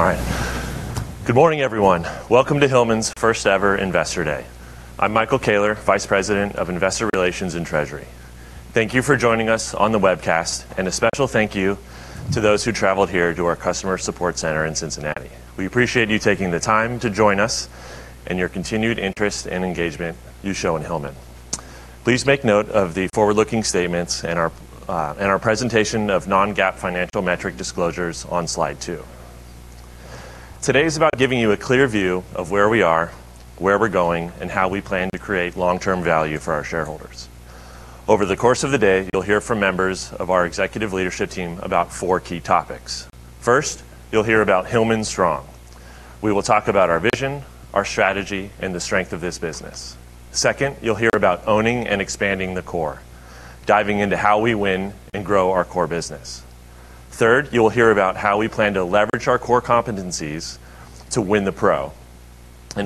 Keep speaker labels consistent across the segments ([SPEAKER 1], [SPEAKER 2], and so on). [SPEAKER 1] All right. Good morning, everyone. Welcome to Hillman's first ever Investor Day. I'm Michael Koehler, Vice President of Investor Relations and Treasury. Thank you for joining us on the webcast and a special thank you to those who traveled here to our customer support center in Cincinnati. We appreciate you taking the time to join us and your continued interest and engagement you show in Hillman. Please make note of the forward-looking statements and our presentation of non-GAAP financial metric disclosures on Slide 2. Today is about giving you a clear view of where we are, where we're going, and how we plan to create long-term value for our shareholders. Over the course of the day, you'll hear from members of our executive leadership team about four key topics. First, you'll hear about Hillman Strong. We will talk about our vision, our strategy, and the strength of this business. Second, you'll hear about owning and expanding the core, diving into how we win and grow our core business. Third, you'll hear about how we plan to leverage our core competencies to win the Pro.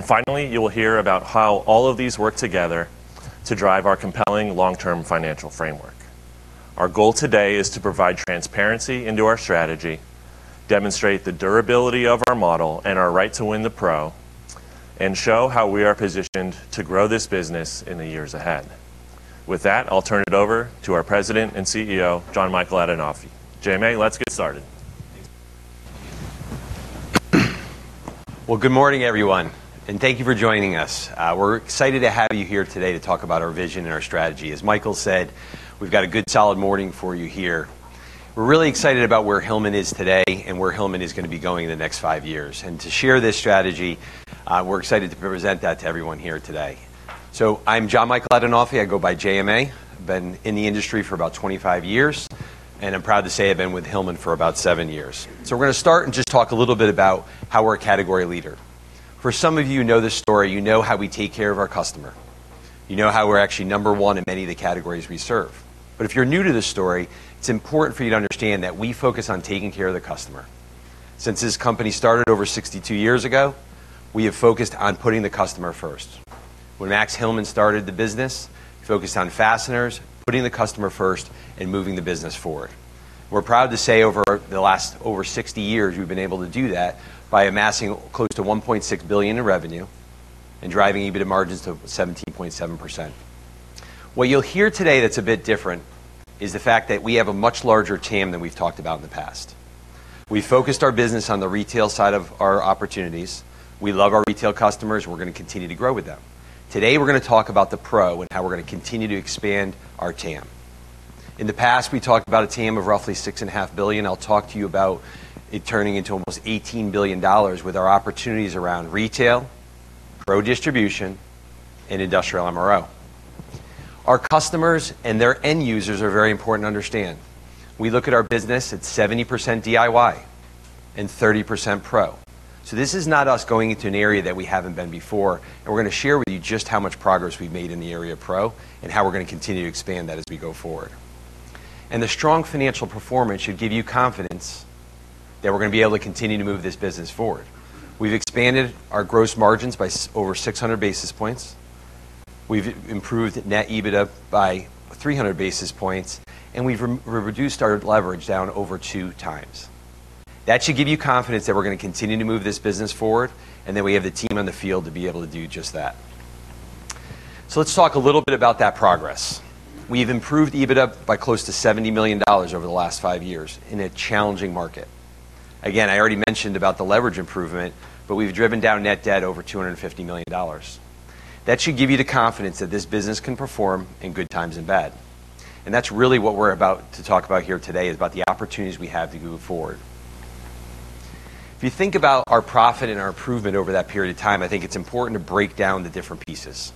[SPEAKER 1] Finally, you'll hear about how all of these work together to drive our compelling long-term financial framework. Our goal today is to provide transparency into our strategy, demonstrate the durability of our model and our right to win the Pro, and show how we are positioned to grow this business in the years ahead. With that, I'll turn it over to our President and CEO, Jon Michael Adinolfi. JMA, let's get started.
[SPEAKER 2] Well, good morning, everyone, and thank you for joining us. We're excited to have you here today to talk about our vision and our strategy. As Michael said, we've got a good solid morning for you here. We're really excited about where Hillman is today and where Hillman is gonna be going in the next five years. To share this strategy, we're excited to present that to everyone here today. I'm Jon Michael Adinolfi. I go by JMA. Been in the industry for about 25 years, and I'm proud to say I've been with Hillman for about seven years. We're gonna start and just talk a little bit about how we're a category leader. For some of you know this story, you know how we take care of our customer. You know how we're actually number one in many of the categories we serve. If you're new to this story, it's important for you to understand that we focus on taking care of the customer. Since this company started over 62 years ago, we have focused on putting the customer first. When Max Hillman started the business, he focused on fasteners, putting the customer first and moving the business forward. We're proud to say over the last over 60 years, we've been able to do that by amassing close to $1.6 billion in revenue and driving EBIT margins to 17.7%. What you'll hear today that's a bit different is the fact that we have a much larger team than we've talked about in the past. We focused our business on the retail side of our opportunities. We love our retail customers. We're gonna continue to grow with them. Today, we're gonna talk about the Pro and how we're gonna continue to expand our TAM. In the past, we talked about a TAM of roughly $6.5 billion. I'll talk to you about it turning into almost $18 billion with our opportunities around retail, Pro distribution, and industrial MRO. Our customers and their end users are very important to understand. We look at our business; it's 70% DIY and 30% Pro. This is not us going into an area that we haven't been before, and we're gonna share with you just how much progress we've made in the area of Pro and how we're gonna continue to expand that as we go forward. The strong financial performance should give you confidence that we're gonna be able to continue to move this business forward. We've expanded our gross margins by over 600 basis points. We've improved net EBITDA by 300 basis points, and we've re-reduced our leverage down over two times. That should give you confidence that we're gonna continue to move this business forward, and that we have the team on the field to be able to do just that. Let's talk a little bit about that progress. We've improved EBITDA by close to $70 million over the last five years in a challenging market. Again, I already mentioned about the leverage improvement, but we've driven down net debt over $250 million. That should give you the confidence that this business can perform in good times and bad. That's really what we're about to talk about here today is about the opportunities we have to move forward. If you think about our profit and our improvement over that period of time, I think it's important to break down the different pieces.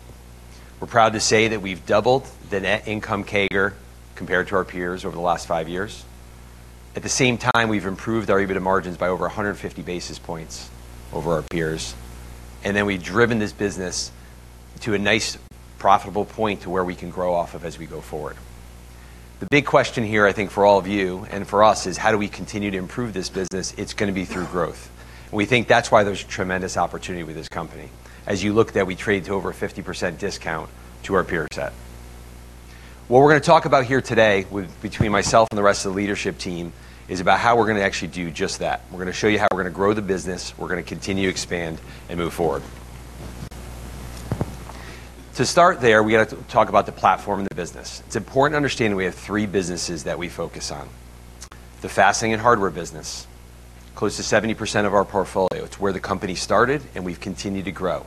[SPEAKER 2] We're proud to say that we've doubled the net income CAGR compared to our peers over the last five years. At the same time, we've improved our EBITDA margins by over 150 basis points over our peers. Then we've driven this business to a nice, profitable point to where we can grow off of as we go forward. The big question here, I think for all of you and for us, is how do we continue to improve this business? It's gonna be through growth. We think that's why there's tremendous opportunity with this company. As you look that we trade to over a 50% discount to our peer set. What we're gonna talk about here today with, between myself and the rest of the leadership team, is about how we're gonna actually do just that. We're gonna show you how we're gonna grow the business. We're gonna continue to expand and move forward. To start there, we got to talk about the platform and the business. It's important to understand we have three businesses that we focus on. The fastening and hardware business, close to 70% of our portfolio. It's where the company started, and we've continued to grow.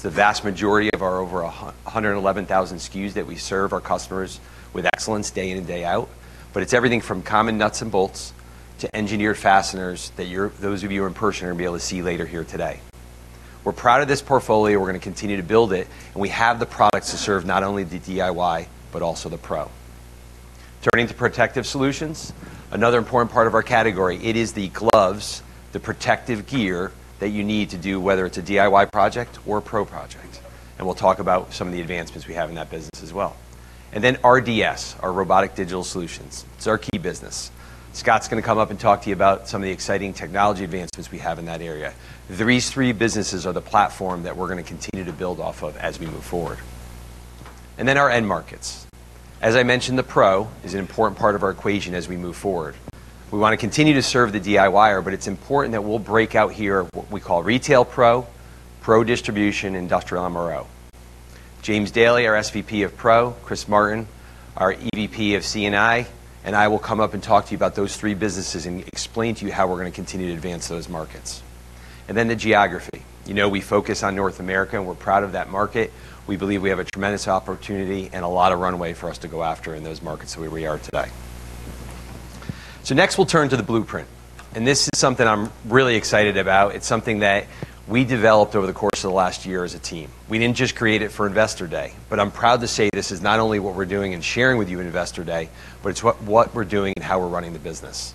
[SPEAKER 2] It's the vast majority of our over 111,000 SKUs that we serve our customers with excellence day in and day out. It's everything from common nuts and bolts to engineered fasteners that those of you in person are gonna be able to see later here today. We're proud of this portfolio. We're gonna continue to build it, and we have the products to serve not only the DIY, but also the Pro. Turning to Protective Solutions, another important part of our category, it is the gloves, the protective gear that you need to do, whether it's a DIY project or a Pro project. We'll talk about some of the advancements we have in that business as well. RDS, our Robotics and Digital Solutions. It's our key business. Scott's gonna come up and talk to you about some of the exciting technology advancements we have in that area. These three businesses are the platform that we're gonna continue to build off of as we move forward. Our end markets. As I mentioned, the Pro is an important part of our equation as we move forward. We wanna continue to serve the DIYer, but it's important that we'll break out here what we call retail pro distribution, industrial MRO. James Daly, our SVP of Pro, Chris Martin, our EVP of C&I, and I will come up and talk to you about those three businesses and explain to you how we're gonna continue to advance those markets. Then the geography. You know, we focus on North America, and we're proud of that market. We believe we have a tremendous opportunity and a lot of runways for us to go after in those markets where we are today. Next, we'll turn to the blueprint, and this is something I'm really excited about. It's something that we developed over the course of the last year as a team. We didn't just create it for Investor Day, but I'm proud to say this is not only what we're doing and sharing with you in Investor Day, but it's what we're doing and how we're running the business.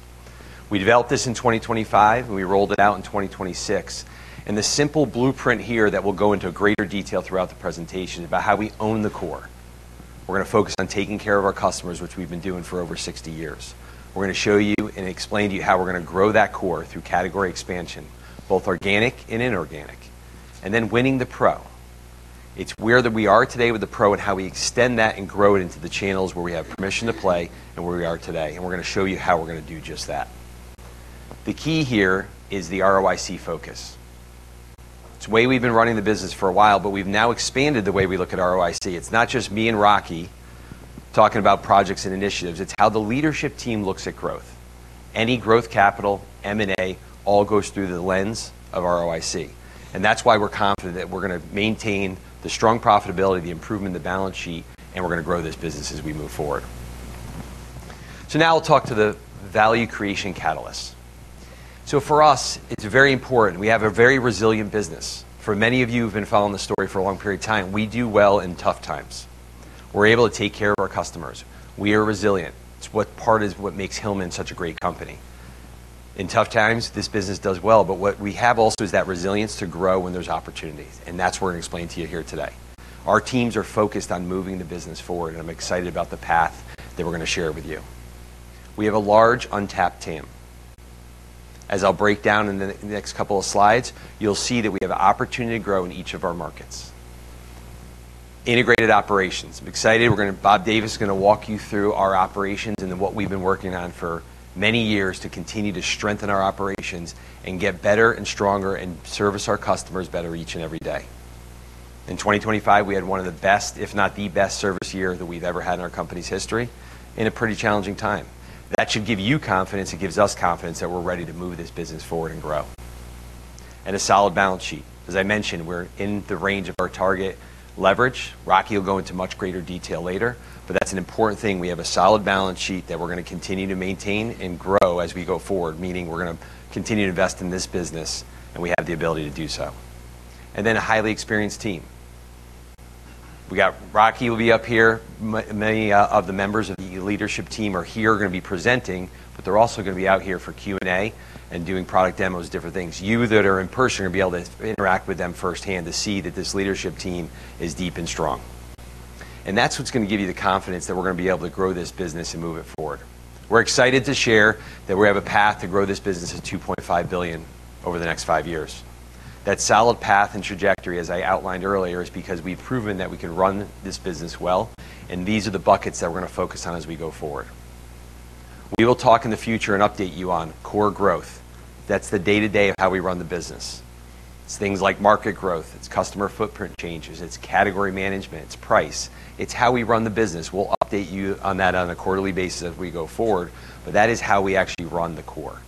[SPEAKER 2] We developed this in 2025, and we rolled it out in 2026. The simple blueprint here that will go into greater detail throughout the presentation is about how we own the core. We're gonna focus on taking care of our customers, which we've been doing for over 60 years. We're gonna show you and explain to you how we're gonna grow that core through category expansion, both organic and inorganic, and then winning the pro. It's where that we are today with the Pro and how we extend that and grow it into the channels where we have permission to play and where we are today, and we're gonna show you how we're gonna do just that. The key here is the ROIC focus. It's the way we've been running the business for a while, but we've now expanded the way we look at ROIC. It's not just me and Rocky talking about projects and initiatives. It's how the leadership team looks at growth. Any growth capital, M&A, all goes through the lens of ROIC. That's why we're confident that we're gonna maintain the strong profitability, the improvement in the balance sheet, and we're gonna grow this business as we move forward. Now we'll talk to the value creation catalysts. For us, it's very important. We have a very resilient business. For many of you who've been following the story for a long period of time, we do well in tough times. We're able to take care of our customers. We are resilient. It's what part is what makes Hillman such a great company. In tough times, this business does well, but what we have also is that resilience to grow when there's opportunities, and that's what we're gonna explain to you here today. Our teams are focused on moving the business forward, and I'm excited about the path that we're gonna share with you. We have a large untapped TAM. As I'll break down in the next couple of slides, you'll see that we have the opportunity to grow in each of our markets. Integrated operations. I'm excited. Bob Davis is gonna walk you through our operations and then what we've been working on for many years to continue to strengthen our operations and get better and stronger and service our customers better each and every day. In 2025, we had one of the best, if not the best, service year that we've ever had in our company's history in a pretty challenging time. That should give you confidence. It gives us confidence that we're ready to move this business forward and grow. A solid balance sheet. As I mentioned, we're in the range of our target leverage. Rocky will go into much greater detail later, but that's an important thing. We have a solid balance sheet that we're gonna continue to maintain and grow as we go forward, meaning we're gonna continue to invest in this business, and we have the ability to do so. Then a highly experienced team. We got Rocky will be up here. Many of the members of the leadership team are here are gonna be presenting, but they're also gonna be out here for Q&A and doing product demos, different things. You that are in person are gonna be able to interact with them firsthand to see that this leadership team is deep and strong. That's what's gonna give you the confidence that we're gonna be able to grow this business and move it forward. We're excited to share that we have a path to grow this business to $2.5 billion over the next five years. That solid path and trajectory, as I outlined earlier, is because we've proven that we can run this business well, and these are the buckets that we're gonna focus on as we go forward. We will talk in the future and update you on core growth. That's the day-to-day of how we run the business. It's things like market growth. It's customer footprint changes. It's category management. It's price. It's how we run the business. We'll update you on that on a quarterly basis as we go forward, but that is how we actually run the core.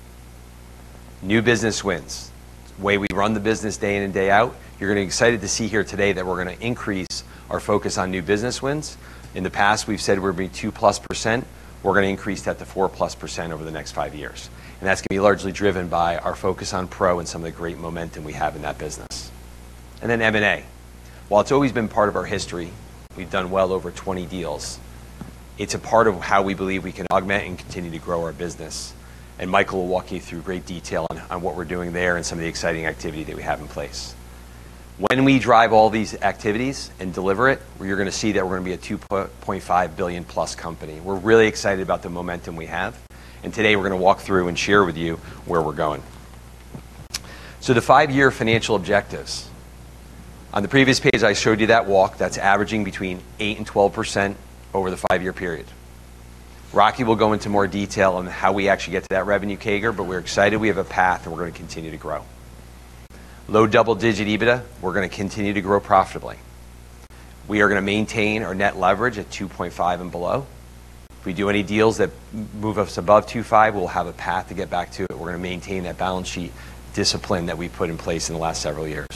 [SPEAKER 2] New business wins. The way we run the business day in and day out, you're gonna be excited to see here today that we're gonna increase our focus on new business wins. In the past, we've said we're gonna be 2%+. We're gonna increase that to 4%+ over the next five years, and that's gonna be largely driven by our focus on pro and some of the great momentum we have in that business. M&A. While it's always been part of our history, we've done well over 20 deals. It's a part of how we believe we can augment and continue to grow our business, and Michael will walk you through great detail on what we're doing there and some of the exciting activity that we have in place. When we drive all these activities and deliver it, you're gonna see that we're gonna be a $2.5 billion+ company. We're really excited about the momentum we have, and today we're gonna walk through and share with you where we're going. The five-year financial objectives. On the previous page, I showed you that walk. That's averaging between 8%-12% over the five-year period. Rocky will go into more detail on how we actually get to that revenue CAGR, but we're excited we have a path and we're gonna continue to grow. Low double-digit EBITDA, we're gonna continue to grow profitably. We are gonna maintain our net leverage at 2.5 and below. If we do any deals that move us above 2.5, we'll have a path to get back to it. We're gonna maintain that balance sheet discipline that we've put in place in the last several years.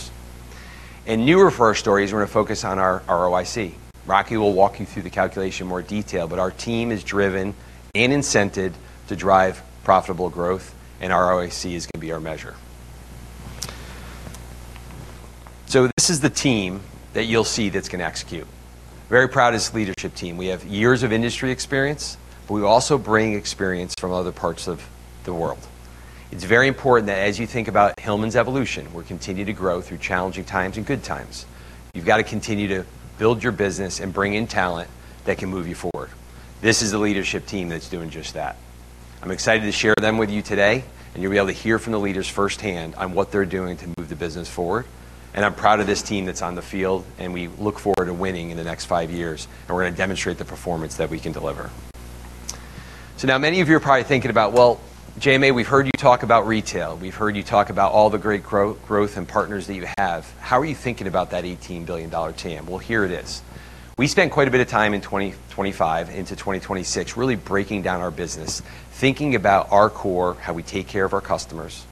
[SPEAKER 2] Newer for our story is we're gonna focus on our ROIC. Rocky will walk you through the calculation in more detail, but our team is driven and incented to drive profitable growth, and ROIC is gonna be our measure. This is the team that you'll see that's gonna execute. Very proud of this leadership team. We have years of industry experience, but we also bring experience from other parts of the world. It's very important that as you think about Hillman's evolution, we continue to grow through challenging times and good times. You've got to continue to build your business and bring in talent that can move you forward. This is the leadership team that's doing just that. I'm excited to share them with you today, and you'll be able to hear from the leaders firsthand on what they're doing to move the business forward. I'm proud of this team that's on the field, and we look forward to winning in the next five years, and we're gonna demonstrate the performance that we can deliver. Now many of you are probably thinking about, well, JMA, we've heard you talk about retail. We've heard you talk about all the great growth and partners that you have. How are you thinking about that $18 billion TAM? Well, here it is. We spent quite a bit of time in 2025 into 2026 really breaking down our business, thinking about our core, how we take care of our customers,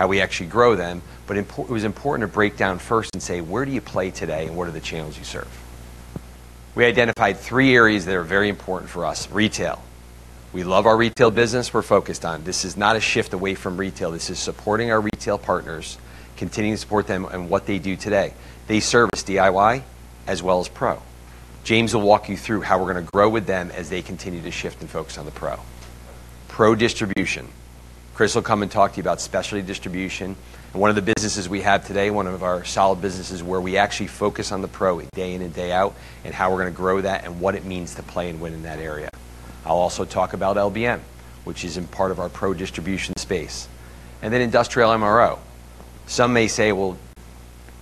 [SPEAKER 2] how we actually grow them. It was important to break down first and say, "Where do you play today, and what are the channels you serve?" We identified three areas that are very important for us. Retail. We love our retail business. We're focused on. This is not a shift away from retail. This is supporting our retail partners, continuing to support them and what they do today. They service DIY as well as Pro. James will walk you through how we're gonna grow with them as they continue to shift and focus on the Pro. Pro distribution. Chris will come and talk to you about specialty distribution and one of the businesses we have today, one of our solid businesses where we actually focus on the Pro day in and day out, and how we're gonna grow that and what it means to play and win in that area. I'll also talk about LBM, which is in part of our pro distribution space. Industrial MRO. Some may say, "Well,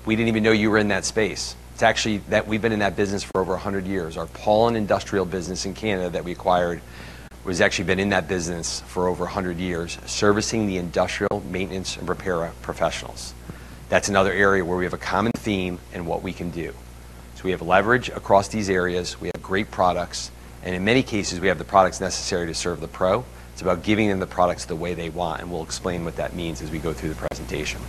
[SPEAKER 2] we didn't even know you were in that space." It's actually that we've been in that business for over 100 years. Our Paulin Industrial business in Canada that we acquired has actually been in that business for over 100 years, servicing the industrial maintenance and repair professionals. That's another area where we have a common theme in what we can do. We have leverage across these areas. We have great products, and in many cases, we have the products necessary to serve the pro. It's about giving them the products the way they want, and we'll explain what that means as we go through the presentation.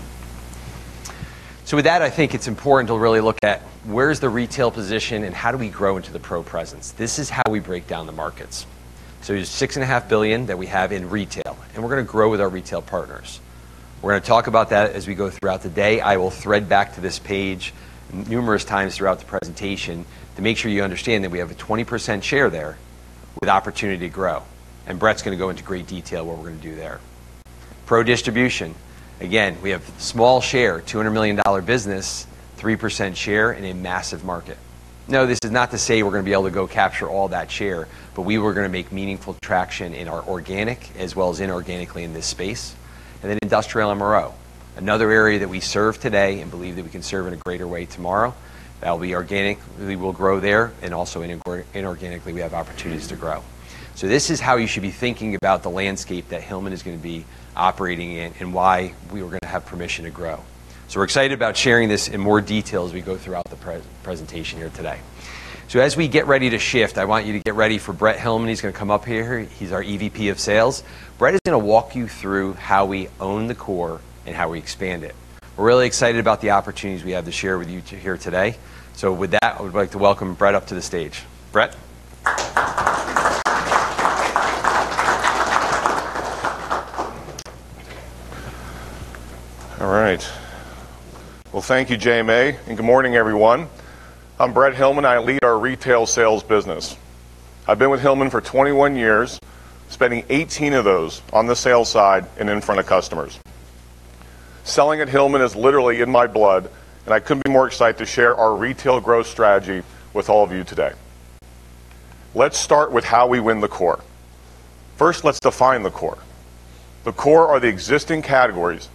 [SPEAKER 2] With that, I think it's important to really look at where's the retail position and how do we grow into the pro presence. This is how we break down the markets. There's $6.5 billion that we have in retail, and we're gonna grow with our retail partners. We're gonna talk about that as we go throughout the day. I will thread back to this page numerous times throughout the presentation to make sure you understand that we have a 20% share there with opportunity to grow. Brett's gonna go into great detail what we're gonna do there. Pro distribution, again, we have small share, $200 million business, 3% share in a massive market. No, this is not to say we're gonna be able to go capture all that share, but we were gonna make meaningful traction in our organic as well as inorganically in this space. Industrial MRO, another area that we serve today and believe that we can serve in a greater way tomorrow. That'll be organic. We will grow there, and also inorganically, we have opportunities to grow. This is how you should be thinking about the landscape that Hillman is gonna be operating in and why we are gonna have permission to grow. We're excited about sharing this in more detail as we go throughout the presentation here today. As we get ready to shift, I want you to get ready for Brett Hillman. He's gonna come up here. He's our EVP of Sales. Brett is gonna walk you through how we own the core and how we expand it. We're really excited about the opportunities we have to share with you there today. With that, I would like to welcome Brett up to the stage. Brett?
[SPEAKER 3] All right. Well, thank you, J.M.A., and good morning, everyone. I'm Brett Hillman, I lead our retail sales business. I've been with Hillman for 21 years, spending 18 of those on the sales side and in front of customers. Selling at Hillman is literally in my blood, and I couldn't be more excited to share our retail growth strategy with all of you today. Let's start with how we win the core. First, let's define the core. The core are the existing categories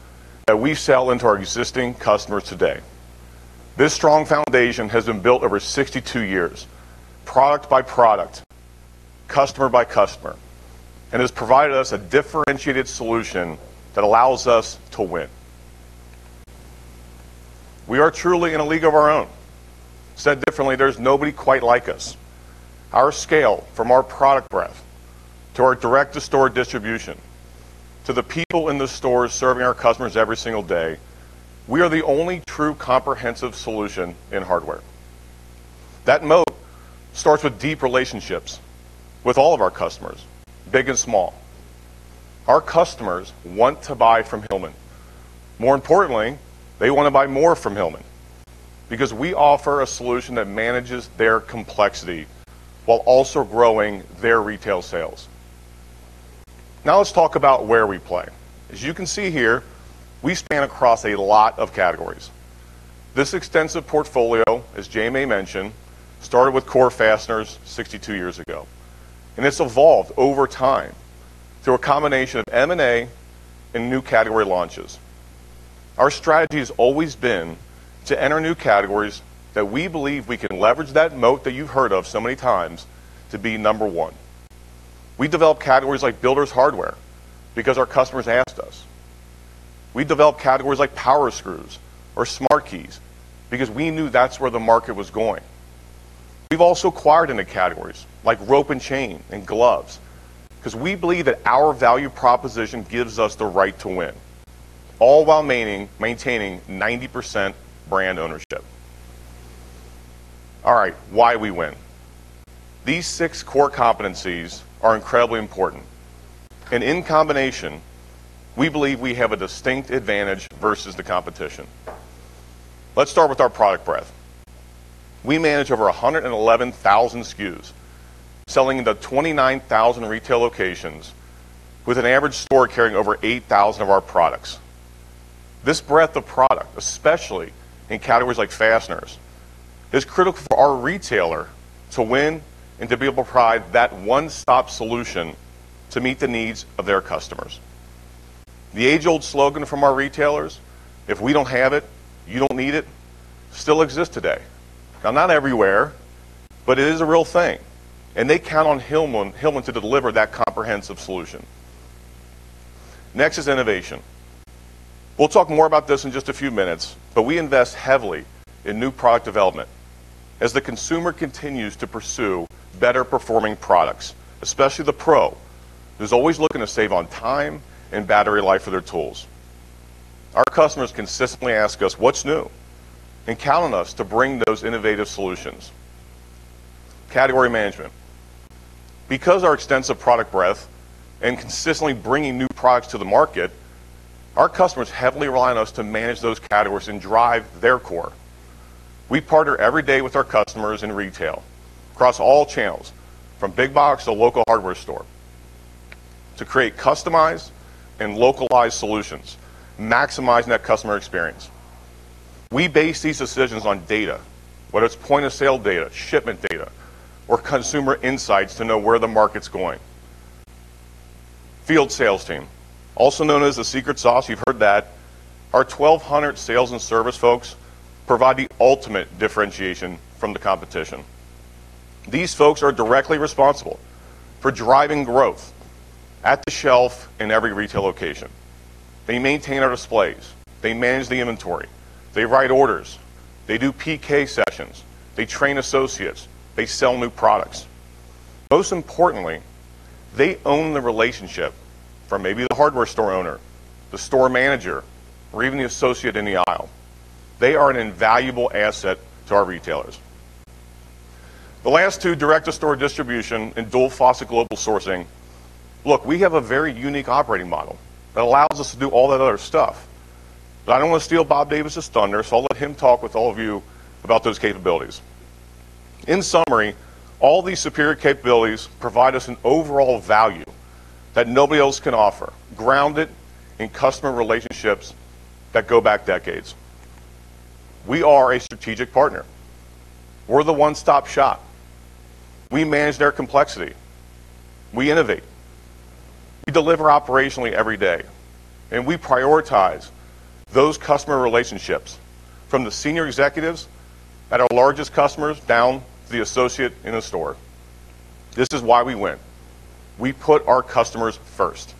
[SPEAKER 3] that we sell into our existing customers today. This strong foundation has been built over 62 years, product by product, customer by customer, and has provided us a differentiated solution that allows us to win. We are truly in a league of our own. Said differently, there's nobody quite like us. Our scale, from our product breadth to our direct-to-store distribution, to the people in the stores serving our customers every single day, we are the only true comprehensive solution in hardware. That moat starts with deep relationships with all of our customers, big and small. Our customers want to buy from Hillman. More importantly, they wanna buy more from Hillman because we offer a solution that manages their complexity while also growing their retail sales. Now let's talk about where we play. As you can see here, we span across a lot of categories. This extensive portfolio, as JMA mentioned, started with core fasteners 62 years ago, and it's evolved over time through a combination of M&A and new category launches. Our strategy has always been to enter new categories that we believe we can leverage that moat that you've heard of so many times to be number one. We develop categories like Builders Hardware because our customers asked us. We develop categories like power screws or SmartKey because we knew that's where the market was going. We've also acquired into categories like Rope and Chain and gloves because we believe that our value proposition gives us the right to win, all while maintaining 90% brand ownership. All right. Why we win. These six core competencies are incredibly important. In combination, we believe we have a distinct advantage versus the competition. Let's start with our product breadth. We manage over 111,000 SKUs, selling into 29,000 retail locations with an average store carrying over 8,000 of our products. This breadth of product, especially in categories like fasteners, is critical for our retailer to win and to be able to provide that one-stop solution to meet the needs of their customers. The age-old slogan from our retailers, "If we don't have it, you don't need it," still exists today. Now, not everywhere, but it is a real thing, and they count on Hillman to deliver that comprehensive solution. Next is innovation. We'll talk more about this in just a few minutes, but we invest heavily in new product development as the consumer continues to pursue better-performing products, especially the pro, who's always looking to save on time and battery life for their tools. Our customers consistently ask us what's new and count on us to bring those innovative solutions. Category management. Because our extensive product breadth and consistently bringing new products to the market, our customers heavily rely on us to manage those categories and drive their core. We partner every day with our customers in retail across all channels, from big box to local hardware store, to create customized and localized solutions, maximizing that customer experience. We base these decisions on data, whether it's point-of-sale data, shipment data, or consumer insights to know where the market's going. Field sales team, also known as the secret sauce, you've heard that. Our 1,200 sales and service folks provide the ultimate differentiation from the competition. These folks are directly responsible for driving growth at the shelf in every retail location. They maintain our displays. They manage the inventory. They write orders. They do PK sessions. They train associates. They sell new products. Most importantly, they own the relationship from maybe the hardware store owner, the store manager, or even the associate in the aisle. They are an invaluable asset to our retailers. The last two, direct-to-store distribution and dual faucet global sourcing. Look, we have a very unique operating model that allows us to do all that other stuff, but I don't want to steal Bob Davis's thunder, so I'll let him talk with all of you about those capabilities. In summary, all these superior capabilities provide us an overall value that nobody else can offer, grounded in customer relationships that go back decades. We are a strategic partner. We're the one-stop-shop. We manage their complexity. We innovate. We deliver operationally every day, and we prioritize those customer relationships from the senior executives at our largest customers down to the associate in a store. This is why we win. We put our customers first.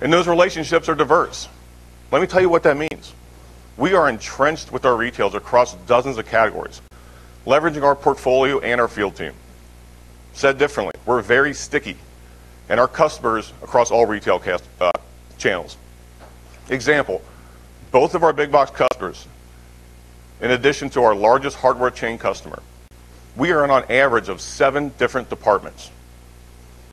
[SPEAKER 3] Those relationships are diverse. Let me tell you what that means. We are entrenched with our retailers across dozens of categories, leveraging our portfolio and our field team. Said differently, we're very sticky and our customers across all retail channels. Example, both of our big box customers, in addition to our largest hardware chain customer, we earn on average of seven different departments.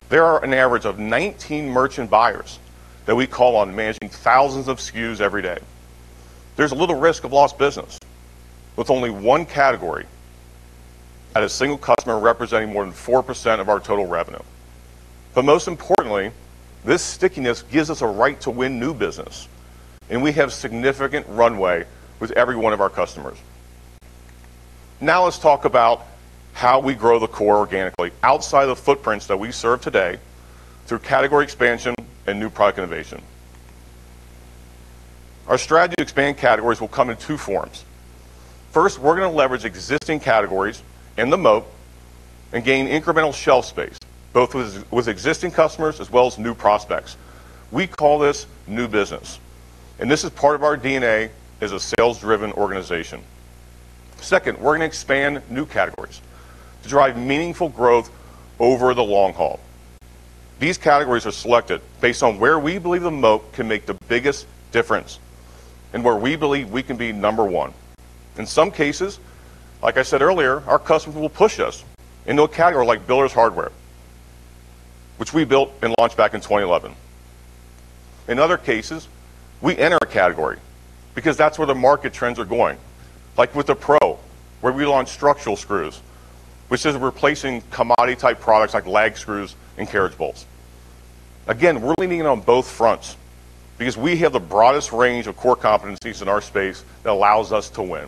[SPEAKER 3] There are an average of 19 merchant buyers that we call on managing thousands of SKUs every day. There's a little risk of lost business with only one category at a single customer representing more than 4% of our total revenue. Most importantly, this stickiness gives us a right to win new business, and we have significant runway with every one of our customers. Now let's talk about how we grow the core organically outside of the footprints that we serve today through category expansion and new product innovation. Our strategy to expand categories will come in two forms. First, we're gonna leverage existing categories in the moat and gain incremental shelf space, both with existing customers as well as new prospects. We call this new business, and this is part of our DNA as a sales-driven organization. Second, we're gonna expand new categories to drive meaningful growth over the long haul. These categories are selected based on where we believe the moat can make the biggest difference and where we believe we can be number one. In some cases, like I said earlier, our customers will push us into a category like Builders Hardware, which we built and launched back in 2011. In other cases, we enter a category because that's where the market trends are going. Like with a pro, where we launch Structural Screws, which is replacing commodity-type products like lag screws and carriage bolts. Again, we're leaning in on both fronts because we have the broadest range of core competencies in our space that allows us to win.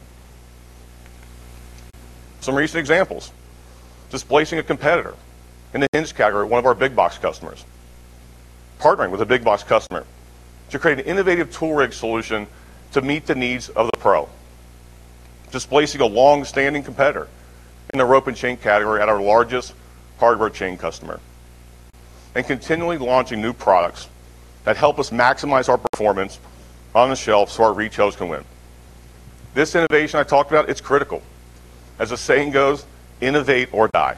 [SPEAKER 3] Some recent examples. Displacing a competitor in the hinge category at one of our big box customers. Partnering with a big box customer to create an innovative Tool Rig solution to meet the needs of the pro. Displacing a long-standing competitor in the Rope and Chain category at our largest hardware chain customer and continually launching new products that help us maximize our performance on the shelf so our retailers can win. This innovation I talked about, it's critical. As the saying goes, innovate or die.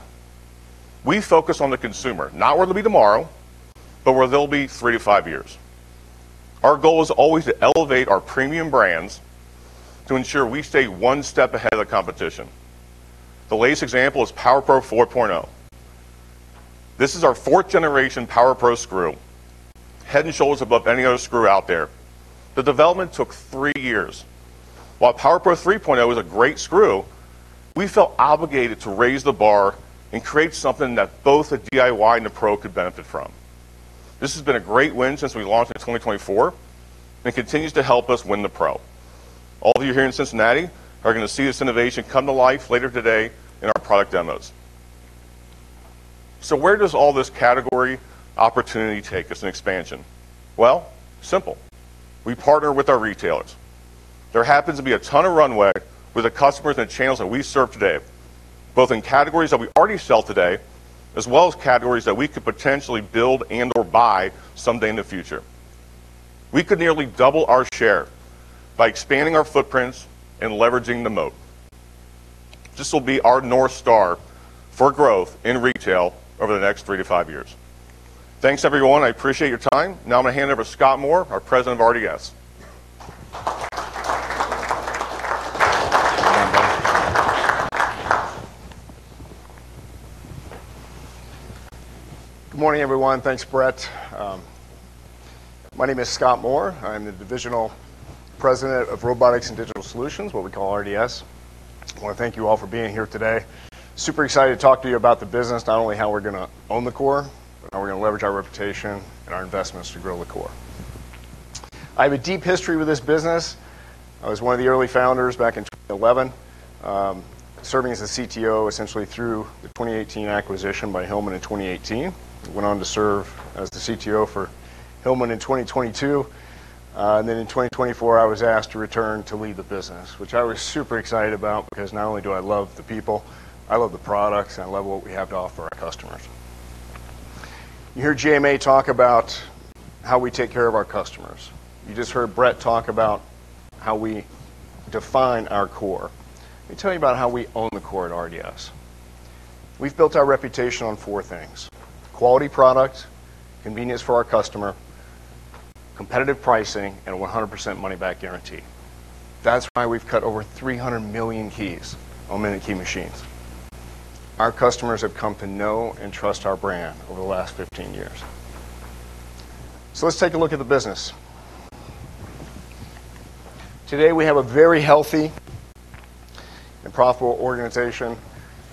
[SPEAKER 3] We focus on the consumer, not where they'll be tomorrow, but where they'll be three to five years. Our goal is always to elevate our premium brands to ensure we stay one step ahead of the competition. The latest example is Power Pro 4.0. This is our fourth generation Power Pro screw, head and shoulders above any other screw out there. The development took three years. While Power Pro 3.0 was a great screw, we felt obligated to raise the bar and create something that both the DIY and the pro could benefit from. This has been a great win since we launched in 2024, and continues to help us win the pro. All of you here in Cincinnati are gonna see this innovation come to life later today in our product demos. Where does all this category opportunity take us in expansion? Well, simple. We partner with our retailers. There happens to be a ton of runway with the customers and the channels that we serve today, both in categories that we already sell today, as well as categories that we could potentially build and/or buy someday in the future. We could nearly double our share by expanding our footprints and leveraging the moat. This will be our North Star for growth in retail over the next three to five years. Thanks, everyone. I appreciate your time. Now I'm gonna hand it over to Scott Moore, our President of RDS.
[SPEAKER 4] Good morning, everyone. Thanks, Brett. My name is Scott Moore. I'm the Divisional President of Robotics and Digital Solutions, what we call RDS. I wanna thank you all for being here today. Super excited to talk to you about the business, not only how we're gonna own the core, but how we're gonna leverage our reputation and our investments to grow the core. I have a deep history with this business. I was one of the early founders back in 2011, serving as the CTO essentially through the 2018 acquisition by Hillman in 2018. Went on to serve as the CTO for Hillman in 2022. In 2024, I was asked to return to lead the business, which I was super excited about because not only do I love the people, I love the products, and I love what we have to offer our customers. You hear JMA talk about how we take care of our customers. You just heard Brett talk about how we define our core. Let me tell you about how we own the core at RDS. We've built our reputation on four things. Quality product, convenience for our customer, competitive pricing, and a 100% money-back guarantee. That's why we've cut over 300 million keys on Mini Key machines. Our customers have come to know and trust our brand over the last 15 years. Let's take a look at the business. Today, we have a very healthy and profitable organization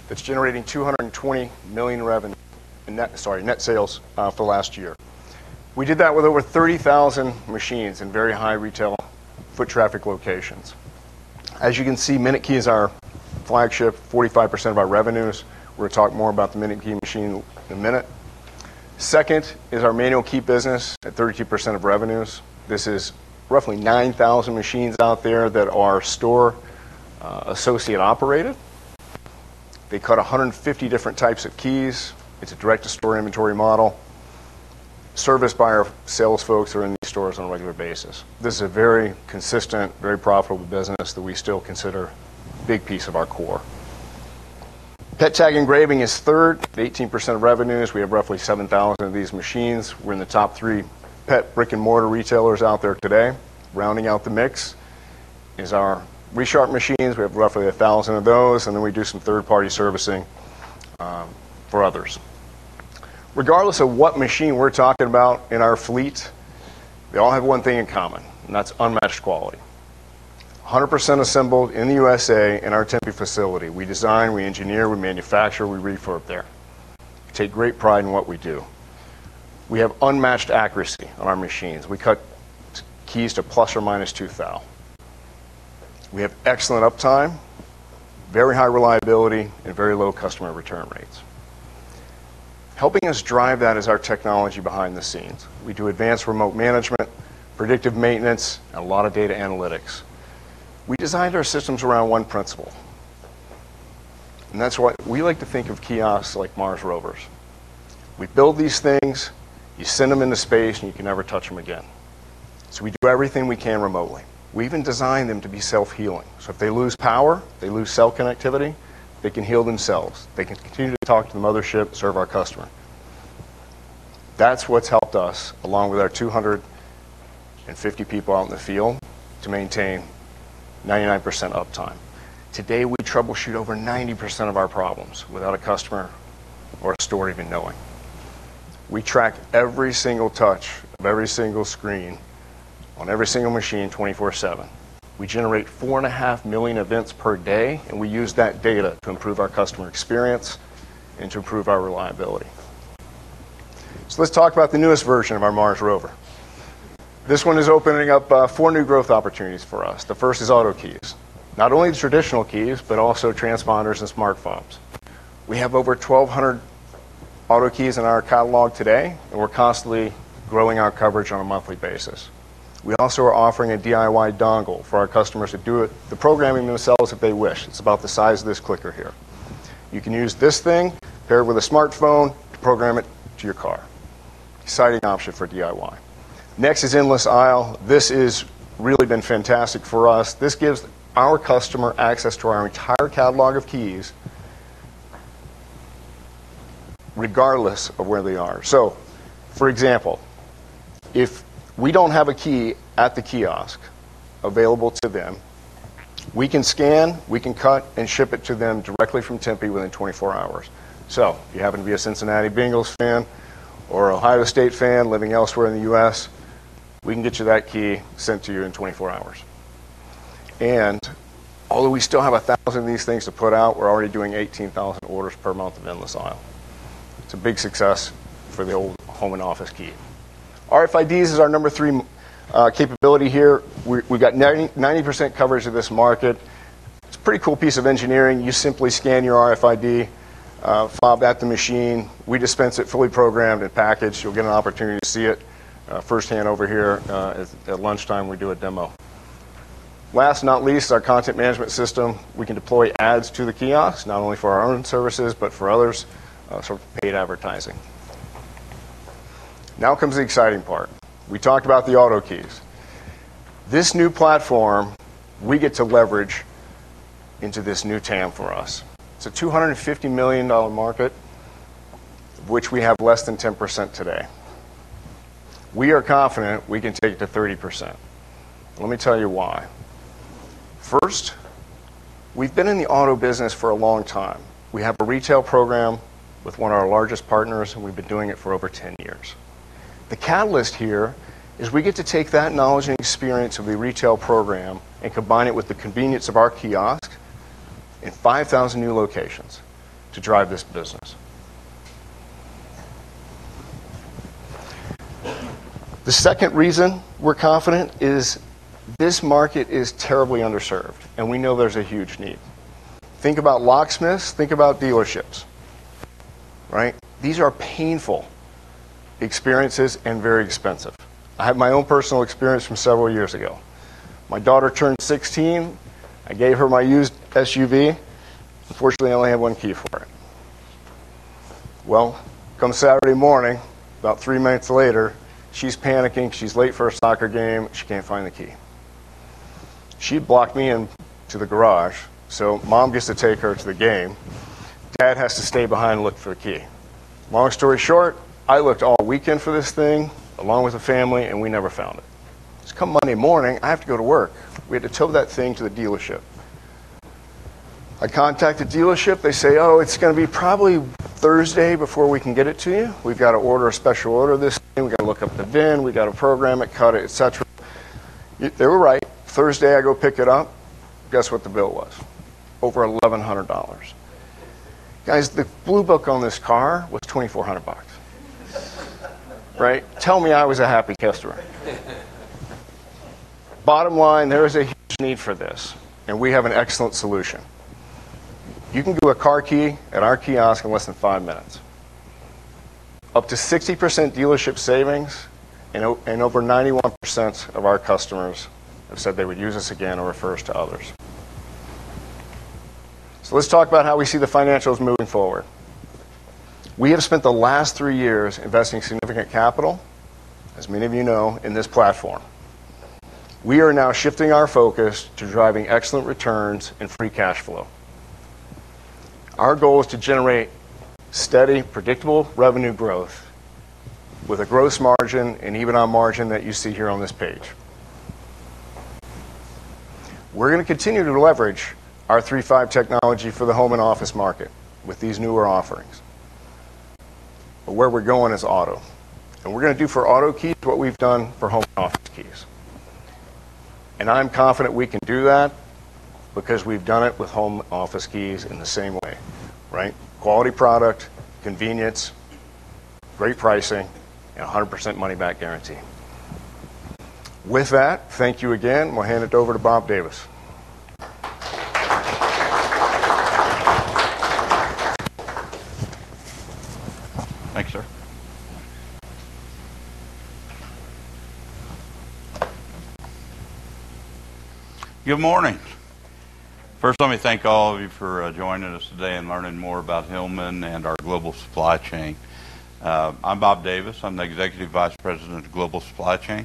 [SPEAKER 4] that's generating $220 million net sales for last year. We did that with over 3,000 machines in very high retail foot traffic locations. As you can see, Minute Key is our flagship, 45% of our revenues. We're gonna talk more about the Minute Key machine in a minute. Second is our manual key business at 32% of revenues. This is roughly 9,000 machines out there that are store associate operated. They cut 150 different types of keys. It's a direct-to-store inventory model. Serviced by our sales folks who are in these stores on a regular basis. This is a very consistent, very profitable business that we still consider a big piece of our core. Pet tag engraving is third, at 18% of revenues. We have roughly 7,000 of these machines. We're in the top 3 big brick-and-mortar retailers out there today. Rounding out the mix is our Resharp machines. We have roughly 1,000 of those, and then we do some third-party servicing for others. Regardless of what machine we're talking about in our fleet, they all have one thing in common, and that's unmatched quality. 100% assembled in the USA in our Tempe facility. We design, we engineer, we manufacture, we refurb there. We take great pride in what we do. We have unmatched accuracy on our machines. We cut keys to ±2 thou. We have excellent uptime, very high reliability, and very low customer return rates. Helping us drive that is our technology behind the scenes. We do advanced remote management, predictive maintenance, and a lot of data analytics. We designed our systems around one principle, and that's why we like to think of kiosks like Mars rovers. We build these things, you send them into space, and you can never touch them again. We do everything we can remotely. We even design them to be self-healing. If they lose power, they lose cell connectivity, they can heal themselves. They can continue to talk to the mothership, serve our customer. That's what's helped us, along with our 250 people out in the field, to maintain 99% uptime. Today, we troubleshoot over 90% of our problems without a customer or a store even knowing. We track every single touch of every single screen on every single machine 24/7. We generate 4.5 million events per day, and we use that data to improve our customer experience and to improve our reliability. Let's talk about the newest version of our MinuteKey 3.5. This one is opening up four new growth opportunities for us. The first is auto keys, not only the traditional keys, but also transponders and smartphones. We have over 1,200 auto keys in our catalog today, and we're constantly growing our coverage on a monthly basis. We also are offering a DIY dongle for our customers to do the programming themselves if they wish. It's about the size of this clicker here. You can use this thing paired with a smartphone to program it to your car. Exciting option for DIY. Next is Endless Aisle. This has really been fantastic for us. This gives our customer access to our entire catalog of keys regardless of where they are. For example, if we don't have a key at the kiosk available to them, we can scan, we can cut and ship it to them directly from Tempe within 24 hours. If you happen to be a Cincinnati Bengals fan or Ohio State fan living elsewhere in the U.S., we can get you that key sent to you in 24 hours. Although we still have 1,000 of these things to put out, we're already doing 18,000 orders per month of Endless Aisle. It's a big success for the old home and office key. RFID is our number three capability here. We've got 90% coverage of this market. It's a pretty cool piece of engineering. You simply scan your RFID fob at the machine. We dispense it fully programmed and packaged. You'll get an opportunity to see it firsthand over here. At lunchtime we do a demo. Last but not least, our content management system. We can deploy ads to the kiosks, not only for our own services, but for others, sort of paid advertising. Now comes the exciting part. We talked about the auto keys. This new platform we get to leverage into this new TAM for us. It's a $250 million market, which we have less than 10% today. We are confident we can take it to 30%. Let me tell you why. First, we've been in the auto business for a long time. We have a retail program with one of our largest partners, and we've been doing it for over 10 years. The catalyst here is we get to take that knowledge and experience of the retail program and combine it with the convenience of our kiosk in 5,000 new locations to drive this business. The second reason we're confident is this market is terribly underserved, and we know there's a huge need. Think about locksmiths. Think about dealerships. Right? These are painful experiences and very expensive. I have my own personal experience from several years ago. My daughter turned 16. I gave her my used SUV. Unfortunately, I only had one key for it. Well, come Saturday morning, about three minutes later, she's panicking. She's late for a soccer game. She can't find the key. She blocked me in to the garage, so mom gets to take her to the game. Dad has to stay behind and look for a key. Long story short, I looked all weekend for this thing along with the family, and we never found it. Come Monday morning, I have to go to work. We had to tow that thing to the dealership. I contact the dealership. They say, "Oh, it's gonna be probably Thursday before we can get it to you. We've got to order a special order this thing. We gotta look up the VIN. We gotta program it, cut it, et cetera." They were right. Thursday, I go pick it up. Guess what the bill was? Over $1,100. Guys, the Blue Book on this car was $2,400. Right? Tell me I was a happy customer. Bottom line, there is a huge need for this, and we have an excellent solution. You can do a car key at our kiosk in less than five minutes. Up to 60% dealership savings and over 91% of our customers have said they would use us again or refer us to others. Let's talk about how we see the financials moving forward. We have spent the last three years investing significant capital, as many of you know, in this platform. We are now shifting our focus to driving excellent returns and free cash flow. Our goal is to generate steady, predictable revenue growth with a gross margin and EBITDA margin that you see here on this page. We're gonna continue to leverage our 3.5 technology for the home and office market with these newer offerings. Where we're going is auto, and we're gonna do for auto keys what we've done for home and office keys. I'm confident we can do that because we've done it with home office keys in the same way, right? Quality product, convenience, great pricing, and a 100% money-back guarantee. With that, thank you again, and we'll hand it over to Bob Davis.
[SPEAKER 5] Thank you, sir. Good morning. First, let me thank all of you for joining us today and learning more about Hillman and our global supply chain. I'm Bob Davis. I'm the Executive Vice President of Global Supply Chain.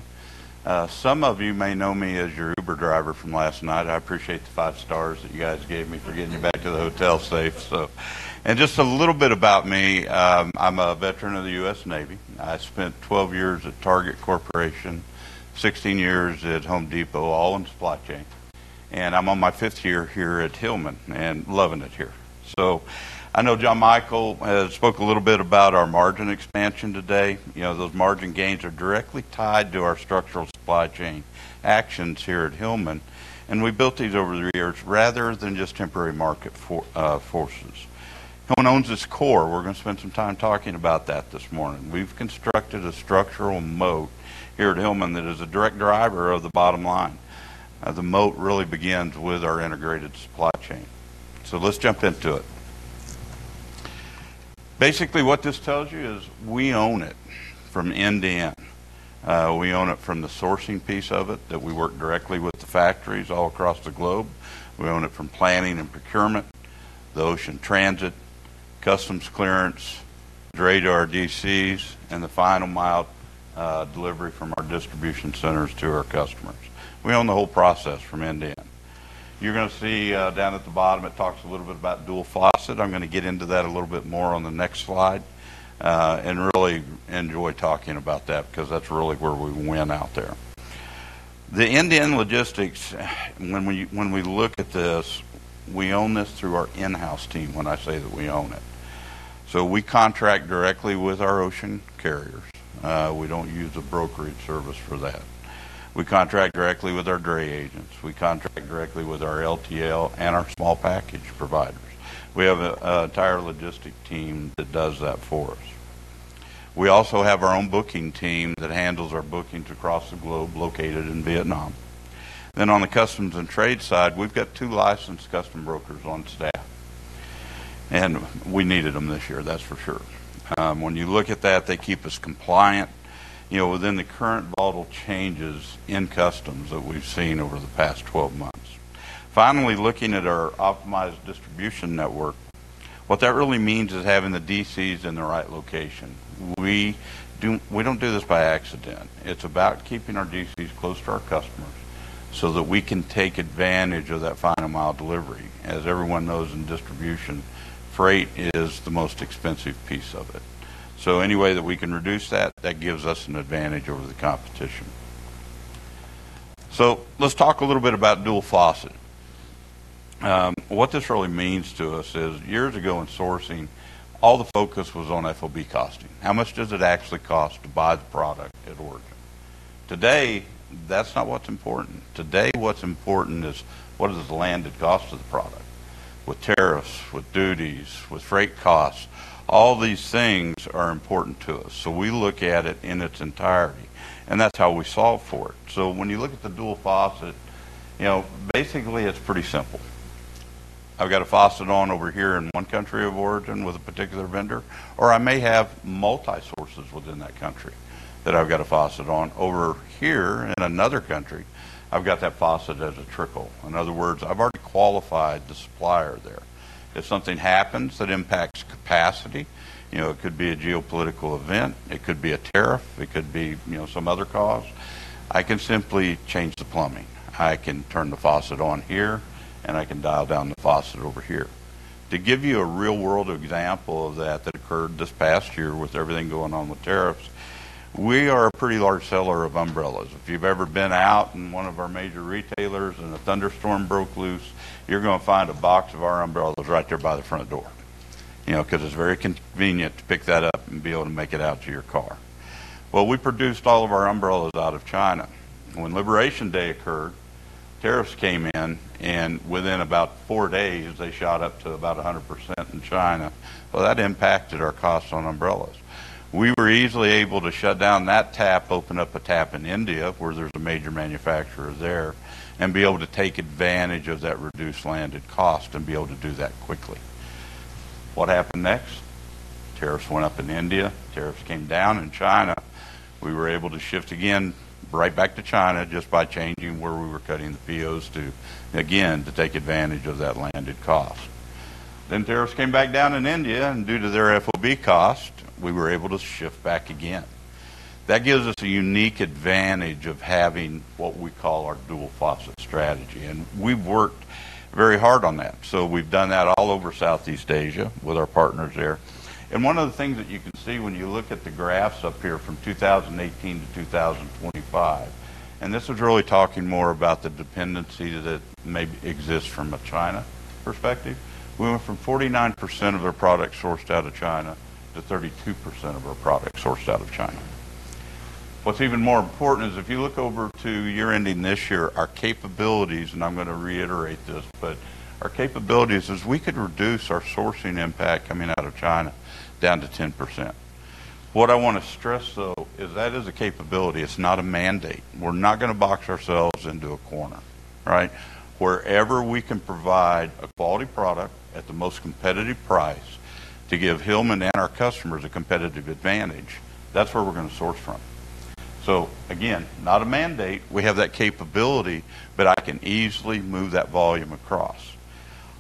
[SPEAKER 5] Some of you may know me as your Uber driver from last night. I appreciate the five stars that you guys gave me for getting you back to the hotel safe. Just a little bit about me. I'm a veteran of the U.S. Navy. I spent 12 years at Target Corporation, 16 years at Home Depot, all in supply chain, and I'm on my fifth year here at Hillman and loving it here. I know Jon Michael Adinolfi spoke a little bit about our margin expansion today. You know, those margin gains are directly tied to our structural supply chain actions here at Hillman, and we built these over the years rather than just temporary market forces. Hillman owns its core. We're gonna spend some time talking about that this morning. We've constructed a structural moat here at Hillman that is a direct driver of the bottom line. The moat really begins with our integrated supply chain. So, let's jump into it. Basically, what this tells you is we own it from end to end. We own it from the sourcing piece of it that we work directly with the factories all across the globe. We own it from planning and procurement, the ocean transit, customs clearance, dray to our DCs, and the final mile delivery from our distribution centers to our customers. We own the whole process from end to end. You're gonna see down at the bottom, it talks a little bit about dual faucet. I'm gonna get into that a little bit more on the next slide, and really enjoy talking about that because that's really where we win out there. The end-to-end logistics, when we look at this, we own this through our in-house team. When I say that we own it. We contract directly with our ocean carriers. We don't use a brokerage service for that. We contract directly with our freight agents. We contract directly with our LTL and our small package providers. We have an entire logistics team that does that for us. We also have our own booking team that handles our bookings across the globe, located in Vietnam. On the customs and trade side, we've got two licensed customs brokers on staff, and we needed them this year, that's for sure. When you look at that, they keep us compliant, you know, within the current model changes in customs that we've seen over the past 12 months. Finally, looking at our optimized distribution network, what that really means is having the DCs in the right location. We don't do this by accident. It's about keeping our DCs close to our customers so that we can take advantage of that final mile delivery. As everyone knows, in distribution, freight is the most expensive piece of it. Any way that we can reduce that gives us an advantage over the competition. Let's talk a little bit about dual faucet. What this really means to us is years ago in sourcing, all the focus was on FOB costing. How much does it actually cost to buy the product at origin? Today, that's not what's important. Today, what's important is what is the landed cost of the product. With tariffs, with duties, with freight costs, all these things are important to us. We look at it in its entirety, and that's how we solve for it. When you look at the dual faucet, you know, basically it's pretty simple. I've got a faucet on over here in one country of origin with a particular vendor, or I may have multi sources within that country that I've got a faucet on. Over here in another country, I've got that faucet as a trickle. In other words, I've already qualified the supplier there. If something happens that impacts capacity, you know, it could be a geopolitical event, it could be a tariff, it could be, you know, some other cause. I can simply change the plumbing. I can turn the faucet on here, and I can dial down the faucet over here. To give you a real-world example of that occurred this past year with everything going on with tariffs, we are a pretty large seller of umbrellas. If you've ever been out in one of our major retailers and a thunderstorm broke loose, you're going to find a box of our umbrellas right there by the front door, you know, 'cause it's very convenient to pick that up and be able to make it out to your car. Well, we produced all of our umbrellas out of China. When Liberation Day occurred, tariffs came in, and within about four days, they shot up to about 100% in China. Well, that impacted our cost on umbrellas. We were easily able to shut down that tap, open up a tap in India, where there's a major manufacturer there, and be able to take advantage of that reduced landed cost and be able to do that quickly. What happened next? Tariffs went up in India; tariffs came down in China. We were able to shift again right back to China just by changing where we were cutting the POs to, again, to take advantage of that landed cost. Tariffs came back down in India, and due to their FOB cost, we were able to shift back again. That gives us a unique advantage of having what we call our dual faucet strategy, and we've worked very hard on that. We've done that all over Southeast Asia with our partners there. One of the things that you can see when you look at the graphs up here from 2018 to 2025, and this is really talking more about the dependency that may exist from a China perspective. We went from 49% of their product sourced out of China to 32% of our product sourced out of China. What's even more important is if you look over to year ending this year, our capabilities, and I'm going to reiterate this, but our capabilities is we could reduce our sourcing impact coming out of China down to 10%. What I want to stress, though, is that is a capability. It's not a mandate. We're not going to box ourselves into a corner, right? Wherever we can provide a quality product at the most competitive price to give Hillman and our customers a competitive advantage, that's where we're going to source from. Again, not a mandate. We have that capability, but I can easily move that volume across.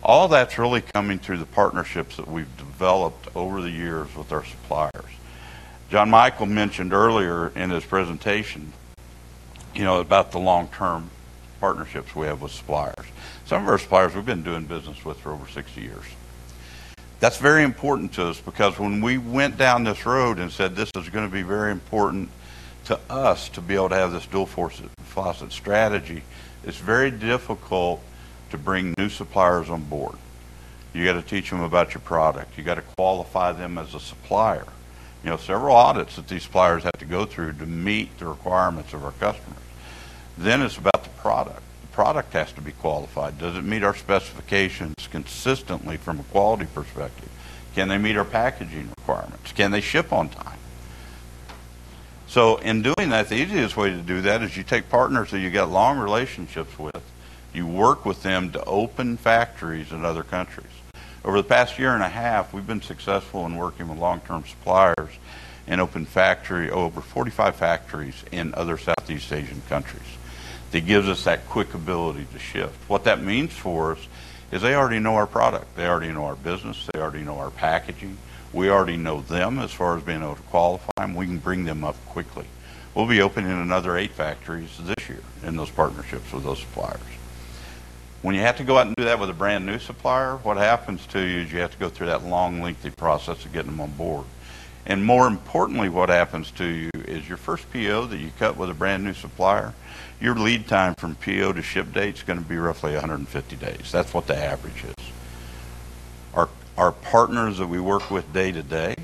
[SPEAKER 5] All that's really coming through the partnerships that we've developed over the years with our suppliers. Jon Michael mentioned earlier in his presentation, you know, about the long-term partnerships we have with suppliers. Some of our suppliers we've been doing business with for over 60 years. That's very important to us because when we went down this road and said, "This is going to be very important to us to be able to have this dual sourcing strategy," it's very difficult to bring new suppliers on board. You got to teach them about your product. You got to qualify them as a supplier. You know, several audits that these suppliers have to go through to meet the requirements of our customers. It's about the product. The product has to be qualified. Does it meet our specifications consistently from a quality perspective? Can they meet our packaging requirements? Can they ship on time? In doing that, the easiest way to do that is you take partners that you get long relationships with. You work with them to open factories in other countries. Over the past year and a half, we've been successful in working with long-term suppliers and opened factory, over 45 factories in other Southeast Asian countries. That gives us that quick ability to shift. What that means for us is they already know our product, they already know our business, they already know our packaging. We already know them as far as being able to qualify them. We can bring them up quickly. We'll be opening another eight factories this year in those partnerships with those suppliers. When you have to go out and do that with a brand-new supplier, what happens to you is you have to go through that long, lengthy process of getting them on board. More importantly, what happens to you is your first PO that you cut with a brand-new supplier, your lead time from PO to ship date is gonna be roughly 150 days. That's what the average is. Our partners that we work with day to day,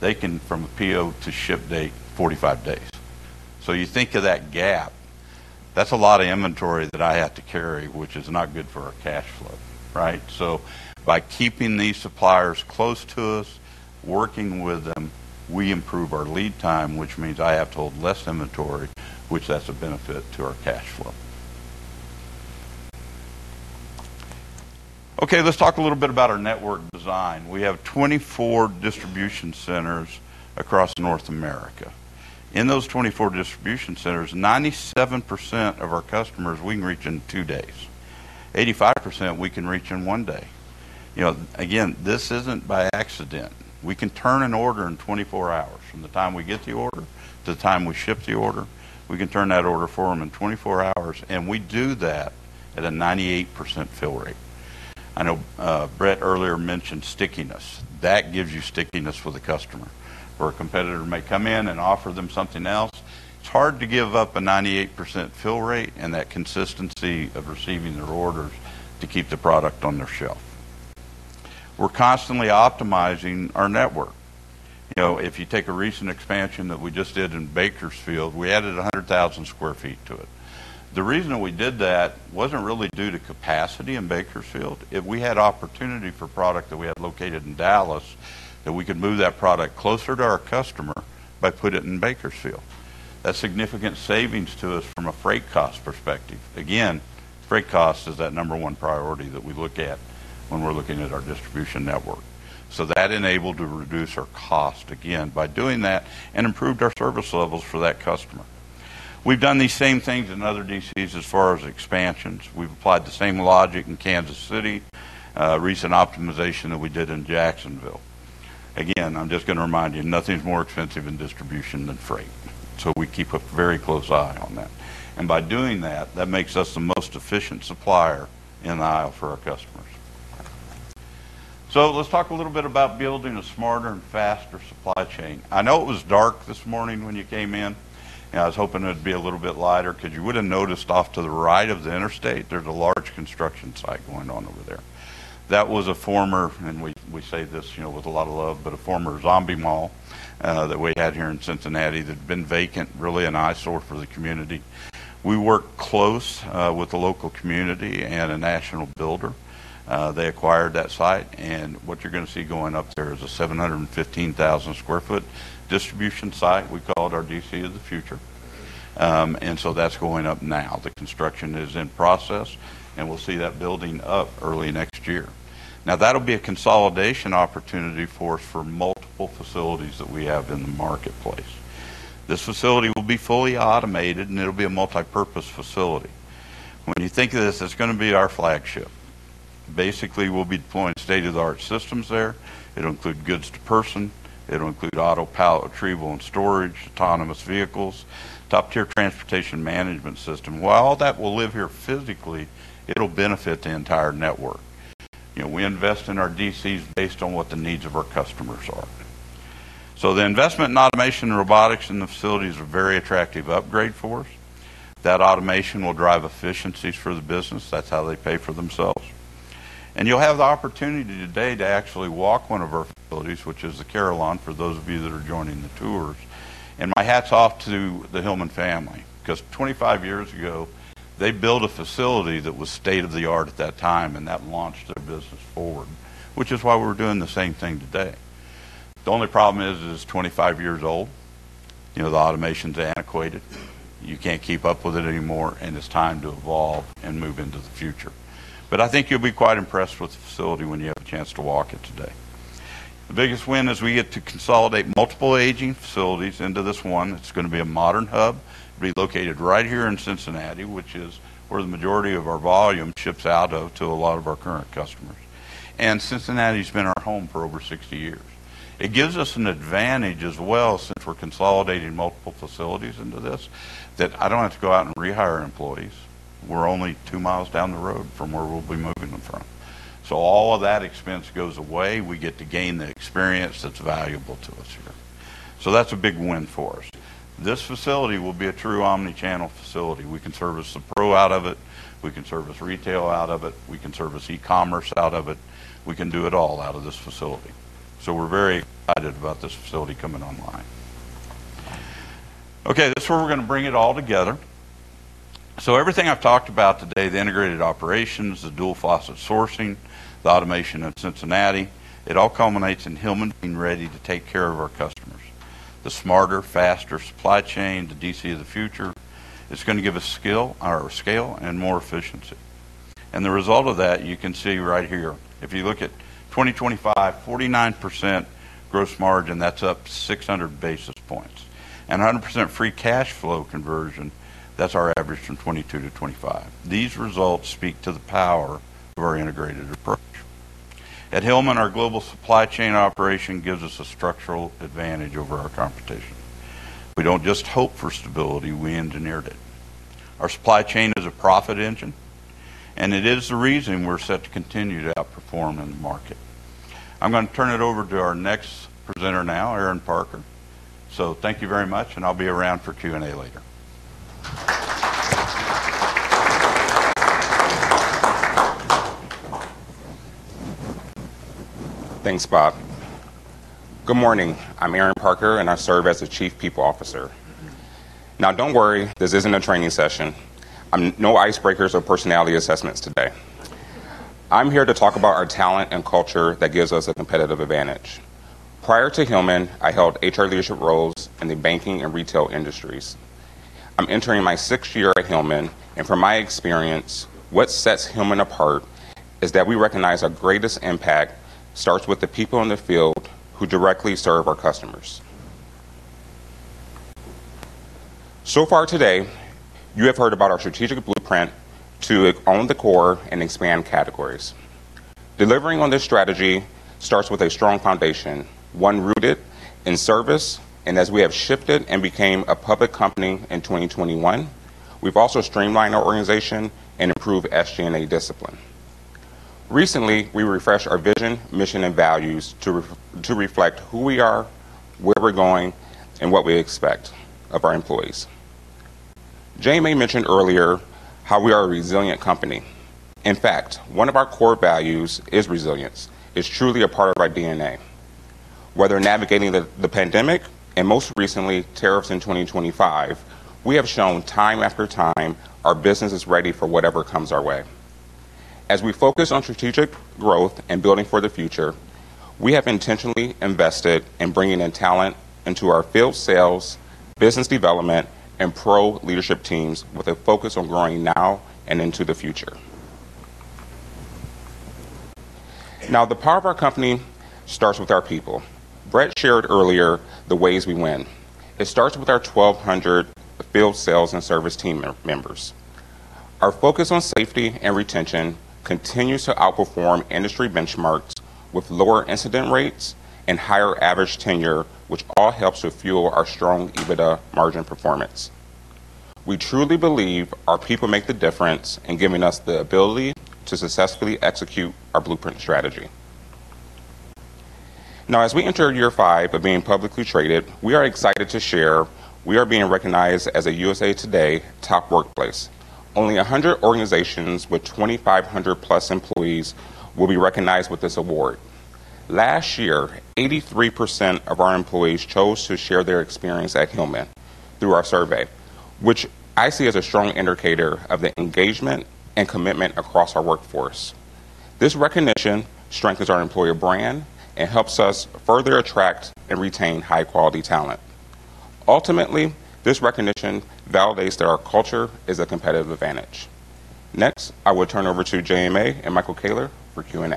[SPEAKER 5] they can, from a PO to ship date, 45 days. You think of that gap. That's a lot of inventory that I have to carry, which is not good for our cash flow, right? By keeping these suppliers close to us, working with them, we improve our lead time, which means I have to hold less inventory, which that's a benefit to our cash flow. Okay, let's talk a little bit about our network design. We have 24 distribution centers across North America. In those 24 distribution centers, 97% of our customers we can reach in two days. 85% we can reach in one day. You know, again, this isn't by accident. We can turn an order in 24 hours. From the time we get the order to the time we ship the order, we can turn that order for them in 24 hours, and we do that at a 98% fill rate. I know, Brett earlier mentioned stickiness. That gives you stickiness for the customer. Where a competitor may come in and offer them something else, it's hard to give up a 98% fill rate and that consistency of receiving their orders to keep the product on their shelf. We're constantly optimizing our network. You know, if you take a recent expansion that we just did in Bakersfield, we added 100,000 sq ft to it. The reason that we did that wasn't really due to capacity in Bakersfield. If we had opportunity for product that we had located in Dallas, that we could move that product closer to our customer by putting it in Bakersfield. That's significant savings to us from a freight cost perspective. Again, freight cost is that number one priority that we look at when we're looking at our distribution network. That enabled to reduce our cost again by doing that and improved our service levels for that customer. We've done these same things in other DCs as far as expansions. We've applied the same logic in Kansas City, recent optimization that we did in Jacksonville. Again, I'm just gonna remind you, nothing's more expensive in distribution than freight. We keep a very close eye on that. By doing that makes us the most efficient supplier in the aisle for our customers. Let's talk a little bit about building a smarter and faster supply chain. I know it was dark this morning when you came in, and I was hoping it'd be a little bit lighter 'cause you would've noticed off to the right of the interstate, there's a large construction site going on over there. We say this, you know, with a lot of love, but a former zombie mall that we had here in Cincinnati that had been vacant, really an eyesore for the community. We worked close with the local community and a national builder. They acquired that site, and what you're gonna see going up there is a 715,000 sq ft distribution site. We call it our DC of the future. That's going up now. The construction is in process, and we'll see that building up early next year. Now, that'll be a consolidation opportunity for us for multiple facilities that we have in the marketplace. This facility will be fully automated, and it'll be a multipurpose facility. When you think of this, it's gonna be our flagship. Basically, we'll be deploying state-of-the-art systems there. It'll include goods-to-person. It'll include auto pallet retrieval and storage, autonomous vehicles, top-tier transportation management system. While all that will live here physically, it'll benefit the entire network. You know, we invest in our DCs based on what the needs of our customers are. The investment in automation and robotics in the facilities are very attractive upgrade for us. That automation will drive efficiencies for the business. That's how they pay for themselves. You'll have the opportunity today to actually walk one of our facilities, which is the Carillon for those of you that are joining the tours. My hat's off to the Hillman family 'cause 25 years ago, they built a facility that was state-of-the-art at that time, and that launched their business forward, which is why we're doing the same thing today. The only problem is it's 25 years old. You know, the automation's antiquated. You can't keep up with it anymore, and it's time to evolve and move into the future. I think you'll be quite impressed with the facility when you have a chance to walk it today. The biggest win is we get to consolidate multiple aging facilities into this one. It's gonna be a modern hub. It'll be located right here in Cincinnati, which is where the majority of our volume ships out of to a lot of our current customers. Cincinnati's been our home for over 60 years. It gives us an advantage as well, since we're consolidating multiple facilities into this, that I don't have to go out and rehire employees. We're only two miles down the road from where we'll be moving them from. All of that expense goes away. We get to gain the experience that's valuable to us here. That's a big win for us. This facility will be a true omnichannel facility. We can service the pro out of it. We can service retail out of it. We can service e-commerce out of it. We can do it all out of this facility. We're very excited about this facility coming online. Okay, this is where we're gonna bring it all together. Everything I've talked about today, the integrated operations, the dual faucet sourcing, the automation in Cincinnati, it all culminates in Hillman being ready to take care of our customers. The smarter, faster supply chain, the DC of the future, it's gonna give us scale or scale and more efficiency. The result of that you can see right here. If you look at 2025, 49% gross margin, that's up 600 basis points. 100% free cash flow conversion, that's our average from 2022 to 2025. These results speak to the power of our integrated approach. At Hillman, our global supply chain operation gives us a structural advantage over our competition. We don't just hope for stability, we engineered it. Our supply chain is a profit engine.
[SPEAKER 4] It is the reason we're set to continue to outperform in the market. I'm gonna turn it over to our next presenter now, Aaron Parker. Thank you very much, and I'll be around for Q&A later.
[SPEAKER 6] Thanks, Bob. Good morning. I'm Aaron Parker, and I serve as the Chief People Officer. Now, don't worry, this isn't a training session. No icebreakers or personality assessments today. I'm here to talk about our talent and culture that gives us a competitive advantage. Prior to Hillman, I held HR leadership roles in the banking and retail industries. I'm entering my sixth year at Hillman, and from my experience, what sets Hillman apart is that we recognize our greatest impact starts with the people in the field who directly serve our customers. Far today, you have heard about our strategic blueprint to own the core and expand categories. Delivering on this strategy starts with a strong foundation, one rooted in service, and as we have shifted and became a public company in 2021, we've also streamlined our organization and improved SG&A discipline. Recently, we refreshed our vision, mission, and values to reflect who we are, where we're going, and what we expect of our employees. JMA mentioned earlier how we are a resilient company. In fact, one of our core values is resilience. It's truly a part of our DNA. Whether navigating the pandemic and most recently, tariffs in 2025, we have shown time after time our business is ready for whatever comes our way. As we focus on strategic growth and building for the future, we have intentionally invested in bringing in talent into our field sales, business development, and Pro leadership teams with a focus on growing now and into the future. Now, the power of our company starts with our people. Brett shared earlier the ways we win. It starts with our 1,200 field sales and service team members. Our focus on safety and retention continues to outperform industry benchmarks with lower incident rates and higher average tenure, which all helps to fuel our strong EBITDA margin performance. We truly believe our people make the difference in giving us the ability to successfully execute our blueprint strategy. Now, as we enter year five of being publicly traded, we are excited to share we are being recognized as a USA TODAY Top Workplaces. Only 100 organizations with 2,500+ employees will be recognized with this award. Last year, 83% of our employees chose to share their experience at Hillman through our survey, which I see as a strong indicator of the engagement and commitment across our workforce. This recognition strengthens our employer brand and helps us further attract and retain high-quality talent. Ultimately, this recognition validates that our culture is a competitive advantage. Next, I will turn over to JMA and Michael Koehler for Q&A.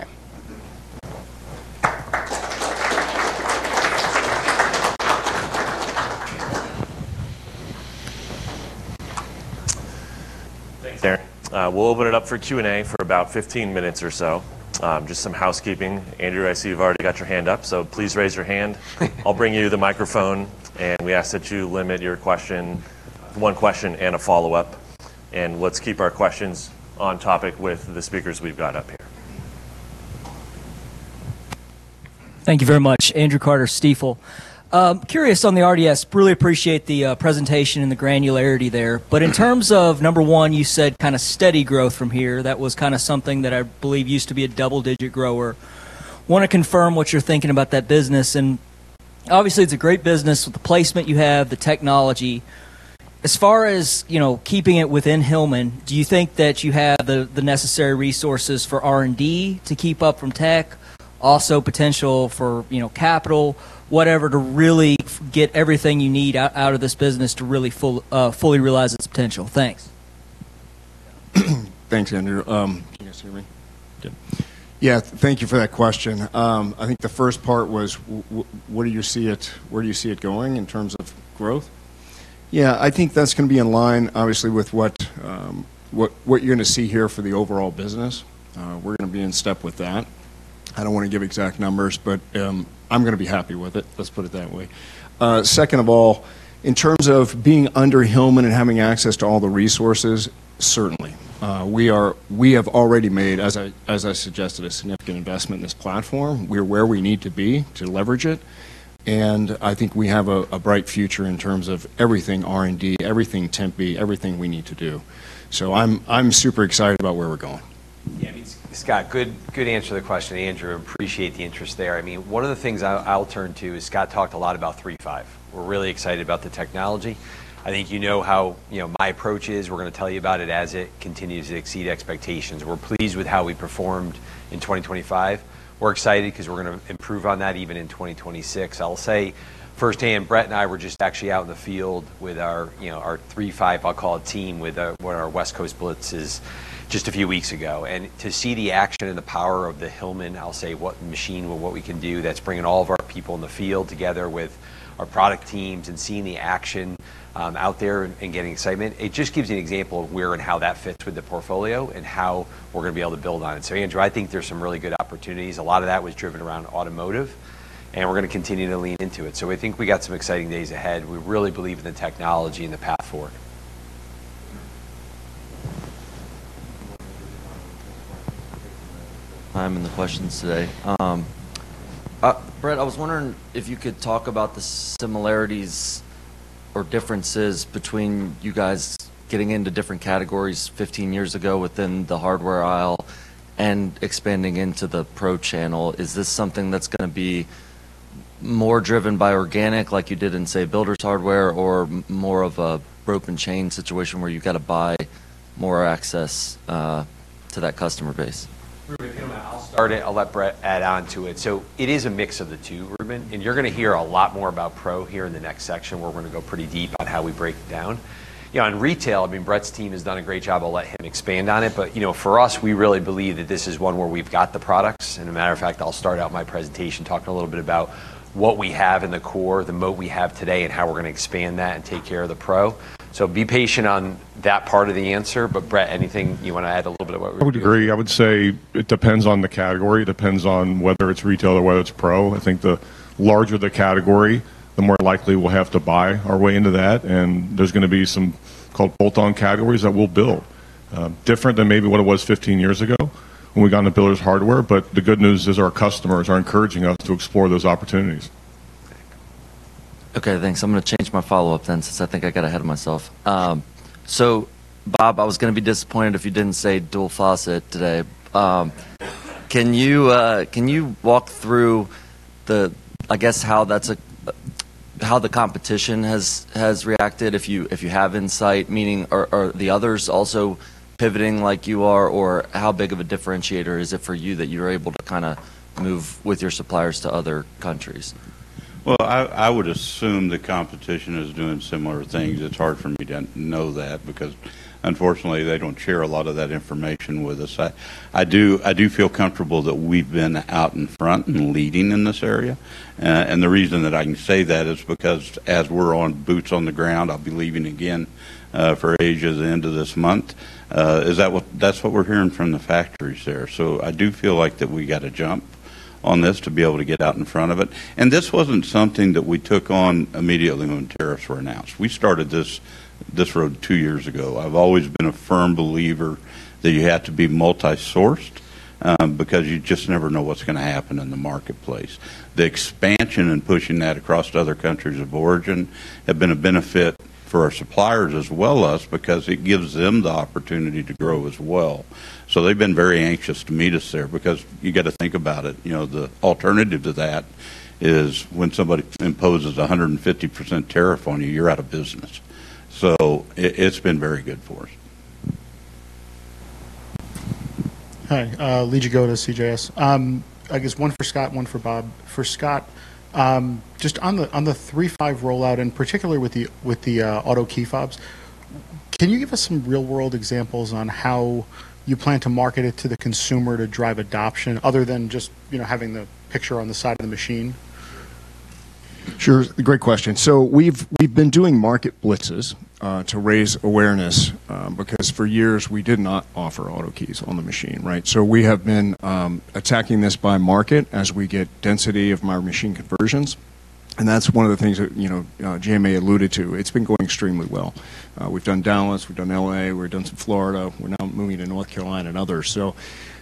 [SPEAKER 1] Thanks, Aaron. We'll open it up for Q&A for about 15 minutes or so. Just some housekeeping. Andrew, I see you've already got your hand up so, please raise your hand. I'll bring you the microphone, and we ask that you limit your question, one question and a follow-up. Let's keep our questions on topic with the speakers we've got up here.
[SPEAKER 7] Thank you very much. Andrew Carter, Stifel. Curious on the RDS. Really appreciate the presentation and the granularity there. In terms of, number one, you said kinda steady growth from here. That was kinda something that I believe used to be a double-digit grower. Wanna confirm what you're thinking about that business. Obviously, it's a great business with the placement you have, the technology. As far as, you know, keeping it within Hillman, do you think that you have the necessary resources for R&D to keep up with tech, also potential for, you know, capital, whatever, to really get everything you need out of this business to really fully realize its potential? Thanks.
[SPEAKER 4] Thanks, Andrew. Can you guys hear me? Good. Yeah, thank you for that question. I think the first part was where do you see it going in terms of growth? Yeah, I think that's gonna be in line, obviously, with what you're gonna see here for the overall business. We're gonna be in step with that. I don't wanna give exact numbers, but I'm gonna be happy with it. Let's put it that way. Second of all, in terms of being under Hillman and having access to all the resources, certainly. We have already made, as I suggested, a significant investment in this platform. We're where we need to be to leverage it, and I think we have a bright future in terms of everything R&D, everything Tempe, everything we need to do. I'm super excited about where we're going.
[SPEAKER 6] Yeah, I mean, Scott, good answer to the question, Andrew. Appreciate the interest there. I mean, one of the things I'll turn to is Scott talked a lot about 3.5. We're really excited about the technology. I think you know how, you know, my approach is. We're gonna tell you about it as it continues to exceed expectations. We're pleased with how we performed in 2025. We're excited 'cause we're gonna improve on that even in 2026. I'll say firsthand, Brett and I were just actually out in the field with our, you know, our 3.5, I'll call it, team with one of our West Coast blitzes just a few weeks ago. To see the action and the power of the Hillman, I'll say what machine or what we can do that's bringing all of our people in the field together with our product teams and seeing the action out there and getting excitement. It just gives you an example of where and how that fits with the portfolio and how we're gonna be able to build on it. Andrew, I think there's some really good opportunities. A lot of that was driven around automotive, and we're gonna continue to lean into it. I think we got some exciting days ahead. We really believe in the technology and the path forward.
[SPEAKER 8] I'm in the questions today. Brett, I was wondering if you could talk about the similarities or differences between you guys getting into different categories 15 years ago within the hardware aisle and expanding into the Pro channel. Is this something that's gonna be more driven by organic like you did in, say, Builders Hardware or more of a broken chain situation where you got to buy more access to that customer base?
[SPEAKER 2] Reuben, I'll start it. I'll let Brett add on to it. It is a mix of the two, Reuben, and you're gonna hear a lot more about Pro here in the next section, where we're gonna go pretty deep on how we break it down. You know, in retail, I mean, Brett's team has done a great job. I'll let him expand on it. You know, for us, we really believe that this is one where we've got the products. A matter of fact, I'll start out my presentation talking a little bit about what we have in the core, the moat we have today, and how we're gonna expand that and take care of the Pro. Be patient on that part of the answer. Brett, anything you want to add a little bit of what we're doing.
[SPEAKER 3] I would agree. I would say it depends on the category. It depends on whether it's retail or whether it's pro. I think the larger the category, the more likely we'll have to buy our way into that. There's gonna be some called bolt-on categories that we'll build. Different than maybe what it was 15 years ago when we got into Builders Hardware. The good news is our customers are encouraging us to explore those opportunities.
[SPEAKER 8] Okay, thanks. I'm gonna change my follow-up then, since I think I got ahead of myself. So Bob, I was gonna be disappointed if you didn't say dual faucet today. Can you walk through, I guess, how the competition has reacted, if you have insight, meaning are the others also pivoting like you are? Or how big of a differentiator is it for you that you're able to kind of move with your suppliers to other countries?
[SPEAKER 5] Well, I would assume the competition is doing similar things. It's hard for me to know that because, unfortunately, they don't share a lot of that information with us. I do feel comfortable that we've been out in front and leading in this area. The reason that I can say that is because as we're on boots on the ground, I'll be leaving again for Asia at the end of this month, that's what we're hearing from the factories there. I do feel like that we got a jump on this to be able to get out in front of it. This wasn't something that we took on immediately when tariffs were announced. We started this road two years ago. I've always been a firm believer that you had to be multi-sourced, because you just never know what's gonna happen in the marketplace. The expansion and pushing that across to other countries of origin have been a benefit for our suppliers as well as because it gives them the opportunity to grow as well. They've been very anxious to meet us there because you got to think about it, you know, the alternative to that is when somebody imposes a 150% tariff on, you're out of business. It's been very good for us.
[SPEAKER 9] Hi, Lee Jagoda, CJS. I guess one for Scott, one for Bob. For Scott, just on the 3.5 rollout, in particular with the auto key fobs, can you give us some real-world examples on how you plan to market it to the consumer to drive adoption other than just, you know, having the picture on the side of the machine?
[SPEAKER 4] Sure. Great question. We've been doing market blitzes to raise awareness because for years, we did not offer auto keys on the machine, right? We have been attacking this by market as we get density of our machine conversions. That's one of the things that you know JMA alluded to. It's been going extremely well. We've done Dallas, we've done L.A., we've done some Florida. We're now moving to North Carolina and others.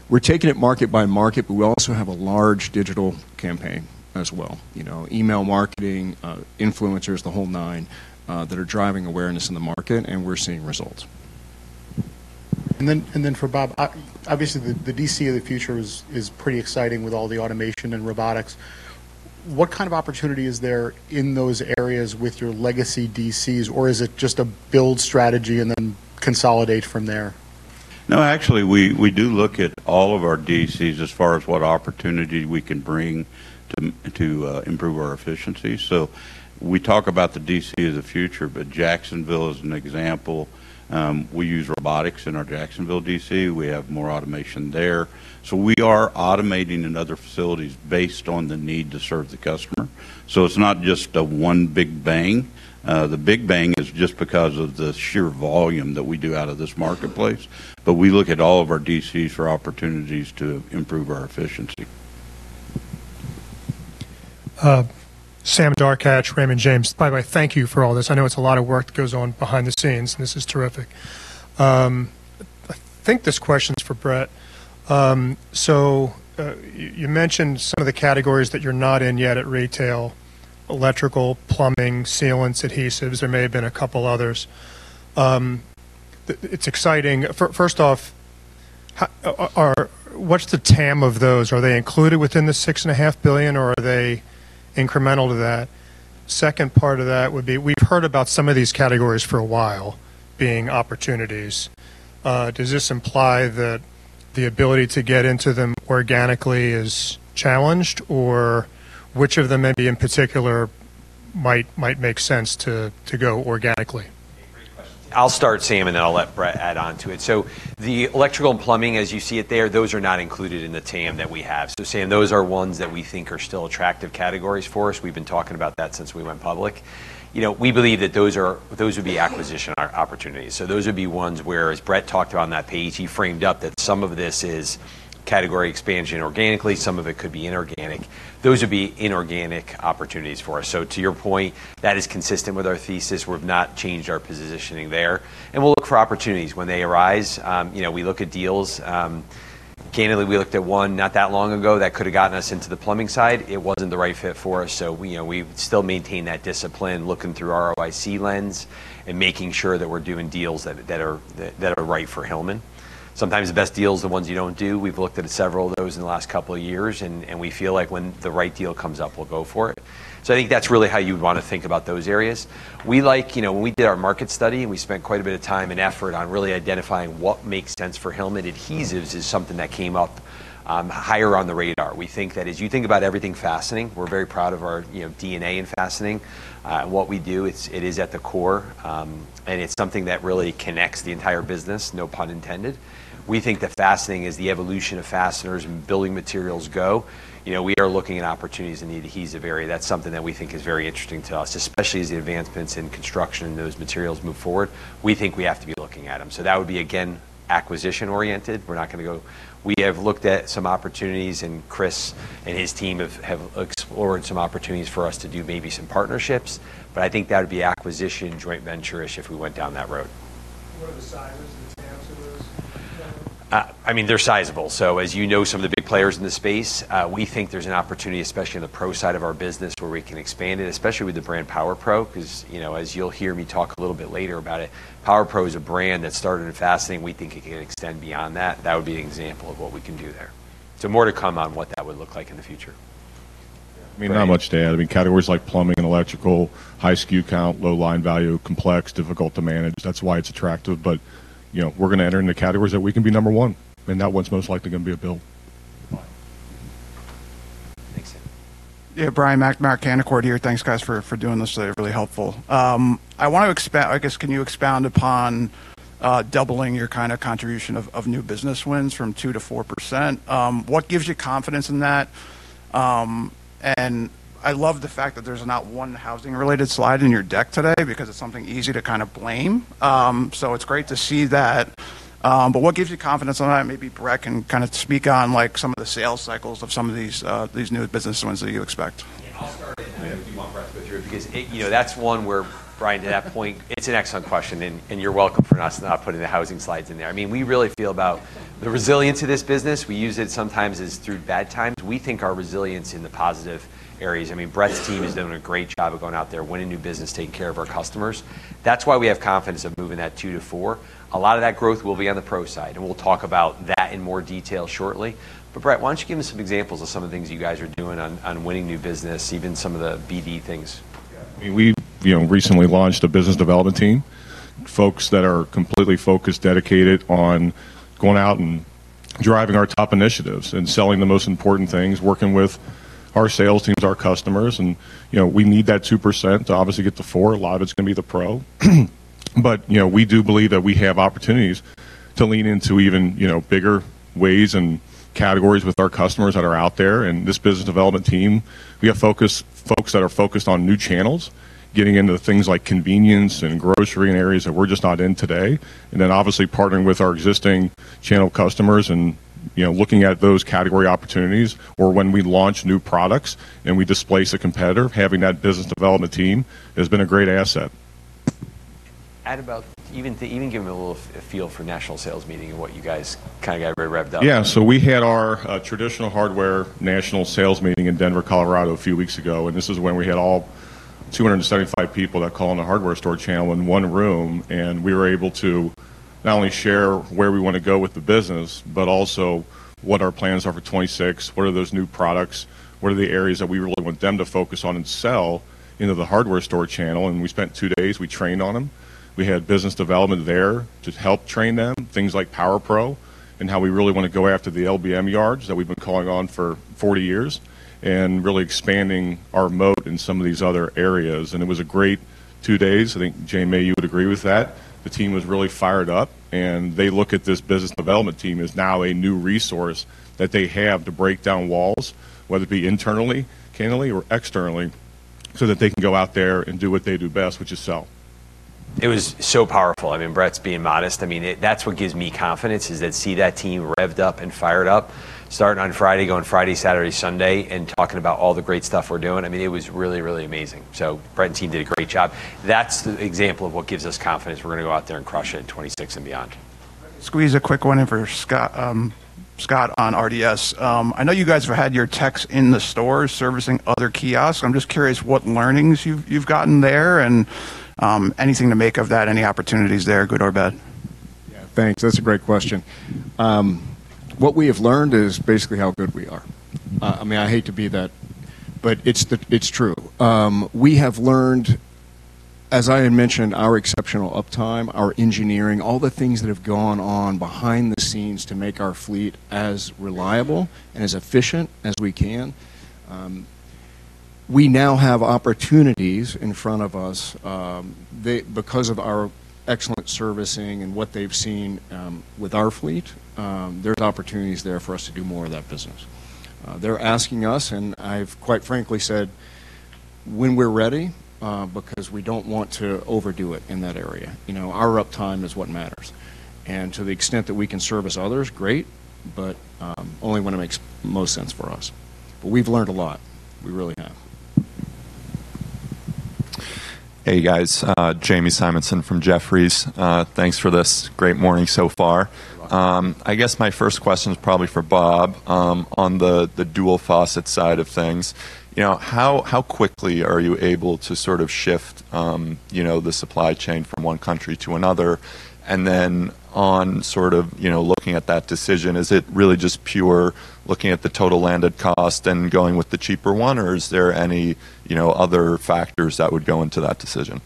[SPEAKER 4] We're taking it market by market, but we also have a large digital campaign as well. You know, email marketing, influencers, the whole nine that are driving awareness in the market, and we're seeing results.
[SPEAKER 9] For Bob, obviously, the DC of the future is pretty exciting with all the automation and robotics. What kind of opportunity is there in those areas with your legacy DCs, or is it just a build strategy and then consolidate from there?
[SPEAKER 5] No, actually, we do look at all of our DCs as far as what opportunity we can bring to improve our efficiency. We talk about the DC of the future, but Jacksonville is an example. We use robotics in our Jacksonville DC. We have more automation there. We are automating in other facilities based on the need to serve the customer. It's not just a one big bang. The big bang is just because of the sheer volume that we do out of this marketplace. We look at all of our DCs for opportunities to improve our efficiency.
[SPEAKER 10] Sam Darkatsh, Raymond James. By the way, thank you for all this. I know it's a lot of work that goes on behind the scenes. This is terrific. I think this question is for Brett. So, you mentioned some of the categories that you're not in yet at retail: electrical, plumbing, sealants, adhesives. There may have been a couple others. It's exciting. First off, what's the TAM of those? Are they included within the $6.5 billion, or are they incremental to that? Second part of that would be, we've heard about some of these categories for a while being opportunities. Does this imply that the ability to get into them organically is challenged, or which of them maybe in particular might make sense to go organically?
[SPEAKER 2] Great question. I'll start, Sam, and then I'll let Brett add on to it. The electrical and plumbing, as you see it there, those are not included in the TAM that we have. Sam, those are ones that we think are still attractive categories for us. We've been talking about that since we went public. You know, we believe that those would be acquisition opportunities. Those would be ones where, as Brett talked about on that page, he framed up that some of this is category expansion organically, some of it could be inorganic. Those would be inorganic opportunities for us. To your point, that is consistent with our thesis. We've not changed our positioning there. We'll look for opportunities when they arise. You know, we look at deals, candidly, we looked at one not that long ago that could have gotten us into the plumbing side. It wasn't the right fit for us, so we, you know, we still maintain that discipline, looking through ROIC lens and making sure that we're doing deals that are right for Hillman. Sometimes the best deals are the ones you don't do. We've looked at several of those in the last couple of years, and we feel like when the right deal comes up, we'll go for it. I think that's really how you'd wanna think about those areas. We like. You know, when we did our market study, and we spent quite a bit of time and effort on really identifying what makes sense for Hillman, adhesives is something that came up higher on the radar. We think that as you think about everything fastening, we're very proud of our, you know, DNA in fastening, and what we do. It is at the core, and it's something that really connects the entire business, no pun intended. We think that fastening is the evolution of fasteners and building materials, you know. We are looking at opportunities in the adhesive area. That's something that we think is very interesting to us, especially as the advancements in construction and those materials move forward. We think we have to be looking at them. So, that would be, again, acquisition oriented. We have looked at some opportunities, and Chris and his team have explored some opportunities for us to do maybe some partnerships, but I think that would be acquisition, joint venture-ish if we went down that road.
[SPEAKER 11] What are the sizes and the channels? That was general.
[SPEAKER 2] I mean, they're sizable. As you know, some of the big players in this space, we think there's an opportunity, especially on the pro side of our business, where we can expand it, especially with the brand Power Pro, 'cause, you know, as you'll hear me talk a little bit later about it, Power Pro is a brand that started in fastening. We think it can extend beyond that. That would be an example of what we can do there. More to come on what that would look like in the future.
[SPEAKER 3] I mean, not much to add. I mean, categories like plumbing and electrical, high SKU count, low line value, complex, difficult to manage. That's why it's attractive, but, you know, we're gonna enter in the categories that we can be number one, and that one's most likely gonna be a build.
[SPEAKER 2] Right. Thanks.
[SPEAKER 12] Yeah. Brian McNamara, Canaccord Genuity here. Thanks, guys, for doing this today. Really helpful. I guess, can you expound upon doubling your kinda contribution of new business wins from 2%-4%? What gives you confidence in that? I love the fact that there's not one housing-related slide in your deck today because it's something easy to kinda blame. It's great to see that. What gives you confidence on that? Maybe Brett Hillman can kinda speak on, like, some of the sales cycles of some of these new business ones that you expect.
[SPEAKER 2] Yeah. I'll start it, and if you want, Brett, go through it because it. You know, that's one where, Brian, to that point, it's an excellent question, and you're welcome for us not putting the housing slides in there. I mean, we really feel about the resilience of this business. We use it sometimes as through bad times. We think our resilience in the positive areas. I mean, Brett's team has done a great job of going out there, winning new business, taking care of our customers. That's why we have confidence in moving that 2%-4%. A lot of that growth will be on the pro side, and we'll talk about that in more detail shortly. But Brett, why don't you give me some examples of some of the things you guys are doing on winning new business, even some of the BD things?
[SPEAKER 3] Yeah. I mean, we've, you know, recently launched a business development team. Folks that are completely focused, dedicated on going out and driving our top initiatives and selling the most important things, working with our sales teams, our customers, and, you know, we need that 2% to obviously get to 4%. A lot of it's gonna be the Pro. You know, we do believe that we have opportunities to lean into even, you know, bigger ways and categories with our customers that are out there. This business development team, we have folks that are focused on new channels, getting into things like convenience and grocery and areas that we're just not in today. Then obviously partnering with our existing channel customers and, you know, looking at those category opportunities or when we launch new products and we displace a competitor. Having that business development team has been a great asset.
[SPEAKER 2] Even to give them a little feel for National Sales Meeting and what you guys kinda got very revved up.
[SPEAKER 3] Yeah. We had our traditional hardware national sales meeting in Denver, Colorado a few weeks ago, and this is when we had all 275 people that call in the hardware store channel in one room. We were able to not only share where we wanna go with the business but also what our plans are for 2026, what are those new products, what are the areas that we really want them to focus on and sell into the hardware store channel. We spent two days, we trained on them. We had business development there to help train them, things like Power Pro and how we really wanna go after the LBM yards that we've been calling on for 40 years and really expanding our moat in some of these other areas. It was a great two days. I think, Jay, maybe you would agree with that. The team was really fired up, and they look at this business development team as now a new resource that they have to break down walls, whether it be internally, candidly, or externally, so that they can go out there and do what they do best, which is sell.
[SPEAKER 2] It was so powerful. I mean, Brett's being modest. I mean, it, that's what gives me confidence is that, seeing that team revved up and fired up, starting on Friday, going Friday, Saturday, Sunday, and talking about all the great stuff we're doing. I mean, it was really, really amazing. Brett and team did a great job. That's the example of what gives us confidence we're gonna go out there and crush it in 2026 and beyond.
[SPEAKER 12] Squeeze a quick one in for Scott on RDS. I know you guys have had your techs in the stores servicing other kiosks. I'm just curious what learnings you've gotten there and anything to make of that, any opportunities there, good or bad?
[SPEAKER 4] Yeah. Thanks. That's a great question. What we have learned is basically how good we are. I mean, I hate to be that, but it's true. We have learned, as I had mentioned, our exceptional uptime, our engineering, all the things that have gone on behind the scenes to make our fleet as reliable and as efficient as we can. We now have opportunities in front of us, because of our excellent servicing and what they've seen with our fleet. There's opportunities there for us to do more of that business. They're asking us, and I've quite frankly said, when we're ready, because we don't want to overdo it in that area. You know, our uptime is what matters.
[SPEAKER 3] To the extent that we can service others, great, but, only when it makes most sense for us. We've learned a lot. We really have.
[SPEAKER 13] Hey, guys. Jamie Simonson from Jefferies. Thanks for this great morning so far. I guess my first question is probably for Bob, on the dual faucet side of things. You know, how quickly are you able to sort of shift, you know, the supply chain from one country to another? And then on sort of, you know, looking at that decision, is it really just pure looking at the total landed cost and going with the cheaper one, or is there any, you know, other factors that would go into that decision?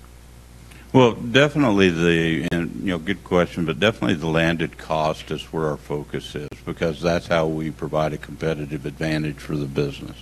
[SPEAKER 5] Well, definitely, you know, good question, but definitely the landed cost is where our focus is because that's how we provide a competitive advantage for the business.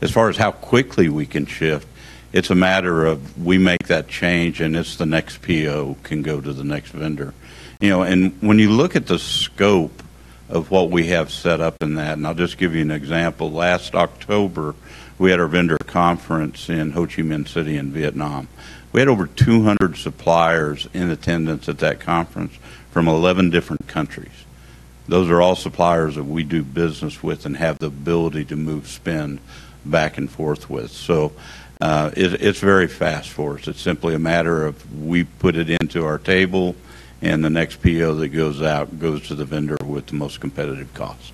[SPEAKER 5] As far as how quickly we can shift, it's a matter of we make that change, and it's the next PO can go to the next vendor. You know, when you look at the scope of what we have set up in that, and I'll just give you an example. Last October, we had our vendor conference in Hồ Chí Minh City in Vietnam. We had over 200 suppliers in attendance at that conference from 11 different countries. Those are all suppliers that we do business with and have the ability to move spend back and forth with. It's very fast for us. It's simply a matter of we put it into our table, and the next PO that goes out goes to the vendor with the most competitive cost.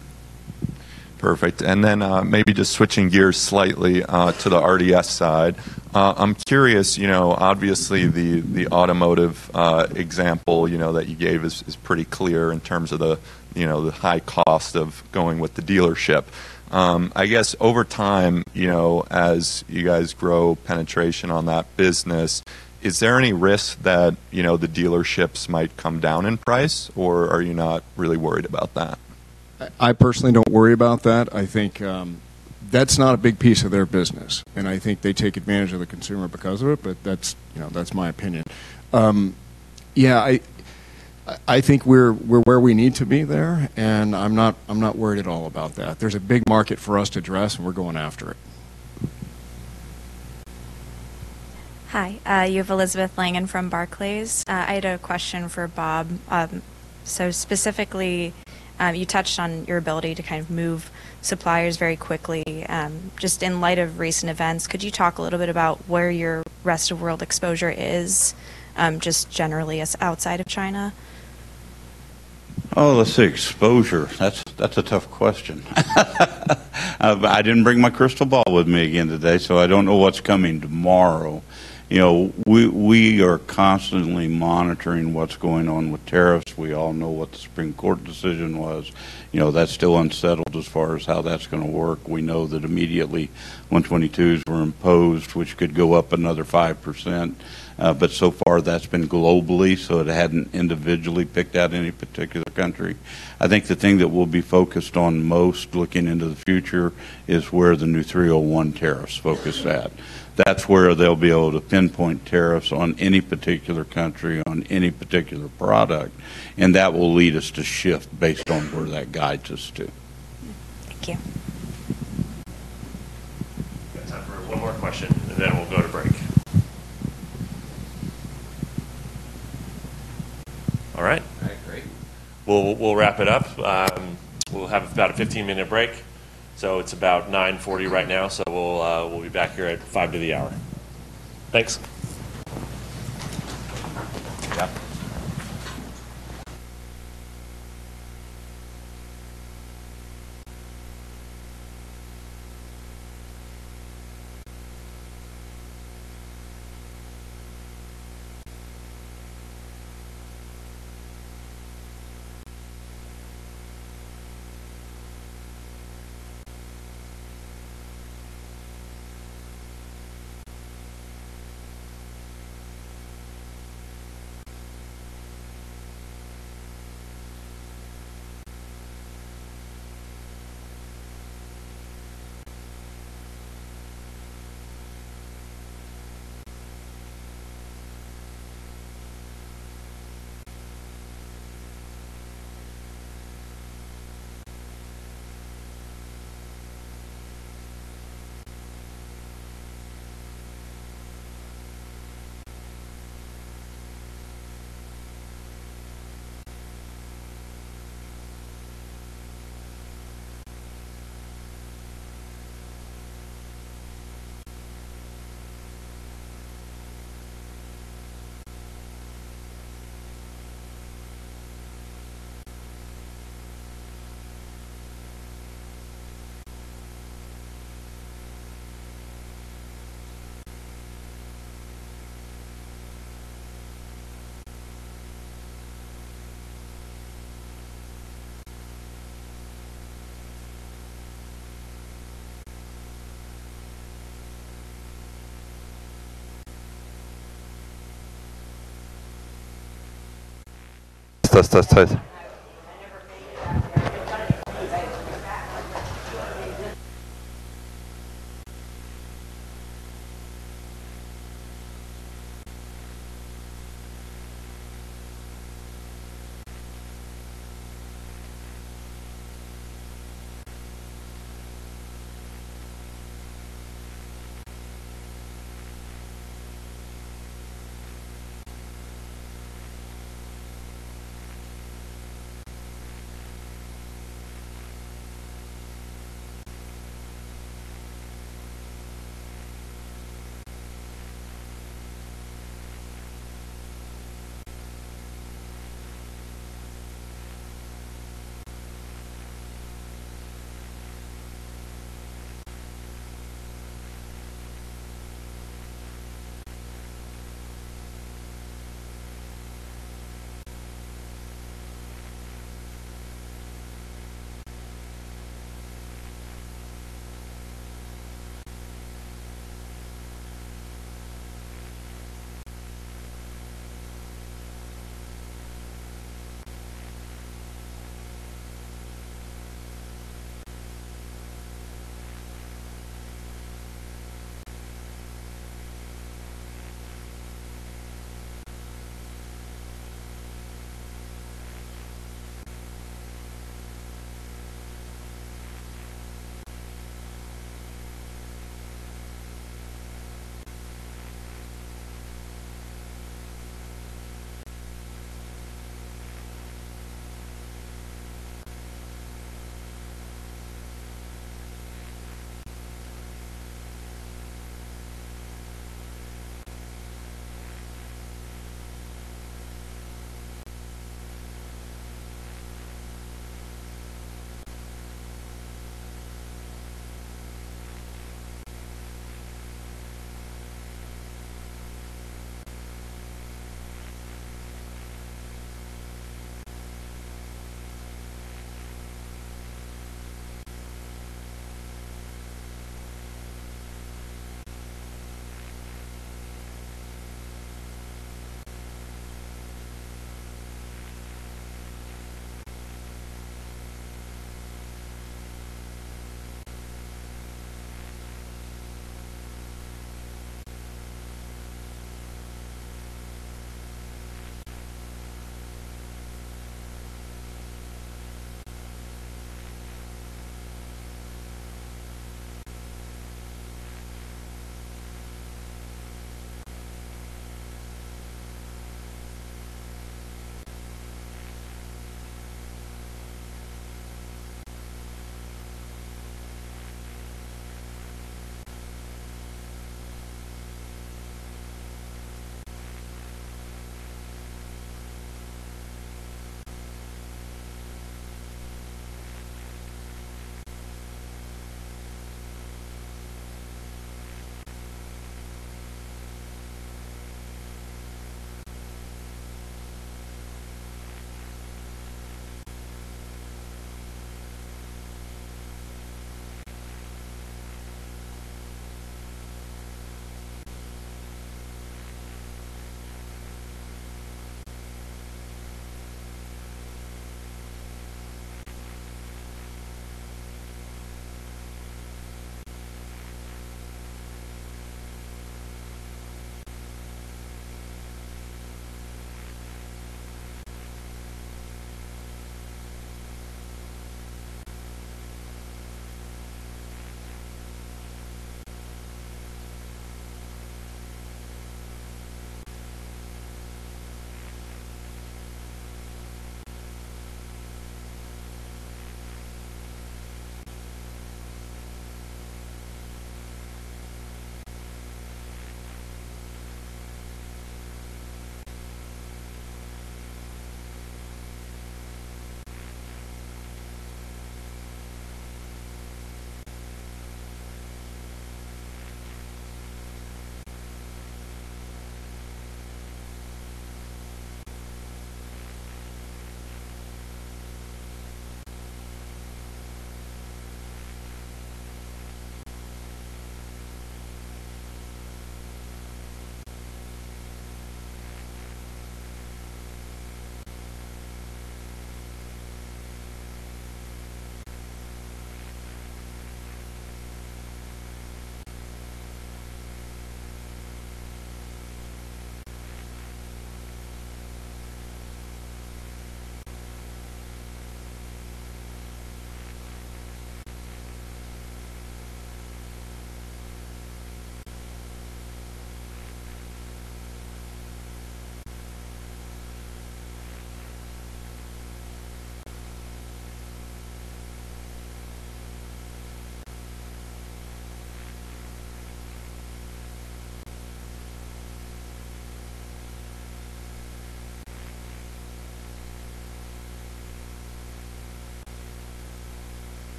[SPEAKER 13] Perfect. Maybe just switching gears slightly, to the RDS side. I'm curious, you know, obviously the automotive example, you know, that you gave is pretty clear in terms of the, you know, the high cost of going with the dealership. I guess over time, you know, as you guys grow penetration on that business, is there any risk that, you know, the dealerships might come down in price, or are you not really worried about that?
[SPEAKER 5] I personally don't worry about that. I think, that's not a big piece of their business, and I think they take advantage of the consumer because of it, but that's, you know, that's my opinion. Yeah, I think we're where we need to be there, and I'm not worried at all about that. There's a big market for us to address, and we're going after it.
[SPEAKER 14] Hi. You have Elizabeth Langan from Barclays. I had a question for Bob. Specifically, you touched on your ability to kind of move suppliers very quickly. Just in light of recent events, could you talk a little bit about where your rest of world exposure is, just generally as outside of China?
[SPEAKER 5] Oh, let's see. Exposure, that's a tough question. I didn't bring my crystal ball with me again today, so I don't know what's coming tomorrow. You know, we are constantly monitoring what's going on with tariffs. We all know what the Supreme Court decision was. You know, that's still unsettled as far as how that's gonna work. We know that immediately Section 122 were imposed, which could go up another 5%. So far that's been globally, so it hadn't individually picked out any particular country. I think the thing that we'll be focused on most looking into the future is where the new Section 301 tariffs focus at. That's where they'll be able to pinpoint tariffs on any particular country, on any particular product, and that will lead us to shift based on where that guides us to.
[SPEAKER 14] Thank you.
[SPEAKER 2] We've got time for one more question, and then we'll go to break. All right.
[SPEAKER 13] All right. Great.
[SPEAKER 2] We'll wrap it up. We'll have about a 15-minute break. It's about 9:40 right now, so we'll be back here at 9:55. Thanks. Yeah. Test. Test. Test.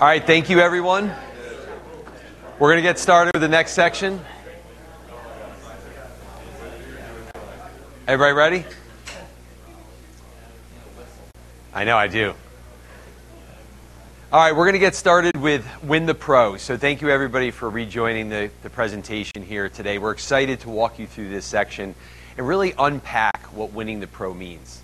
[SPEAKER 2] All right. Thank you everyone. We're gonna get started with the next section. Everybody ready? I know I do. All right, we're gonna get started with Win the Pro. Thank you everybody for rejoining the presentation here today. We're excited to walk you through this section and really unpack what winning the pro means.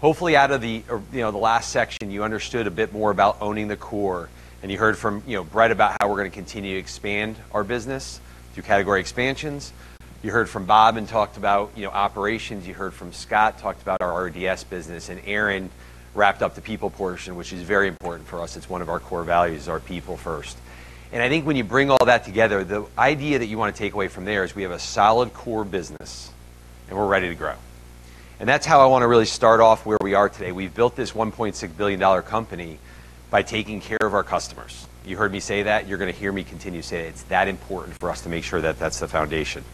[SPEAKER 2] Hopefully out of the, you know, the last section, you understood a bit more about owning the core, and you heard from, you know, Brett about how we're gonna continue to expand our business through category expansions. You heard from Bob and talked about, you know, operations. You heard from Scott, talked about our RDS business, and Aaron wrapped up the people portion, which is very important for us. It's one of our core values, our people first. I think when you bring all that together, the idea that you wanna take away from there is we have a solid core business, and we're ready to grow. That's how I wanna really start off where we are today. We've built this $1.6 billion company by taking care of our customers. You heard me say that. You're gonna hear me continue to say it. It's that important for us to make sure that that's the foundation.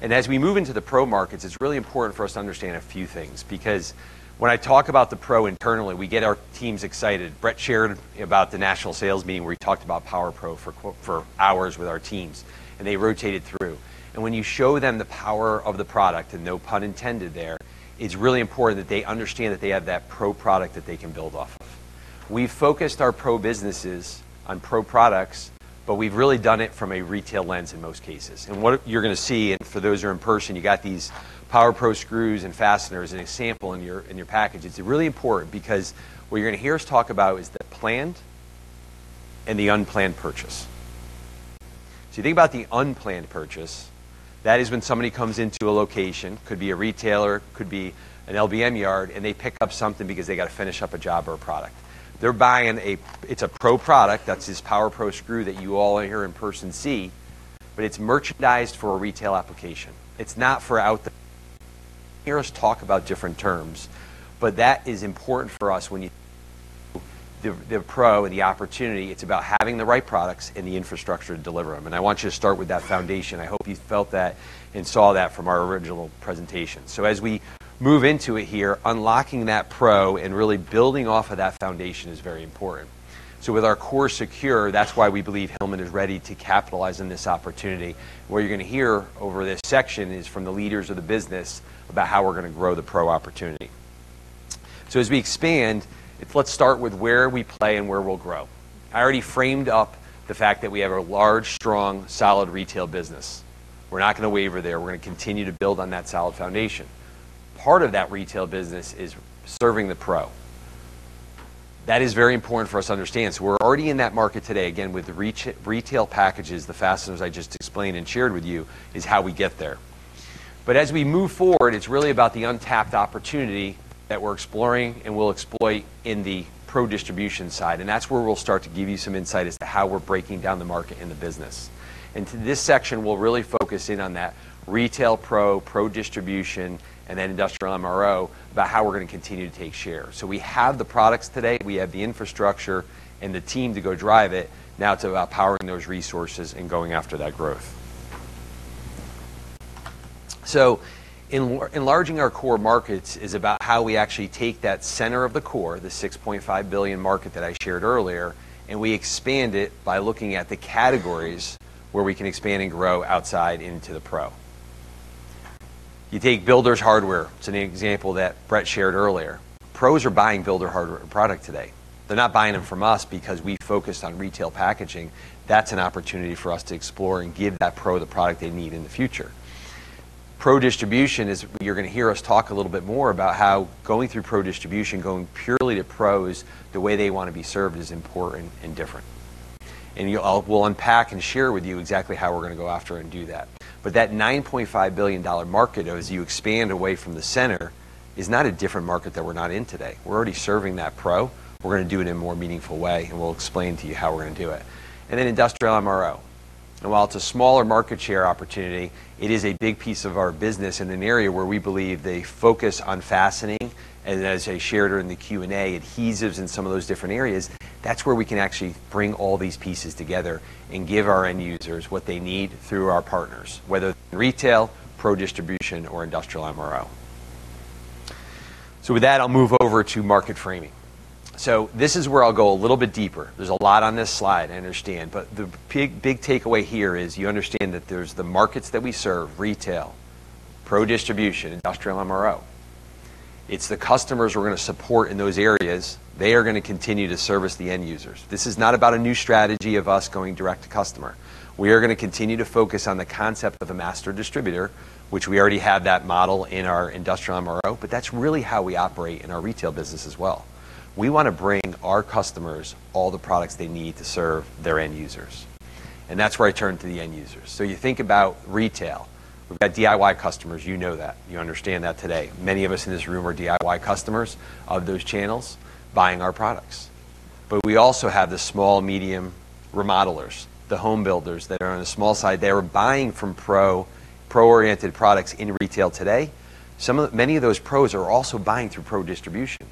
[SPEAKER 2] As we move into the pro markets, it's really important for us to understand a few things because when I talk about the pro internally, we get our teams excited. Brett shared about the national sales meeting where we talked about Power Pro for hours with our teams, and they rotated through. When you show them the power of the product, and no pun intended there, it's really important that they understand that they have that pro product that they can build off of. We've focused our pro businesses on pro products, but we've really done it from a retail lens in most cases. What you're gonna hear us talk about is the planned and the unplanned purchase. You think about the unplanned purchase. That is when somebody comes into a location, could be a retailer, could be an LBM yard, and they pick up something because they gotta finish up a job or a product. They're buying a pro product. That's this Power Pro screw that you all here in person see, but it's merchandised for a retail application. It's not for out the. Hear us talk about different terms, but that is important for us when you the pro and the opportunity, it's about having the right products and the infrastructure to deliver them. I want you to start with that foundation. I hope you felt that and saw that from our original presentation. As we move into it here, unlocking that pro and really building off of that foundation is very important. With our core secure, that's why we believe Hillman is ready to capitalize on this opportunity. What you're gonna hear over this section is from the leaders of the business about how we're gonna grow the pro opportunity. As we expand, it's let's start with where we play and where we'll grow. I already framed up the fact that we have a large, strong, solid retail business. We're not gonna waver there. We're gonna continue to build on that solid foundation. Part of that retail business is serving the pro. That is very important for us to understand. We're already in that market today, again, with the retail packages, the fasteners I just explained and shared with you is how we get there. As we move forward, it's really about the untapped opportunity that we're exploring and we'll exploit in the pro distribution side, and that's where we'll start to give you some insight as to how we're breaking down the market and the business. To this section, we'll really focus in on that retail pro distribution, and then industrial MRO about how we're gonna continue to take share. We have the products today. We have the infrastructure and the team to go drive it. Now it's about powering those resources and going after that growth. Enlarging our core markets is about how we actually take that center of the core, the $6.5 billion market that I shared earlier, and we expand it by looking at the categories where we can expand and grow outside into the pro. You take Builders Hardware. It's an example that Brett shared earlier. Pros are buying Builders Hardware today. They're not buying them from us because we focused on retail packaging. That's an opportunity for us to explore and give that Pro the product they need in the future. Pro distribution is. You're gonna hear us talk a little bit more about how going through Pro distribution, going purely to Pros the way they wanna be served is important and different. You all, we'll unpack and share with you exactly how we're gonna go after and do that. That $9.5 billion market as you expand away from the center is not a different market that we're not in today. We're already serving that Pro. We're gonna do it in a more meaningful way, and we'll explain to you how we're gonna do it. Then industrial MRO. While it's a smaller market share opportunity, it is a big piece of our business in an area where we believe they focus on fastening. As I shared during the Q&A, adhesives in some of those different areas, that's where we can actually bring all these pieces together and give our end users what they need through our partners, whether retail, pro distribution, or industrial MRO. With that, I'll move over to market framing. This is where I'll go a little bit deeper. There's a lot on this slide, I understand. The big, big takeaway here is you understand that there's the markets that we serve, retail, pro distribution, industrial MRO. It's the customers we're gonna support in those areas. They are gonna continue to service the end users. This is not about a new strategy of us going direct to customer. We are gonna continue to focus on the concept of a master distributor, which we already have that model in our industrial MRO, but that's really how we operate in our retail business as well. We wanna bring our customers all the products they need to serve their end users, and that's where I turn to the end users. You think about retail. We've got DIY customers. You know that. You understand that today. Many of us in this room are DIY customers of those channels buying our products. We also have the small, medium remodelers, the home builders that are on the small side. They're buying pro-oriented products in retail today. Many of those pros are also buying through pro distribution,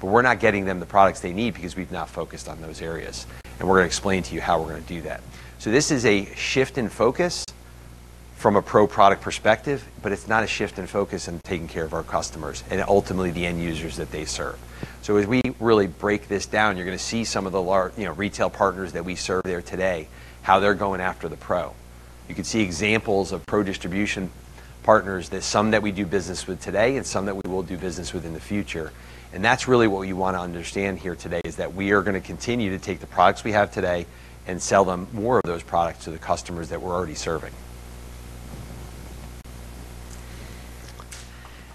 [SPEAKER 2] but we're not getting them the products they need because we've not focused on those areas, and we're gonna explain to you how we're gonna do that. This is a shift in focus from a pro product perspective, but it's not a shift in focus in taking care of our customers and ultimately the end users that they serve. As we really break this down, you're gonna see some of the you know, retail partners that we serve there today, how they're going after the pro. You can see examples of pro distribution partners. There's some that we do business with today and some that we will do business with in the future. That's really what you wanna understand here today, is that we are gonna continue to take the products we have today and sell them, more of those products to the customers that we're already serving.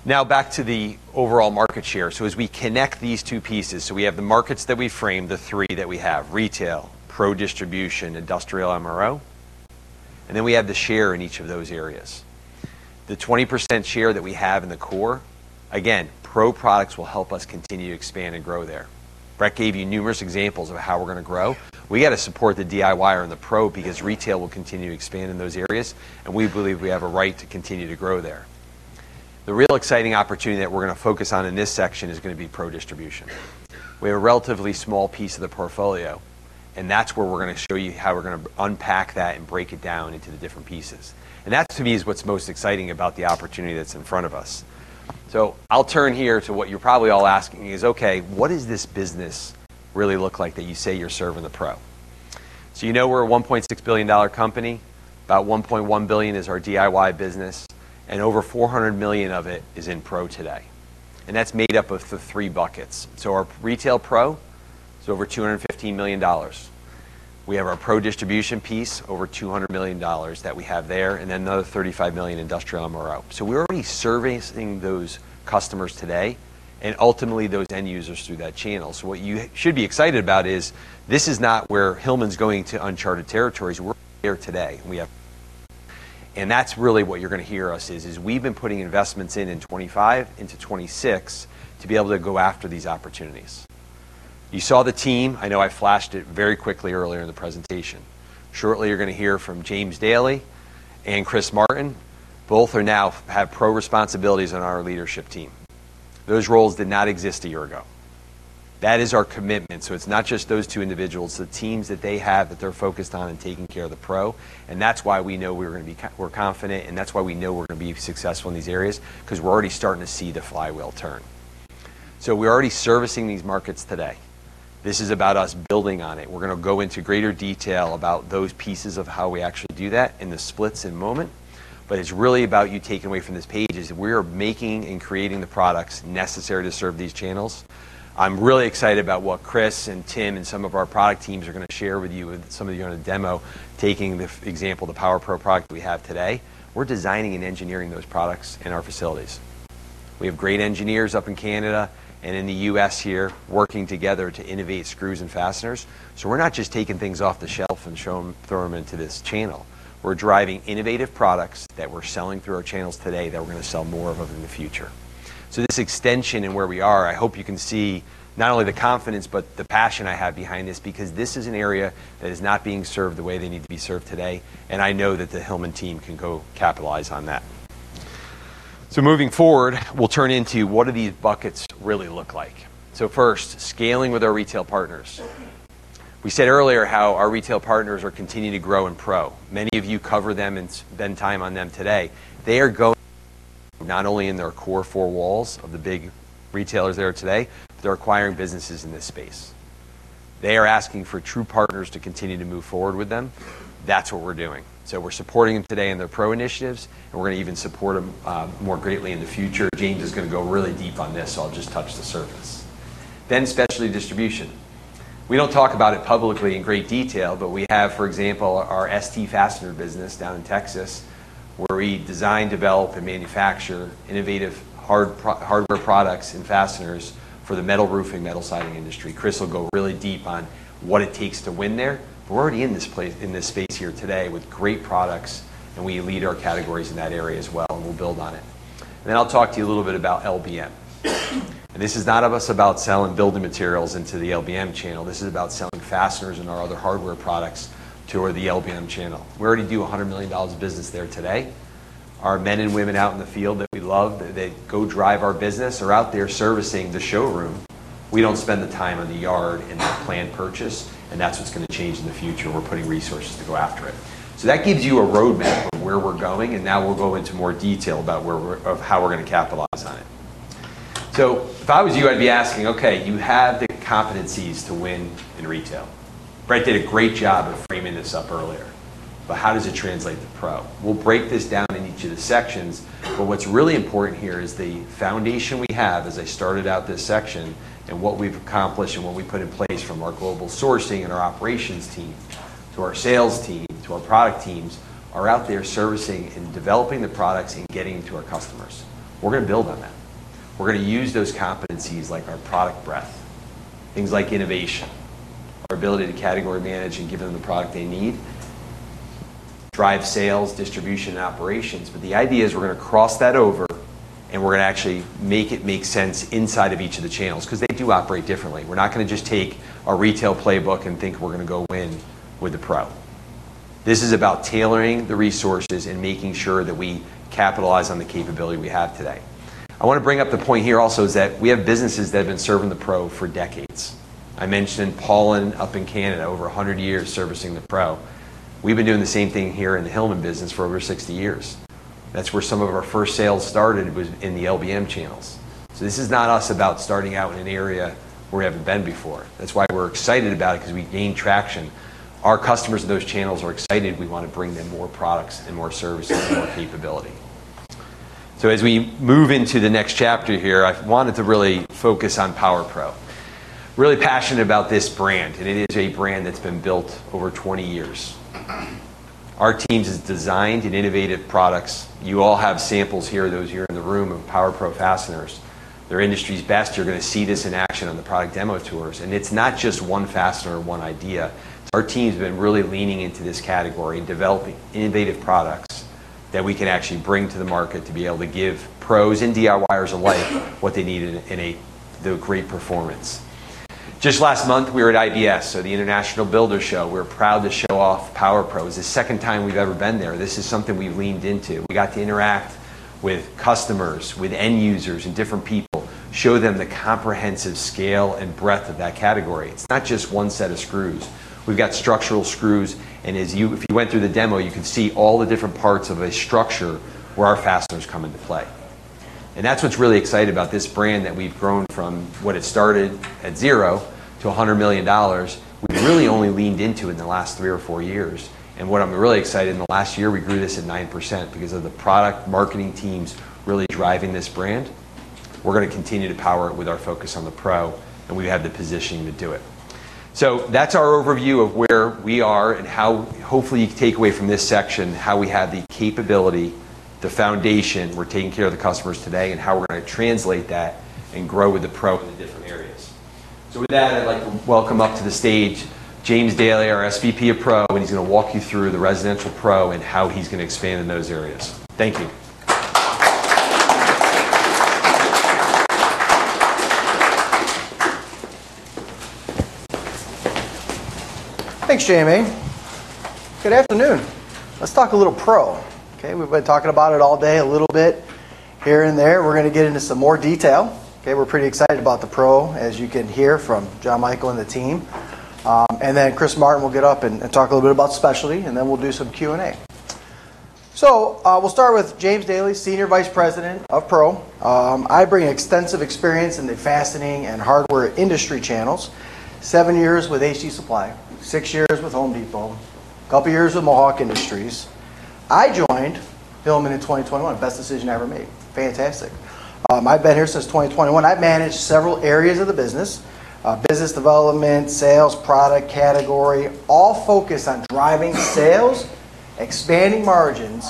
[SPEAKER 2] Now back to the overall market share. As we connect these two pieces, so we have the markets that we frame, the three that we have: retail, pro distribution, industrial MRO, and then we have the share in each of those areas. The 20% share that we have in the core, again, pro products will help us continue to expand and grow there. Brett gave you numerous examples of how we're gonna grow. We gotta support the DIY or the pro because retail will continue to expand in those areas, and we believe we have a right to continue to grow there. The real exciting opportunity that we're gonna focus on in this section is gonna be pro distribution. We have a relatively small piece of the portfolio, and that's where we're gonna show you how we're gonna unpack that and break it down into the different pieces. That, to me, is what's most exciting about the opportunity that's in front of us. I'll turn here to what you're probably all asking is, "Okay, what does this business really look like that you say you're serving the pro?" You know we're a $1.6 billion company. About $1.1 billion is our DIY business, and over $400 million of it is in pro today, and that's made up of the three buckets. Our retail pro is over $215 million. We have our pro distribution piece, over $200 million that we have there, and then another $35 million industrial MRO. We're already servicing those customers today and ultimately those end users through that channel. What you should be excited about is this is not where Hillman's going to uncharted territories. We're there today, and we have. That's really what you're gonna hear us is we've been putting investments in in 2025 into 2026 to be able to go after these opportunities. You saw the team. I know I flashed it very quickly earlier in the presentation. Shortly, you're gonna hear from James Daly and Chris Martin. Both are now have pro responsibilities on our leadership team. Those roles did not exist a year ago. That is our commitment. It's not just those two individuals, the teams that they have that they're focused on in taking care of the pro, and that's why we know we're confident, and that's why we know we're gonna be successful in these areas, 'cause we're already starting to see the flywheel turn. We're already servicing these markets today. This is about us building on it. We're gonna go into greater detail about those pieces of how we actually do that in the splits in a moment. It's really about you taking away from this page is we are making and creating the products necessary to serve these channels. I'm really excited about what Chris and Tim and some of our product teams are gonna share with you, and some of you are on a demo taking the example, the Power Pro product we have today. We're designing and engineering those products in our facilities. We have great engineers up in Canada and in the U.S. here working together to innovate screws and fasteners. We're not just taking things off the shelf and show 'em, throw 'em into this channel. We're driving innovative products that we're selling through our channels today that we're gonna sell more of over in the future. This extension in where we are, I hope you can see not only the confidence, but the passion I have behind this, because this is an area that is not being served the way they need to be served today, and I know that the Hillman team can go capitalize on that. Moving forward, we'll turn into what do these buckets really look like. First, scaling with our retail partners. We said earlier how our retail partners are continuing to grow in Pro. Many of you cover them and spend time on them today. They are not only in their core four walls of the big retailers there today, but they're acquiring businesses in this space. They are asking for true partners to continue to move forward with them. That's what we're doing. We're supporting them today in their Pro initiatives, and we're gonna even support them more greatly in the future. James is gonna go really deep on this, so I'll just touch the surface. Specialty distribution. We don't talk about it publicly in great detail, but we have, for example, our ST Fastening Systems business down in Texas, where we design, develop, and manufacture innovative hardware products and fasteners for the metal roofing, metal siding industry. Chris will go really deep on what it takes to win there, but we're already in this space here today with great products, and we lead our categories in that area as well, and we'll build on it. I'll talk to you a little bit about LBM. This is not about us selling building materials into the LBM channel. This is about selling fasteners and our other hardware products to the LBM channel. We already do $100 million of business there today. Our men and women out in the field that we love, they go drive our business, are out there servicing the showroom. We don't spend the time on the yard in the planned purchase, and that's what's gonna change in the future. We're putting resources to go after it. That gives you a roadmap of where we're going, and now we'll go into more detail about how we're gonna capitalize on it. If I was you, I'd be asking, okay, you have the competencies to win in retail. Brett did a great job of framing this up earlier, but how does it translate to pro? We'll break this down in each of the sections, but what's really important here is the foundation we have as I started out this section, and what we've accomplished and what we put in place from our global sourcing and our operations team to our sales team, to our product teams, are out there servicing and developing the products and getting them to our customers. We're gonna build on that. We're gonna use those competencies like our product breadth, things like innovation, our ability to category manage and give them the product they need, drive sales, distribution, and operations. The idea is we're gonna cross that over, and we're gonna actually make it make sense inside of each of the channels 'cause they do operate differently. We're not gonna just take our retail playbook and think we're gonna go win with the pro. This is about tailoring the resources and making sure that we capitalize on the capability we have today. I wanna bring up the point here also is that we have businesses that have been serving the pro for decades. I mentioned Paulin up in Canada, over 100 years servicing the pro. We've been doing the same thing here in the Hillman business for over 60 years. That's where some of our first sales started, was in the LBM channels. This is not us about starting out in an area where we haven't been before. That's why we're excited about it 'cause we gained traction. Our customers in those channels are excited we wanna bring them more products and more services and more capability. As we move into the next chapter here, I wanted to really focus on Power Pro. Really passionate about this brand, and it is a brand that's been built over 20 years. Our teams has designed and innovative products. You all have samples here, those of you in the room, of Power Pro fasteners. They're industry's best. You're gonna see this in action on the product demo tours. It's not just one fastener or one idea. Our team's been really leaning into this category and developing innovative products that we can actually bring to the market to be able to give pros and DIYers alike what they need in a, the great performance. Just last month, we were at IBS, so the International Builders' Show. We're proud to show off Power Pro. It's the second time we've ever been there. This is something we leaned into. We got to interact with customers, with end users, and different people, show them the comprehensive scale and breadth of that category. It's not just one set of screws. We've got Structural Screws. As you, if you went through the demo, you could see all the different parts of a structure where our fasteners come into play. That's what's really exciting about this brand, that we've grown from what it started at 0 to $100 million, we've really only leaned into in the last three or four years. What I'm really excited, in the last year, we grew this at 9% because of the product marketing teams really driving this brand. We're gonna continue to power it with our focus on the Pro, and we have the positioning to do it. That's our overview of where we are and how, hopefully, you can take away from this section how we have the capability, the foundation, we're taking care of the customers today, and how we're gonna translate that and grow with the Pro in the different areas. With that, I'd like to welcome up to the stage James Daly, our SVP of Pro, and he's gonna walk you through the residential Pro and how he's gonna expand in those areas. Thank you.
[SPEAKER 15] Thanks, Jamie. Good afternoon. Let's talk a little Pro. Okay. We've been talking about it all day a little bit here and there. We're gonna get into some more detail. Okay. We're pretty excited about the Pro, as you can hear from Jon Michael Adinolfi and the team. Chris Martin will get up and talk a little bit about specialty, and then we'll do some Q&A. We'll start with James Daly, Senior Vice President of Pro. I bring extensive experience in the fastening and hardware industry channels. Seven years with ABC Supply, six years with Home Depot, a couple years with Mohawk Industries. I joined Hillman in 2021. Best decision I ever made. Fantastic. I've been here since 2021. I've managed several areas of the business development, sales, product category, all focused on driving sales, expanding margins.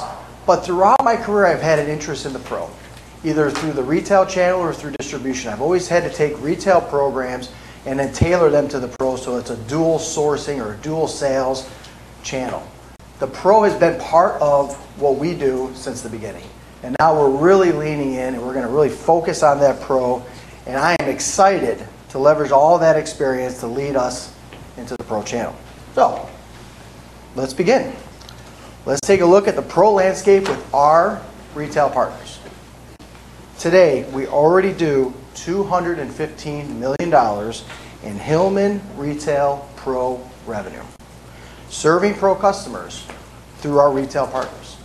[SPEAKER 15] Throughout my career, I've had an interest in the pro, either through the retail channel or through distribution. I've always had to take retail programs and then tailor them to the pro, so it's a dual sourcing or a dual sales channel. The Pro has been part of what we do since the beginning, and now we're really leaning in, and we're gonna really focus on that Pro, and I am excited to leverage all that experience to lead us into the Pro channel. Let's begin. Let's take a look at the Pro landscape with our retail partners. Today, we already do $215 million in Hillman retail Pro revenue, serving Pro customers through our retail partners.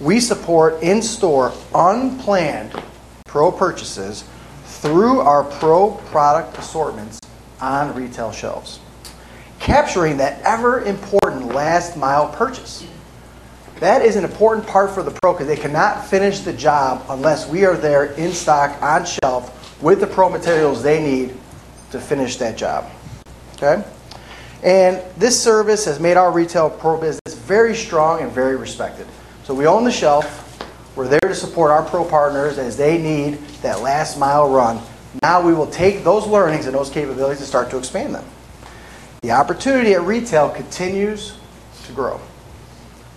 [SPEAKER 15] We support in-store unplanned Pro purchases through our Pro product assortments on retail shelves, capturing that ever-important last mile purchase. That is an important part for the Pro because they cannot finish the job unless we are there in stock, on shelf, with the Pro materials they need to finish that job. Okay? This service has made our retail Pro business very strong and very respected. We own the shelf. We're there to support our pro partners as they need that last mile run. Now we will take those learnings and those capabilities and start to expand them. The opportunity at retail continues to grow.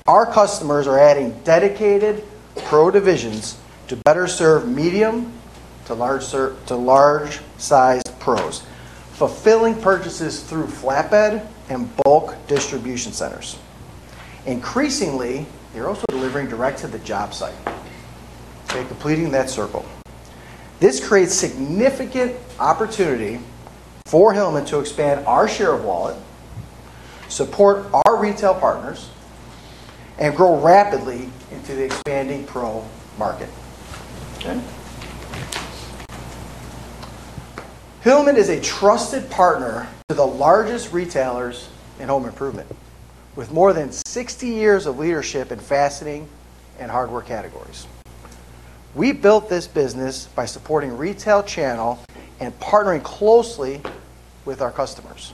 [SPEAKER 15] Our customers are adding dedicated pro divisions to better serve medium to large-sized pros, fulfilling purchases through flatbed and bulk distribution centers. Increasingly, they're also delivering direct to the job site, okay, completing that circle. This creates significant opportunity for Hillman to expand our share of wallet, support our retail partners, and grow rapidly into the expanding pro market. Okay. Hillman is a trusted partner to the largest retailers in home improvement. With more than 60 years of leadership in fastening and hardware categories. We built this business by supporting retail channel and partnering closely with our customers.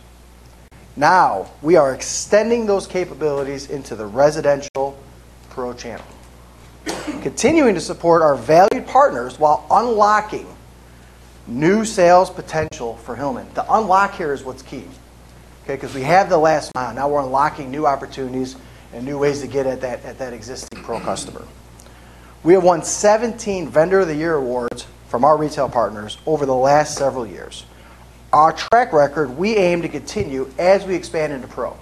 [SPEAKER 15] Now, we are extending those capabilities into the residential pro channel, continuing to support our valued partners while unlocking new sales potential for Hillman. The unlock here is what's key, okay, 'cause we have the last mile. Now we're unlocking new opportunities and new ways to get at that existing pro customer. We have won 17 Vendor of the Year awards from our retail partners over the last several years. Our track record, we aim to continue as we expand into pro.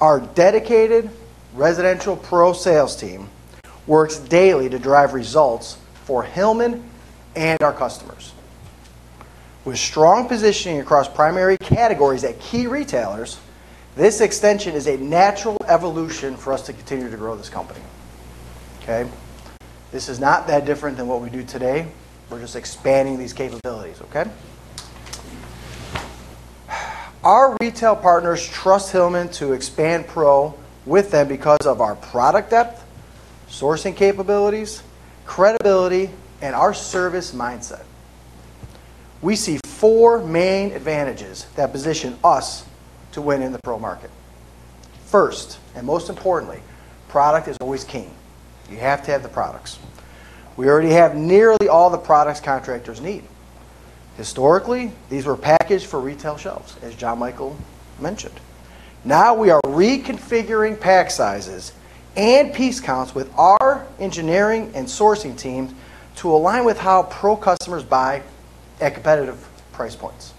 [SPEAKER 15] Our dedicated residential pro sales team works daily to drive results for Hillman and our customers. With strong positioning across primary categories at key retailers, this extension is a natural evolution for us to continue to grow this company, okay. This is not that different than what we do today. We're just expanding these capabilities, okay. Our retail partners trust Hillman to expand pro with them because of our product depth, sourcing capabilities, credibility, and our service mindset. We see four main advantages that position us to win in the pro market. First, and most importantly, product is always king. You have to have the products. We already have nearly all the products contractors need. Historically, these were packaged for retail shelves, as Jon Michael mentioned. Now we are reconfiguring pack sizes and piece counts with our engineering and sourcing teams to align with how pro customers buy at competitive price points.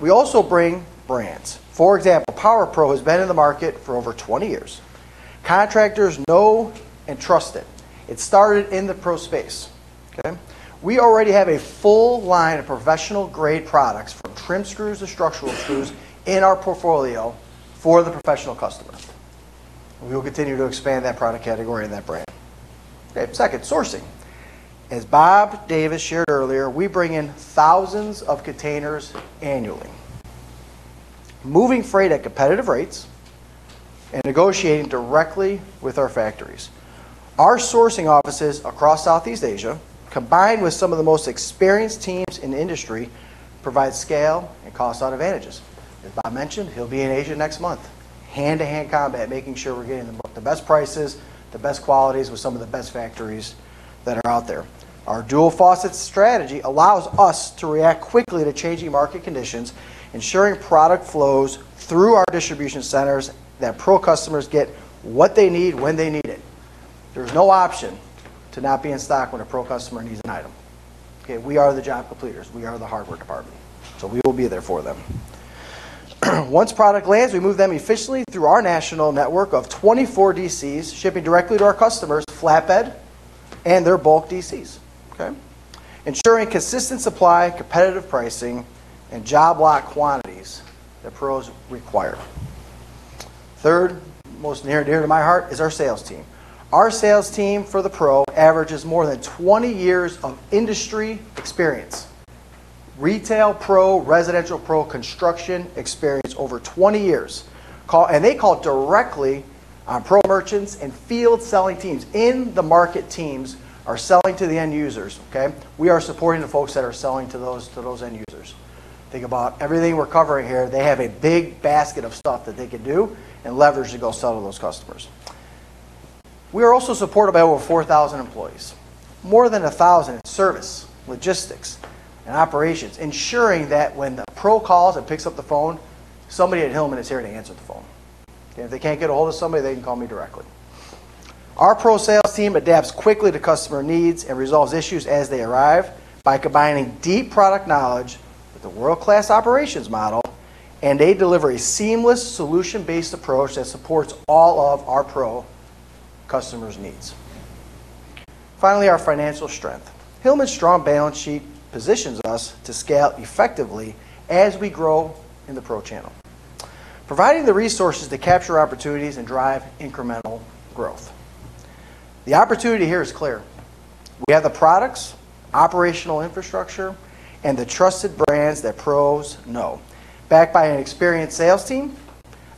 [SPEAKER 15] We also bring brands. For example, Power Pro has been in the market for over 20 years. Contractors know and trust it. It started in the pro space, okay. We already have a full line of professional-grade products from trim screws to structural screws in our portfolio for the professional customers. We will continue to expand that product category and that brand. Okay, second, sourcing. As Bob Davis shared earlier, we bring in thousands of containers annually, moving freight at competitive rates, and negotiating directly with our factories. Our sourcing offices across Southeast Asia, combined with some of the most experienced teams in the industry, provide scale and cost advantages. As Bob mentioned, he'll be in Asia next month, hand-to-hand combat, making sure we're getting them both the best prices, the best qualities with some of the best factories that are out there. Our dual faucet strategy allows us to react quickly to changing market conditions, ensuring product flows through our distribution centers that pro customers get what they need when they need it. There's no option to not be in stock when a pro customer needs an item. Okay, we are the job completers. We are the hardware department, so we will be there for them. Once product lands, we move them efficiently through our national network of 24 DCs, shipping directly to our customers, flatbed, and their bulk DCs. Okay. Ensuring consistent supply, competitive pricing, and job lot quantities that pros require. Third, most near and dear to my heart, is our sales team. Our sales team for the Pro averages more than 20 years of industry experience. Retail Pro, residential Pro, construction experience over 20 years. They call directly on Pro merchants and field selling teams. In-market teams are selling to the end users, okay. We are supporting the folks that are selling to those end users. Think about everything we're covering here. They have a big basket of stuff that they could do and leverage to go sell to those customers. We are also supported by over 4,000 employees, more than 1,000 in service, logistics, and operations, ensuring that when the Pro calls and picks up the phone, somebody at Hillman is here to answer the phone, okay. If they can't get a hold of somebody, they can call me directly. Our pro sales team adapts quickly to customer needs and resolves issues as they arrive by combining deep product knowledge with a world-class operations model, and they deliver a seamless solution-based approach that supports all of our pro customers' needs. Finally, our financial strength. Hillman's strong balance sheet positions us to scale effectively as we grow in the pro channel, providing the resources to capture opportunities and drive incremental growth. The opportunity here is clear. We have the products, operational infrastructure, and the trusted brands that pros know. Backed by an experienced sales team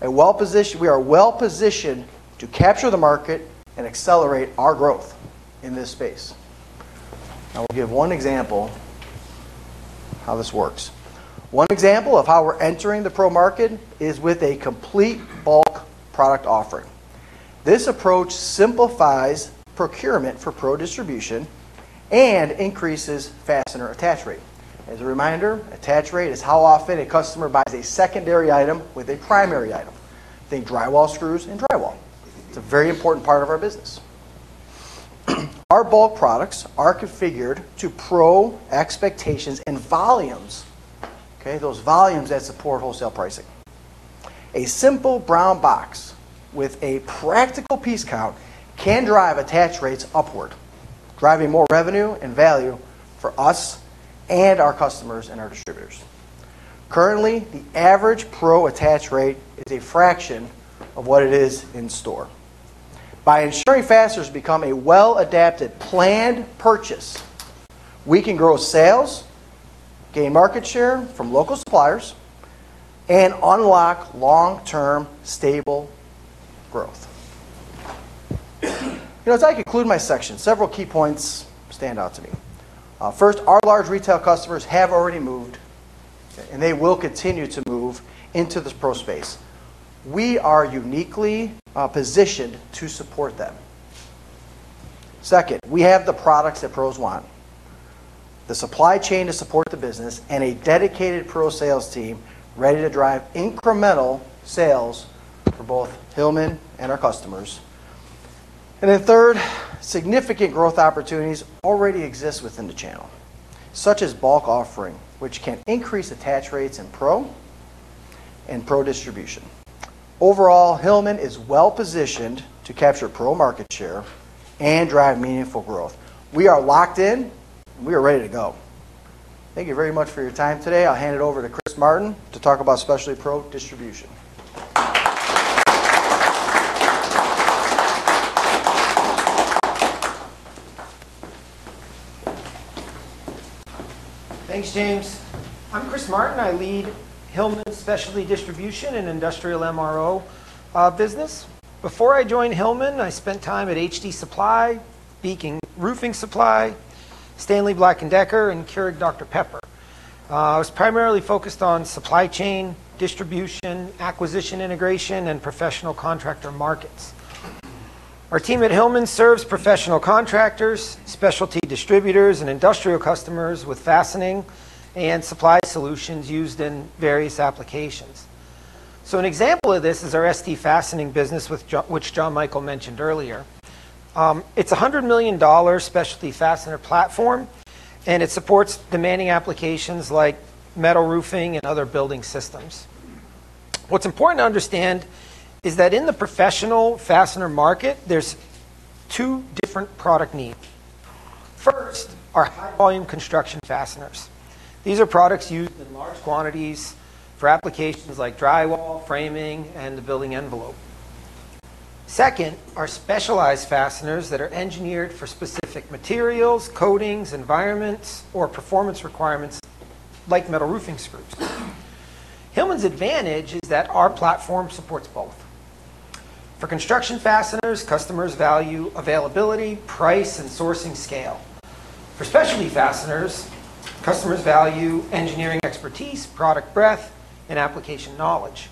[SPEAKER 15] and well-positioned, we are well-positioned to capture the market and accelerate our growth in this space. One example of how we're entering the pro market is with a complete bulk product offering. This approach simplifies procurement for pro distribution and increases fastener attach rate. As a reminder, attach rate is how often a customer buys a secondary item with a primary item. Think drywall screws and drywall. It's a very important part of our business. Our bulk products are configured to pro expectations and volumes, okay, those volumes that support wholesale pricing. A simple brown box with a practical piece count can drive attach rates upward, driving more revenue and value for us and our customers and our distributors. Currently, the average pro attach rate is a fraction of what it is in store. By ensuring fasteners become a well-adapted planned purchase, we can grow sales, gain market share from local suppliers, and unlock long-term stable growth. You know, as I conclude my section, several key points stand out to me. First, our large retail customers have already moved, and they will continue to move into this pro space. We are uniquely positioned to support them. Second, we have the products that pros want, the supply chain to support the business, and a dedicated pro sales team ready to drive incremental sales for both Hillman and our customers. Third, significant growth opportunities already exist within the channel, such as bulk offering, which can increase attach rates in pro and pro distribution. Overall, Hillman is well-positioned to capture pro market share and drive meaningful growth. We are locked in, and we are ready to go. Thank you very much for your time today. I'll hand it over to Chris Martin to talk about specialty pro distribution.
[SPEAKER 16] Thanks, James. I'm Chris Martin. I lead Hillman Specialty Distribution and Industrial MRO Business. Before I joined Hillman, I spent time at HD Supply, Beacon Roofing Supply, Stanley Black & Decker, and Keurig Dr Pepper. I was primarily focused on supply chain distribution, acquisition integration, and professional contractor markets. Our team at Hillman serves professional contractors, specialty distributors, and industrial customers with fastening and supply solutions used in various applications. An example of this is our ST fastening business, which Jon Michael mentioned earlier. It's a $100 million specialty fastener platform, and it supports demanding applications like metal roofing and other building systems. What's important to understand is that in the professional fastener market, there's two different product needs. First, are high volume construction fasteners. These are products used in large quantities for applications like drywall, framing, and the building envelope. Second are specialized fasteners that are engineered for specific materials, coatings, environments, or performance requirements like metal roofing screws. Hillman's advantage is that our platform supports both. For construction fasteners, customers value availability, price, and sourcing scale. For specialty fasteners, customers value engineering expertise, product breadth, and application knowledge.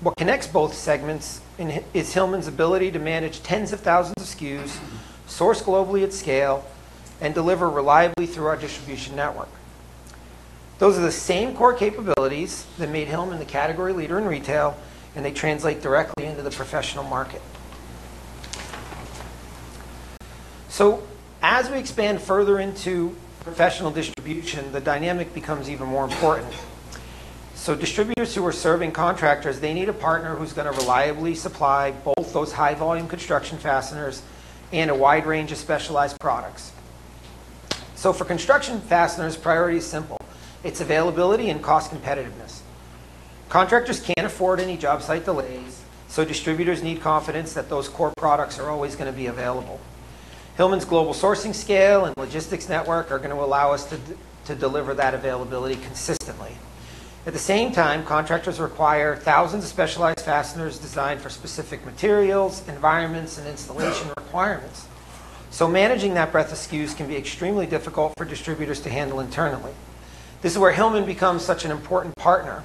[SPEAKER 16] What connects both segments is Hillman's ability to manage tens of thousands of SKUs, source globally at scale, and deliver reliably through our distribution network. Those are the same core capabilities that made Hillman the category leader in retail, and they translate directly into the professional market. As we expand further into professional distribution, the dynamic becomes even more important. Distributors who are serving contractors, they need a partner who's gonna reliably supply both those high-volume construction fasteners and a wide range of specialized products. For construction fasteners, priority is simple. It's availability and cost competitiveness. Contractors can't afford any job site delays, so distributors need confidence that those core products are always gonna be available. Hillman's global sourcing scale and logistics network are gonna allow us to deliver that availability consistently. At the same time, contractors require thousands of specialized fasteners designed for specific materials, environments, and installation requirements. Managing that breadth of SKUs can be extremely difficult for distributors to handle internally. This is where Hillman becomes such an important partner.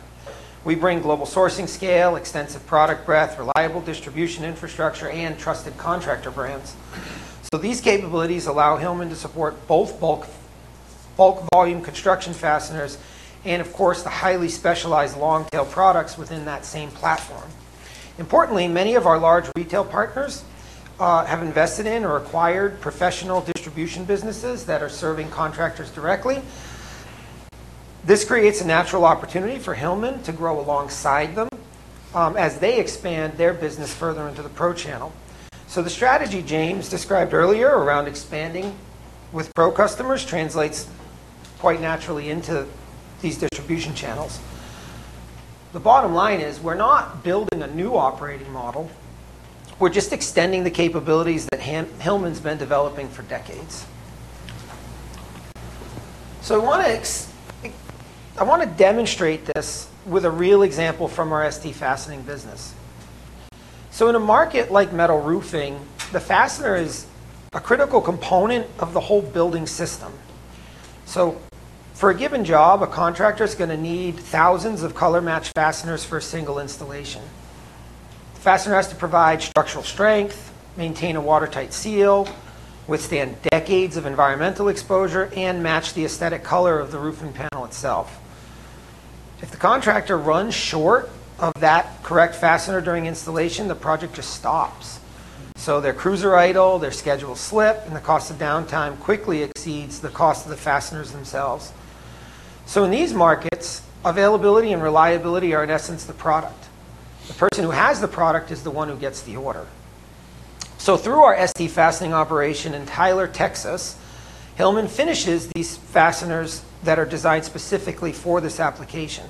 [SPEAKER 16] We bring global sourcing scale, extensive product breadth, reliable distribution infrastructure, and trusted contractor brands. These capabilities allow Hillman to support both bulk volume construction fasteners and of course, the highly specialized long-tail products within that same platform. Importantly, many of our large retail partners have invested in or acquired professional distribution businesses that are serving contractors directly. This creates a natural opportunity for Hillman to grow alongside them as they expand their business further into the Pro channel. The strategy James described earlier around expanding with pro customers translates quite naturally into these distribution channels. The bottom line is we're not building a new operating model. We're just extending the capabilities that Hillman's been developing for decades. I wanna demonstrate this with a real example from our ST fastening business. In a market like metal roofing, the fastener is a critical component of the whole building system. For a given job, a contractor is gonna need thousands of color-matched fasteners for a single installation. The fastener has to provide structural strength, maintain a watertight seal, withstand decades of environmental exposure, and match the aesthetic color of the roofing panel itself. If the contractor runs short of that correct fastener during installation, the project just stops. Their crews are idle, their schedules slip, and the cost of downtime quickly exceeds the cost of the fasteners themselves. In these markets, availability and reliability are, in essence, the product. The person who has the product is the one who gets the order. Through our ST Fastening Systems operation in Tyler, Texas, Hillman finishes these fasteners that are designed specifically for this application.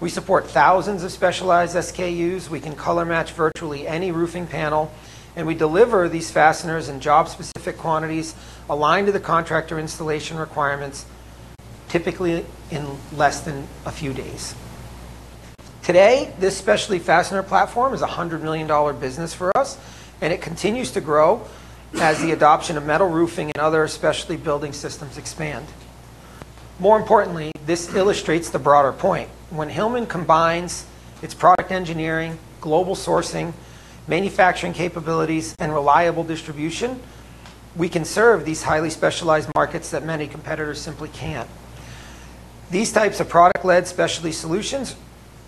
[SPEAKER 16] We support thousands of specialized SKUs, we can color-match virtually any roofing panel, and we deliver these fasteners in job-specific quantities aligned to the contractor installation requirements, typically in less than a few days. Today, this specialty fastener platform is a $100 million business for us, and it continues to grow as the adoption of metal roofing and other specialty building systems expand. More importantly, this illustrates the broader point. When Hillman combines its product engineering, global sourcing, manufacturing capabilities, and reliable distribution, we can serve these highly specialized markets that many competitors simply can't. These types of product-led specialty solutions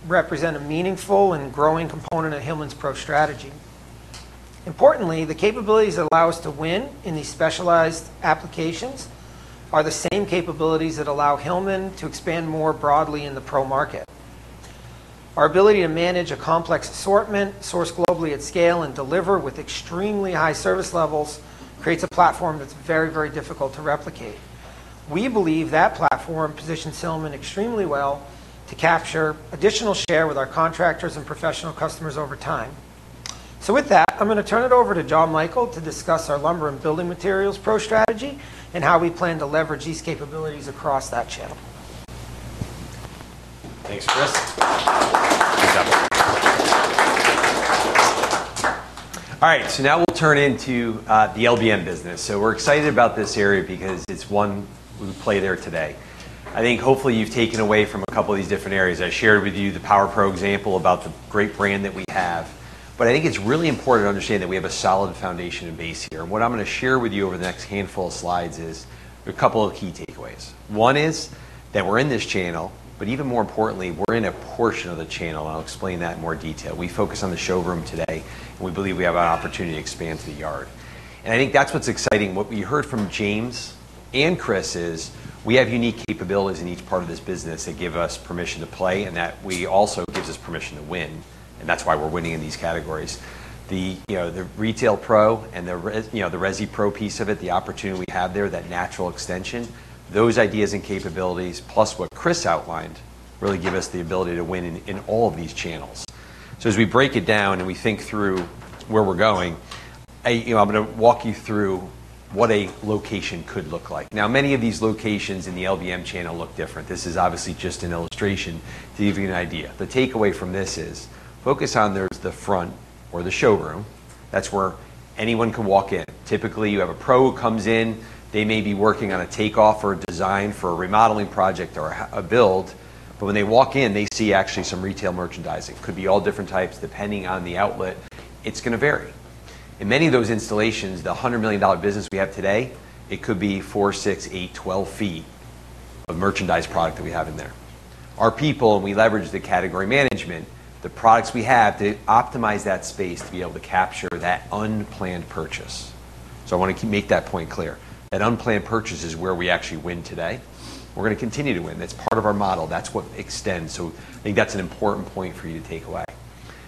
[SPEAKER 16] represent a meaningful and growing component of Hillman's pro strategy. Importantly, the capabilities that allow us to win in these specialized applications are the same capabilities that allow Hillman to expand more broadly in the pro market. Our ability to manage a complex assortment, source globally at scale, and deliver with extremely high service levels creates a platform that's very, very difficult to replicate. We believe that platform positions Hillman extremely well to capture additional share with our contractors and professional customers over time. With that, I'm gonna turn it over to Jon Michael to discuss our lumber and building materials pro strategy and how we plan to leverage these capabilities across that channel.
[SPEAKER 2] Thanks, Chris. All right, now we'll turn into the LBM business. We're excited about this area because it's one we play there today. I think hopefully you've taken away from a couple of these different areas. I shared with you the Power Pro example about the great brand that we have. I think it's really important to understand that we have a solid foundation and base here. What I'm gonna share with you over the next handful of slides is a couple of key takeaways. One is that we're in this channel, but even more importantly, we're in a portion of the channel. I'll explain that in more detail. We focus on the showroom today, and we believe we have an opportunity to expand to the yard. I think that's what's exciting. What we heard from James and Chris is we have unique capabilities in each part of this business that give us permission to play, and that we also gives us permission to win, and that's why we're winning in these categories. The, you know, the retail pro and the res, you know, the resi pro piece of it, the opportunity we have there, that natural extension, those ideas and capabilities, plus what Chris outlined, really give us the ability to win in all of these channels. As we break it down and we think through where we're going, I, you know, I'm gonna walk you through what a location could look like. Now, many of these locations in the LBM channel look different. This is obviously just an illustration to give you an idea. The takeaway from this is focus on there's the front or the showroom. That's where anyone can walk in. Typically, you have a pro who comes in. They may be working on a takeoff or a design for a remodeling project or a build, but when they walk in, they see actually some retail merchandising. Could be all different types depending on the outlet. It's gonna vary. In many of those installations, the $100 million business we have today, it could be 4, 6, 8, 12 feet of merchandised product that we have in there. Our people, we leverage the category management, the products we have to optimize that space to be able to capture that unplanned purchase. I wanna make that point clear. That unplanned purchase is where we actually win today. We're gonna continue to win. That's part of our model. That's what extends. I think that's an important point for you to take away.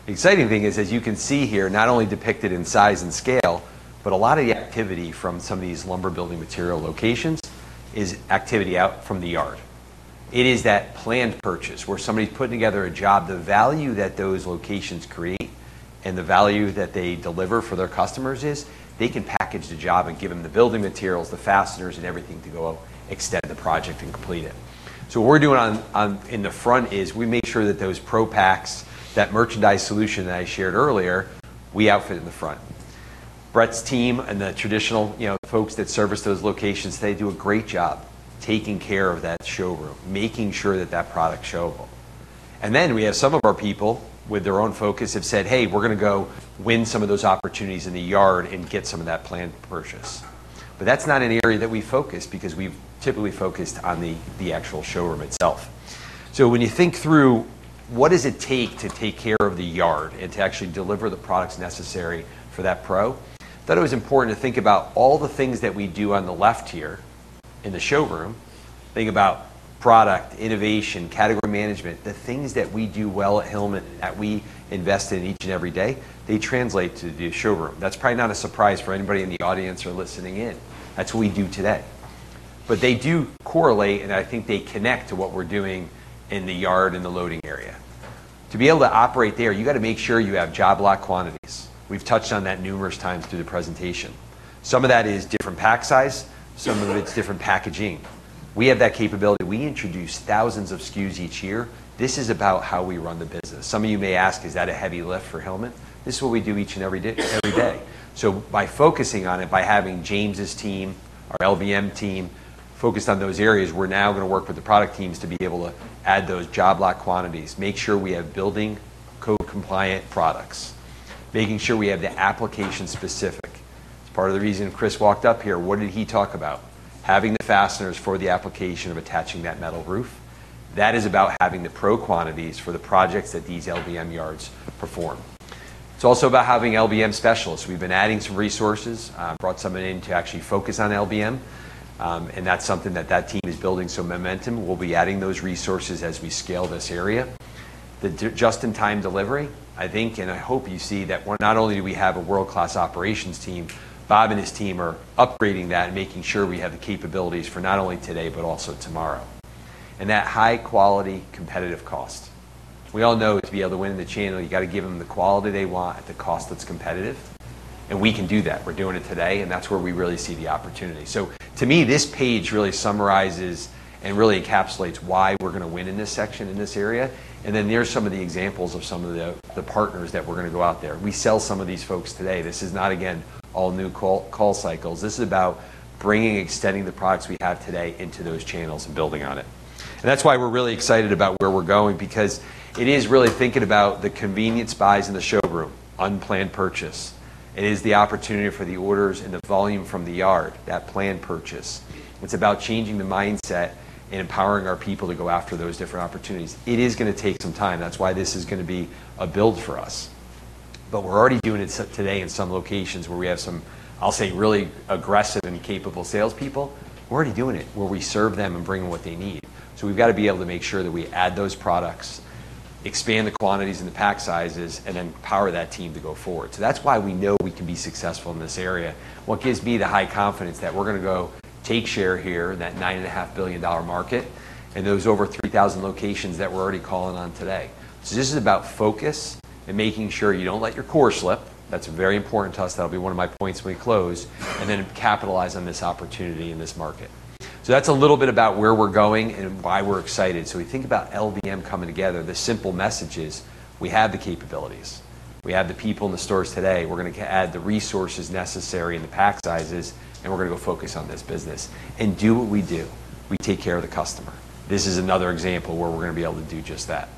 [SPEAKER 2] The exciting thing is, as you can see here, not only depicted in size and scale, but a lot of the activity from some of these lumber building material locations is activity out from the yard. It is that planned purchase where somebody's putting together a job. The value that those locations create and the value that they deliver for their customers is they can package the job and give them the building materials, the fasteners and everything to go extend the project and complete it. What we're doing on in the front is we make sure that those pro packs, that merchandise solution that I shared earlier, we outfit in the front. Brett's team and the traditional, you know, folks that service those locations, they do a great job taking care of that showroom, making sure that that product's showable. We have some of our people with their own focus have said, "Hey, we're gonna go win some of those opportunities in the yard and get some of that planned purchase." That's not an area that we focus because we've typically focused on the actual showroom itself. When you think through what does it take to take care of the yard and to actually deliver the products necessary for that pro? I thought it was important to think about all the things that we do on the left here in the showroom. Think about product, innovation, category management, the things that we do well at Hillman that we invest in each and every day, they translate to the showroom. That's probably not a surprise for anybody in the audience or listening in. That's what we do today. They do correlate, and I think they connect to what we're doing in the yard and the loading area. To be able to operate there, you gotta make sure you have job lot quantities. We've touched on that numerous times through the presentation. Some of that is different pack size, some of it's different packaging. We have that capability. We introduce thousands of SKUs each year. This is about how we run the business. Some of you may ask, "Is that a heavy lift for Hillman?" This is what we do each and every day. By focusing on it, by having James' team, our LBM team focused on those areas, we're now gonna work with the product teams to be able to add those job lot quantities, make sure we have building code compliant products, making sure we have the application specifics. Part of the reason Chris walked up here, what did he talk about? Having the fasteners for the application of attaching that metal roof. That is about having the pro quantities for the projects that these LBM yards perform. It's also about having LBM specialists. We've been adding some resources, brought somebody in to actually focus on LBM, and that's something that team is building some momentum. We'll be adding those resources as we scale this area. The just-in-time delivery, I think, and I hope you see that we're not only do we have a world-class operations team, Bob and his team are upgrading that and making sure we have the capabilities for not only today but also tomorrow. That high quality competitive cost. We all know to be able to win in the channel, you got to give them the quality they want at the cost that's competitive, and we can do that. We're doing it today, and that's where we really see the opportunity. To me, this page really summarizes and really encapsulates why we're gonna win in this section, in this area. Then there are some of the examples of some of the partners that we're gonna go out there. We sell some of these folks today. This is not, again, all new call cycles. This is about bringing, extending the products we have today into those channels and building on it. That's why we're really excited about where we're going because it is really thinking about the convenience buys in the showroom, unplanned purchase. It is the opportunity for the orders and the volume from the yard, that planned purchase. It's about changing the mindset and empowering our people to go after those different opportunities. It is gonna take some time. That's why this is gonna be a build for us. We're already doing it today in some locations where we have some, I'll say, really aggressive and capable salespeople. We're already doing it, where we serve them and bring them what they need. We've got to be able to make sure that we add those products, expand the quantities and the pack sizes, and empower that team to go forward. That's why we know we can be successful in this area. What gives me the high confidence that we're gonna go take share here, that $9.5 billion market, and those over 3,000 locations that we're already calling on today. This is about focus and making sure you don't let your core slip. That's very important to us. That'll be one of my points when we close, and then capitalize on this opportunity in this market. That's a little bit about where we're going and why we're excited. We think about LBM coming together, the simple message is we have the capabilities. We have the people in the stores today. We're gonna add the resources necessary and the pack sizes, and we're gonna go focus on this business and do what we do. We take care of the customer. This is another example where we're gonna be able to do just that.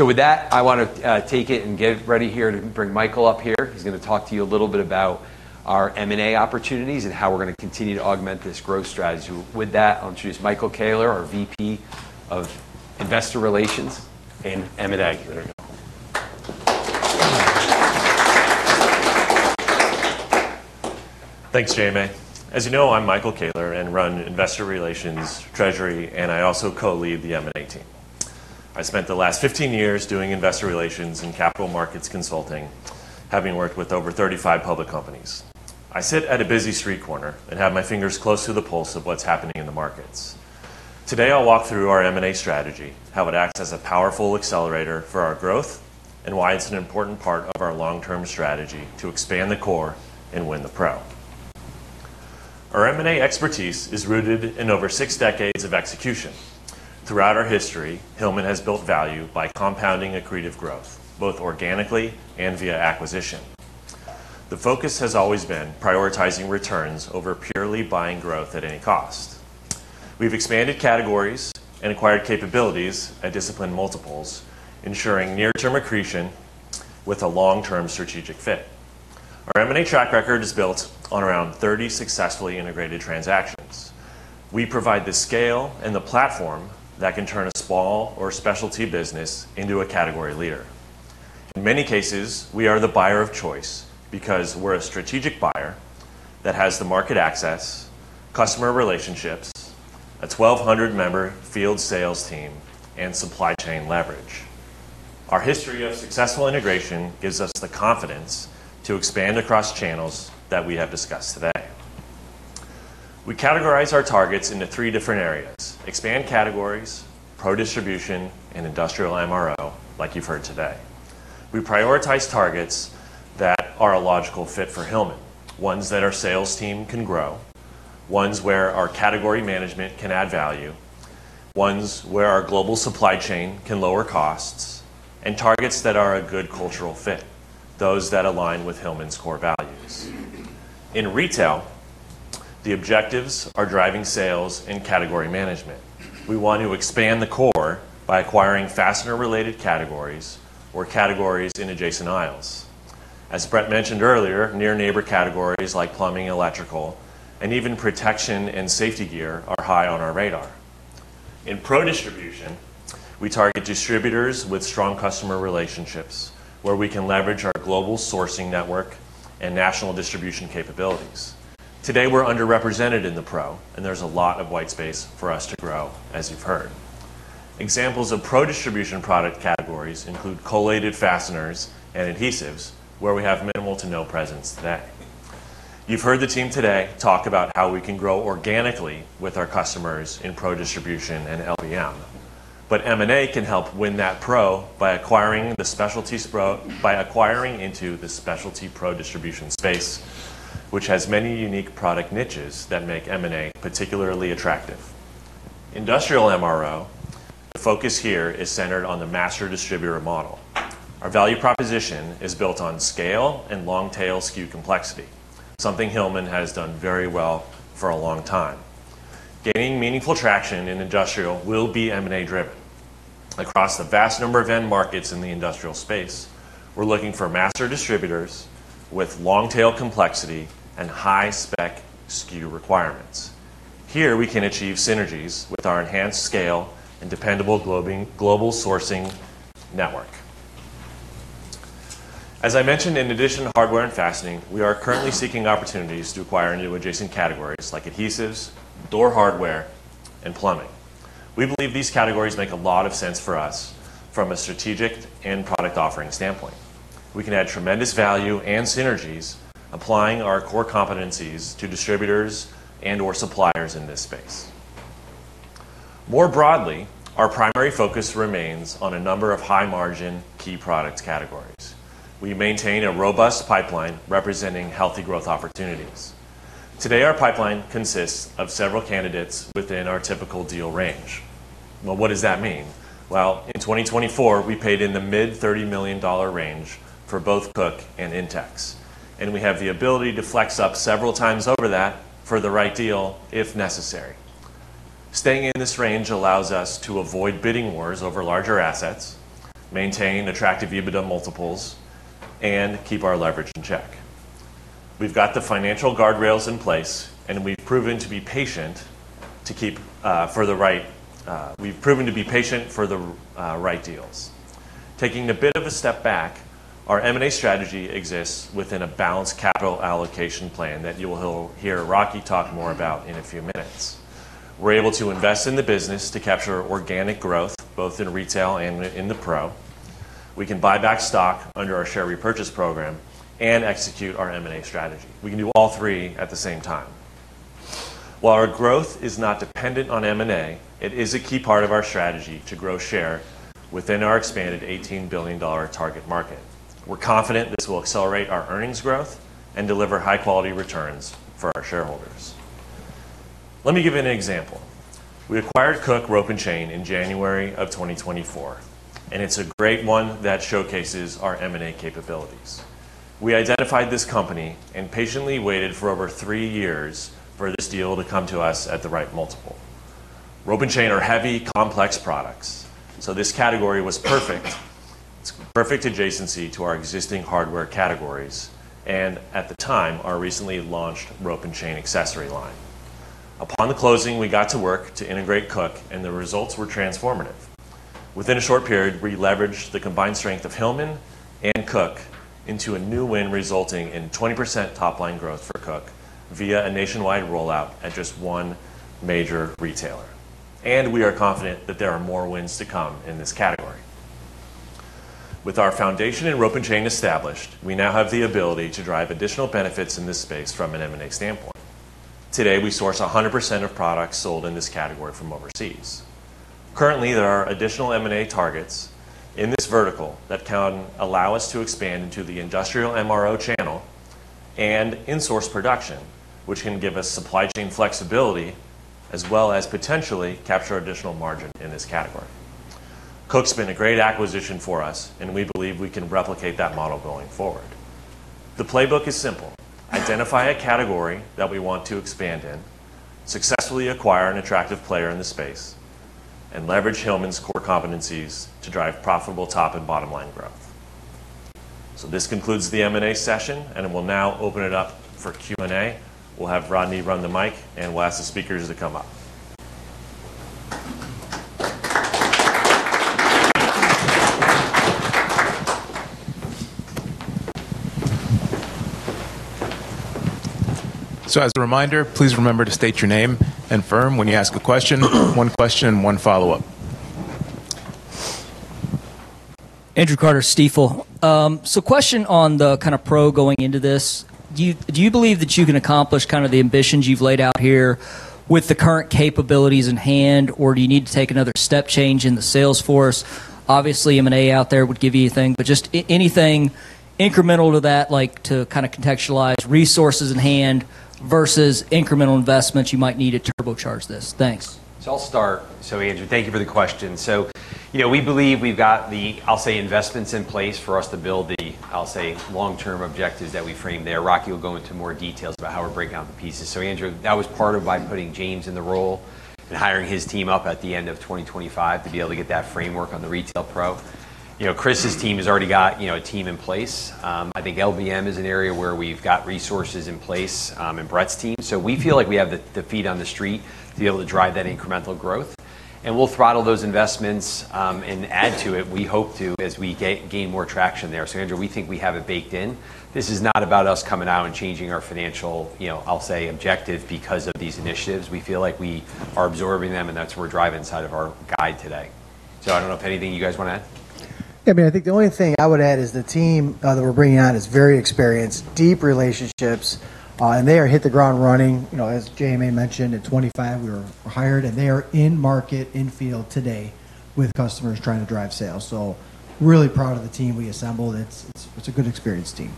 [SPEAKER 2] With that, I wanna take it and get ready here to bring Michael up here. He's gonna talk to you a little bit about our M&A opportunities and how we're gonna continue to augment this growth strategy. With that, I'll introduce Michael Koehler, our VP of Investor Relations and M&A. Here we go.
[SPEAKER 1] Thanks, JMA. As you know, I'm Michael Koehler and run Investor Relations, Treasury, and I also co-lead the M&A team. I spent the last 15 years doing investor relations and capital markets consulting, having worked with over 35 public companies. I sit at a busy street corner and have my fingers close to the pulse of what's happening in the markets. Today, I'll walk through our M&A strategy, how it acts as a powerful accelerator for our growth, and why it's an important part of our long-term strategy to expand the core and win the pro. Our M&A expertise is rooted in over six decades of execution. Throughout our history, Hillman has built value by compounding accretive growth, both organically and via acquisition. The focus has always been prioritizing returns over purely buying growth at any cost. We've expanded categories and acquired capabilities at disciplined multiples, ensuring near-term accretion with a long-term strategic fit. Our M&A track record is built on around 30 successfully integrated transactions. We provide the scale and the platform that can turn a small or specialty business into a category leader. In many cases, we are the buyer of choice because we're a strategic buyer that has the market access, customer relationships, a 1,200-member field sales team, and supply chain leverage. Our history of successful integration gives us the confidence to expand across channels that we have discussed today. We categorize our targets into three different areas, expand categories, pro distribution, and industrial MRO, like you've heard today. We prioritize targets that are a logical fit for Hillman, ones that our sales team can grow, ones where our category management can add value, ones where our global supply chain can lower costs and targets that are a good cultural fit, those that align with Hillman's core values. In retail, the objectives are driving sales and category management. We want to expand the core by acquiring fastener-related categories or categories in adjacent aisles. As Brett mentioned earlier, near neighbor categories like plumbing, electrical, and even protection and safety gear are high on our radar. In Pro distribution, we target distributors with strong customer relationships, where we can leverage our global sourcing network and national distribution capabilities. Today, we're underrepresented in the Pro, and there's a lot of white space for us to grow, as you've heard. Examples of Pro distribution product categories include collated fasteners and adhesives, where we have minimal to no presence today. You've heard the team today talk about how we can grow organically with our customers in Pro distribution and LBM. M&A can help win that Pro by acquiring into the specialty Pro distribution space, which has many unique product niches that make M&A particularly attractive. Industrial MRO, the focus here is centered on the master distributor model. Our value proposition is built on scale and long-tail SKU complexity, something Hillman has done very well for a long time. Gaining meaningful traction in industrial will be M&A-driven. Across the vast number of end markets in the industrial space, we're looking for master distributors with long-tail complexity and high-spec SKU requirements. Here, we can achieve synergies with our enhanced scale and dependable global sourcing network. As I mentioned, in addition to hardware and fastening, we are currently seeking opportunities to acquire new adjacent categories like adhesives, door hardware, and plumbing. We believe these categories make a lot of sense for us from a strategic and product offering standpoint. We can add tremendous value and synergies, applying our core competencies to distributors and/or suppliers in this space. More broadly, our primary focus remains on a number of high-margin key product categories. We maintain a robust pipeline representing healthy growth opportunities. Today, our pipeline consists of several candidates within our typical deal range. Well, what does that mean? Well, in 2024, we paid in the mid-$30 million range for both Koch and Intex, and we have the ability to flex up several times over that for the right deal if necessary. Staying in this range allows us to avoid bidding wars over larger assets, maintain attractive EBITDA multiples, and keep our leverage in check. We've got the financial guardrails in place, and we've proven to be patient for the right deals. Taking a bit of a step back, our M&A strategy exists within a balanced capital allocation plan that you will hear Rocky talk more about in a few minutes. We're able to invest in the business to capture organic growth, both in retail and in the pro. We can buy back stock under our share repurchase program and execute our M&A strategy. We can do all three at the same time. While our growth is not dependent on M&A, it is a key part of our strategy to grow share within our expanded $18 billion target market. We're confident this will accelerate our earnings growth and deliver high-quality returns for our shareholders. Let me give you an example. We acquired Koch Rope and Chain in January of 2024, and it's a great one that showcases our M&A capabilities. We identified this company and patiently waited for over three years for this deal to come to us at the right multiple. Rope and Chain are heavy, complex products, so this category was perfect. It's perfect adjacency to our existing hardware categories and at the time, our recently launched Rope and Chain accessory line. Upon the closing, we got to work to integrate Koch, and the results were transformative. Within a short period, we leveraged the combined strength of Hillman and Koch into a new win, resulting in 20% top-line growth for Koch via a nationwide rollout at just one major retailer. We are confident that there are more wins to come in this category. With our foundation in Rope and Chain established, we now have the ability to drive additional benefits in this space from an M&A standpoint. Today, we source 100% of products sold in this category from overseas. Currently, there are additional M&A targets in this vertical that can allow us to expand into the industrial MRO channel and in-source production, which can give us supply chain flexibility as well as potentially capture additional margin in this category. Koch's been a great acquisition for us, and we believe we can replicate that model going forward. The playbook is simple. Identify a category that we want to expand in, successfully acquire an attractive player in the space, and leverage Hillman's core competencies to drive profitable top and bottom line growth. This concludes the M&A session, and we'll now open it up for Q&A. We'll have Rodney run the mic, and we'll ask the speakers to come up.
[SPEAKER 17] As a reminder, please remember to state your name and firm when you ask a question. One question, one follow-up.
[SPEAKER 18] Andrew Carter, Stifel. Question on the kinda Pro going into this. Do you believe that you can accomplish kinda the ambitions you've laid out here with the current capabilities in hand, or do you need to take another step change in the sales force? Obviously, M&A out there would give you a thing, but just anything incremental to that, like, to kinda contextualize resources in hand versus incremental investments you might need to turbocharge this. Thanks.
[SPEAKER 1] I'll start. Andrew, thank you for the question. You know, we believe we've got the, I'll say, investments in place for us to build the, I'll say, long-term objectives that we framed there. Rocky will go into more details about how we're breaking down the pieces. Andrew, that was part of why putting James in the role and hiring his team up at the end of 2025 to be able to get that framework on the retail pro. You know, Chris' team has already got, you know, a team in place. I think LBM is an area where we've got resources in place, in Brett's team. We feel like we have the the feet on the street to be able to drive that incremental growth, and we'll throttle those investments, and add to it. We hope to, as we gain more traction there. Andrew, we think we have it baked in. This is not about us coming out and changing our financial, you know, I'll say, objective because of these initiatives. We feel like we are absorbing them, and that's what we're driving inside of our guide today. I don't know if anything you guys wanna add.
[SPEAKER 18] Yeah, I mean, I think the only thing I would add is the team that we're bringing on is very experienced, deep relationships, and they are hitting the ground running. You know, as JMA mentioned, in 2025, we were hired, and they are in market, in field today with customers trying to drive sales. Really proud of the team we assembled. It's a good experienced team.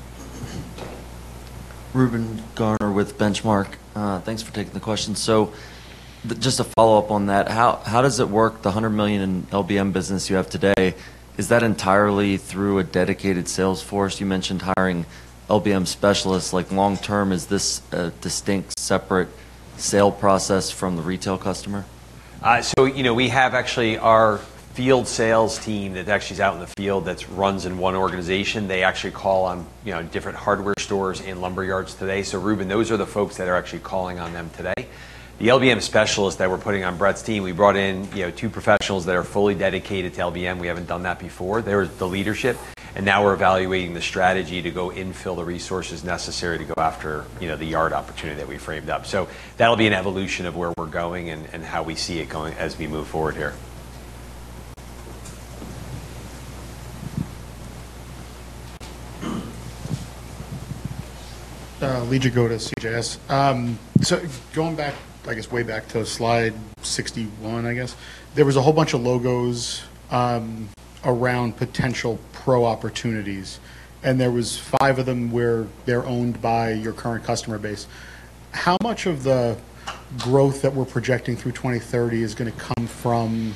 [SPEAKER 8] Reuben Garner with Benchmark. Thanks for taking the question. Just a follow-up on that. How does it work, the $100 million in LBM business you have today? Is that entirely through a dedicated sales force? You mentioned hiring LBM specialists, like, long term, is this a distinct, separate sales process from the retail customer?
[SPEAKER 1] You know, we have actually our field sales team that actually is out in the field that runs in one organization. They actually call on, you know, different hardware stores and lumber yards today. Reuben, those are the folks that are actually calling on them today. The LBM specialists that we're putting on Brett's team, we brought in, you know, two professionals that are fully dedicated to LBM. We haven't done that before. They're the leadership, and now we're evaluating the strategy to go infill the resources necessary to go after, you know, the yard opportunity that we framed up. That'll be an evolution of where we're going and how we see it going as we move forward here.
[SPEAKER 9] Lee Jagoda, CJS. Going back, I guess, way back to Slide 61, I guess, there was a whole bunch of logos around potential pro opportunities, and there was five of them where they're owned by your current customer base. How much of the growth that we're projecting through 2030 is gonna come from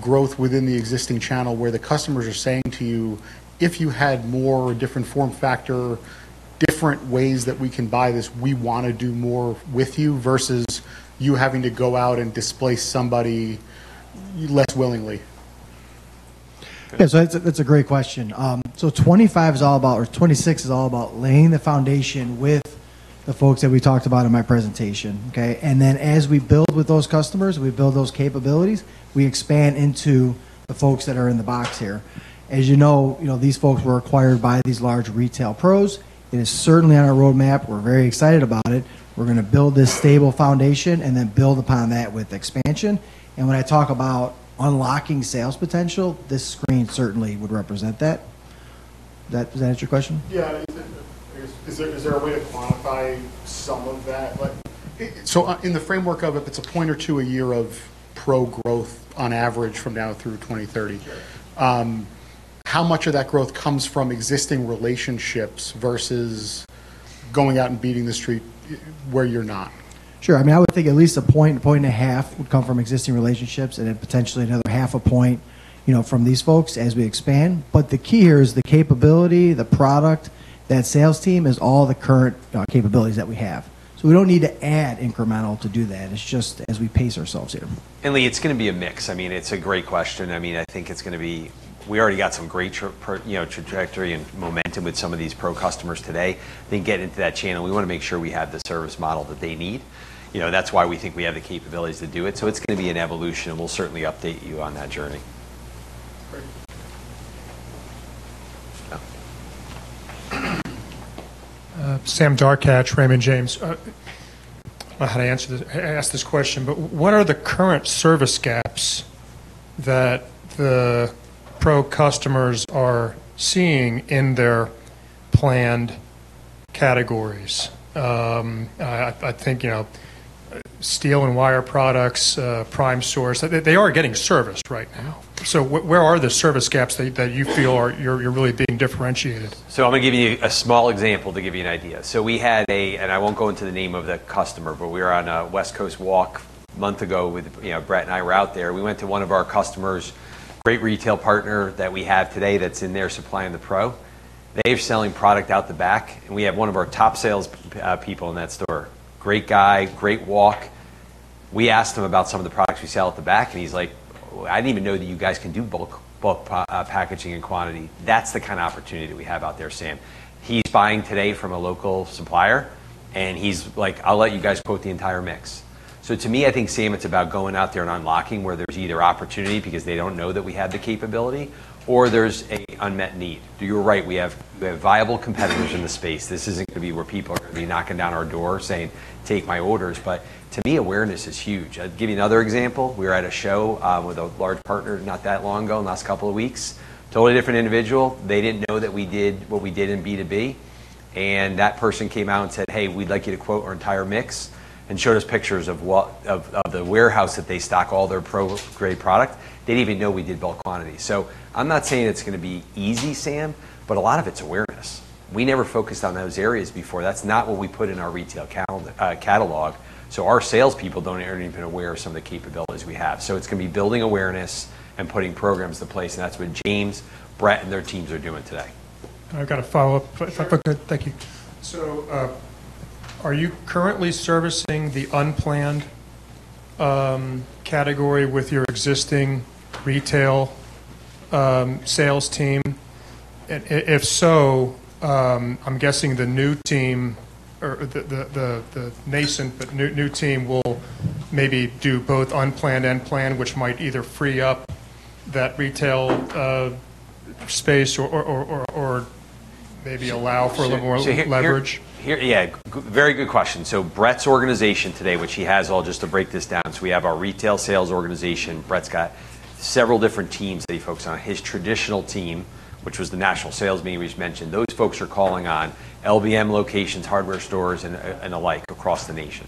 [SPEAKER 9] growth within the existing channel where the customers are saying to you, "If you had more different form factor, different ways that we can buy this, we wanna do more with you," versus you having to go out and displace somebody less willingly?
[SPEAKER 1] It's a great question. 2025 is all about or 2026 is all about laying the foundation with the folks that we talked about in my presentation, okay? As we build with those customers, we build those capabilities, we expand into the folks that are in the box here. As you know, you know, these folks were acquired by these large retail pros. It is certainly on our roadmap. We're very excited about it. We're gonna build this stable foundation and then build upon that with expansion. When I talk about unlocking sales potential, this screen certainly would represent that. Does that answer your question?
[SPEAKER 9] Yeah. I guess, is there a way to quantify some of that? Like, in the framework of if it's 1 or 2 points a year of Pro growth on average from now through 2030.
[SPEAKER 2] Yeah
[SPEAKER 9] How much of that growth comes from existing relationships versus going out and beating the street where you're not?
[SPEAKER 1] Sure. I mean, I would think at least a point, a point and a half would come from existing relationships and then potentially another half a point, you know, from these folks as we expand. The key here is the capability, the product. That sales team has all the current capabilities that we have. We don't need to add incremental to do that. It's just as we pace ourselves here.
[SPEAKER 2] Lee, it's gonna be a mix. I mean, it's a great question. I mean, I think it's gonna be. We already got some great trajectory and momentum with some of these Pro customers today. Then getting into that channel, we wanna make sure we have the service model that they need. You know, that's why we think we have the capabilities to do it. It's gonna be an evolution, and we'll certainly update you on that journey.
[SPEAKER 9] Great.
[SPEAKER 2] Oh.
[SPEAKER 10] Sam Darkatsh, Raymond James. Don't know how to ask this question, but what are the current service gaps that the pro customers are seeing in their planned categories? I think, you know, steel and wire products, PrimeSource, they are getting serviced right now. Where are the service gaps that you feel you're really being differentiated?
[SPEAKER 2] I'm gonna give you a small example to give you an idea. We had and I won't go into the name of the customer, but we were on a West Coast walk a month ago with. You know, Brett and I were out there. We went to one of our customers, great retail partner that we have today that's in there supplying the Pro. They're selling product out the back, and we have one of our top sales people in that store. Great guy, great walk. We asked him about some of the products we sell at the back, and he's like, "I didn't even know that you guys can do bulk packaging and quantity." That's the kind of opportunity we have out there, Sam. He's buying today from a local supplier, and he's like, "I'll let you guys quote the entire mix." To me, I think, Sam, it's about going out there and unlocking where there's either opportunity because they don't know that we have the capability, or there's an unmet need. You're right, we have viable competitors in the space. This isn't gonna be where people are gonna be knocking down our door saying, "Take my orders." To me, awareness is huge. I'll give you another example. We were at a show with a large partner not that long ago, in the last couple of weeks. Totally different individual. They didn't know that we did what we did in B2B, and that person came out and said, "Hey, we'd like you to quote our entire mix," and showed us pictures of the warehouse that they stock all their pro-grade product. They didn't even know we did bulk quantity. I'm not saying it's gonna be easy, Sam, but a lot of it's awareness. We never focused on those areas before. That's not what we put in our retail catalog, so our salespeople aren't even aware of some of the capabilities we have. It's gonna be building awareness and putting programs into place, and that's what James, Brett, and their teams are doing today.
[SPEAKER 10] I've got a follow-up.
[SPEAKER 2] Sure.
[SPEAKER 10] Thank you. Are you currently servicing the unplanned category with your existing retail sales team? If so, I'm guessing the new team or the nascent but new team will maybe do both unplanned and planned, which might either free up that retail space or maybe allow for a little more leverage.
[SPEAKER 2] Yeah, very good question. Brett's organization today, which he has all just to break this down, we have our retail sales organization. Brett's got several different teams that he focuses on. His traditional team, which was the national sales team we just mentioned, those folks are calling on LBM locations, hardware stores, and the like across the nation.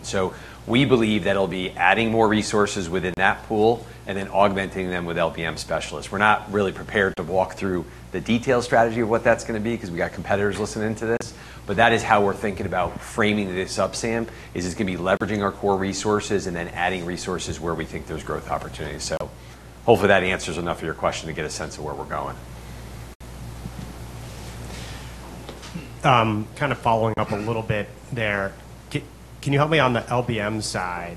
[SPEAKER 2] We believe that it'll be adding more resources within that pool and then augmenting them with LBM specialists. We're not really prepared to walk through the detailed strategy of what that's gonna be because we got competitors listening to this, but that is how we're thinking about framing this up, Sam, is it's gonna be leveraging our core resources and then adding resources where we think there's growth opportunities. Hopefully that answers enough of your question to get a sense of where we're going.
[SPEAKER 10] Kind of following up a little bit there. Can you help me on the LBM side?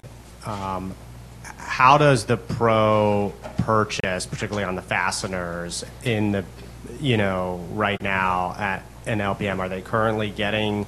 [SPEAKER 10] How does the pro purchase, particularly on the fasteners in the, you know, right now at an LBM, are they currently getting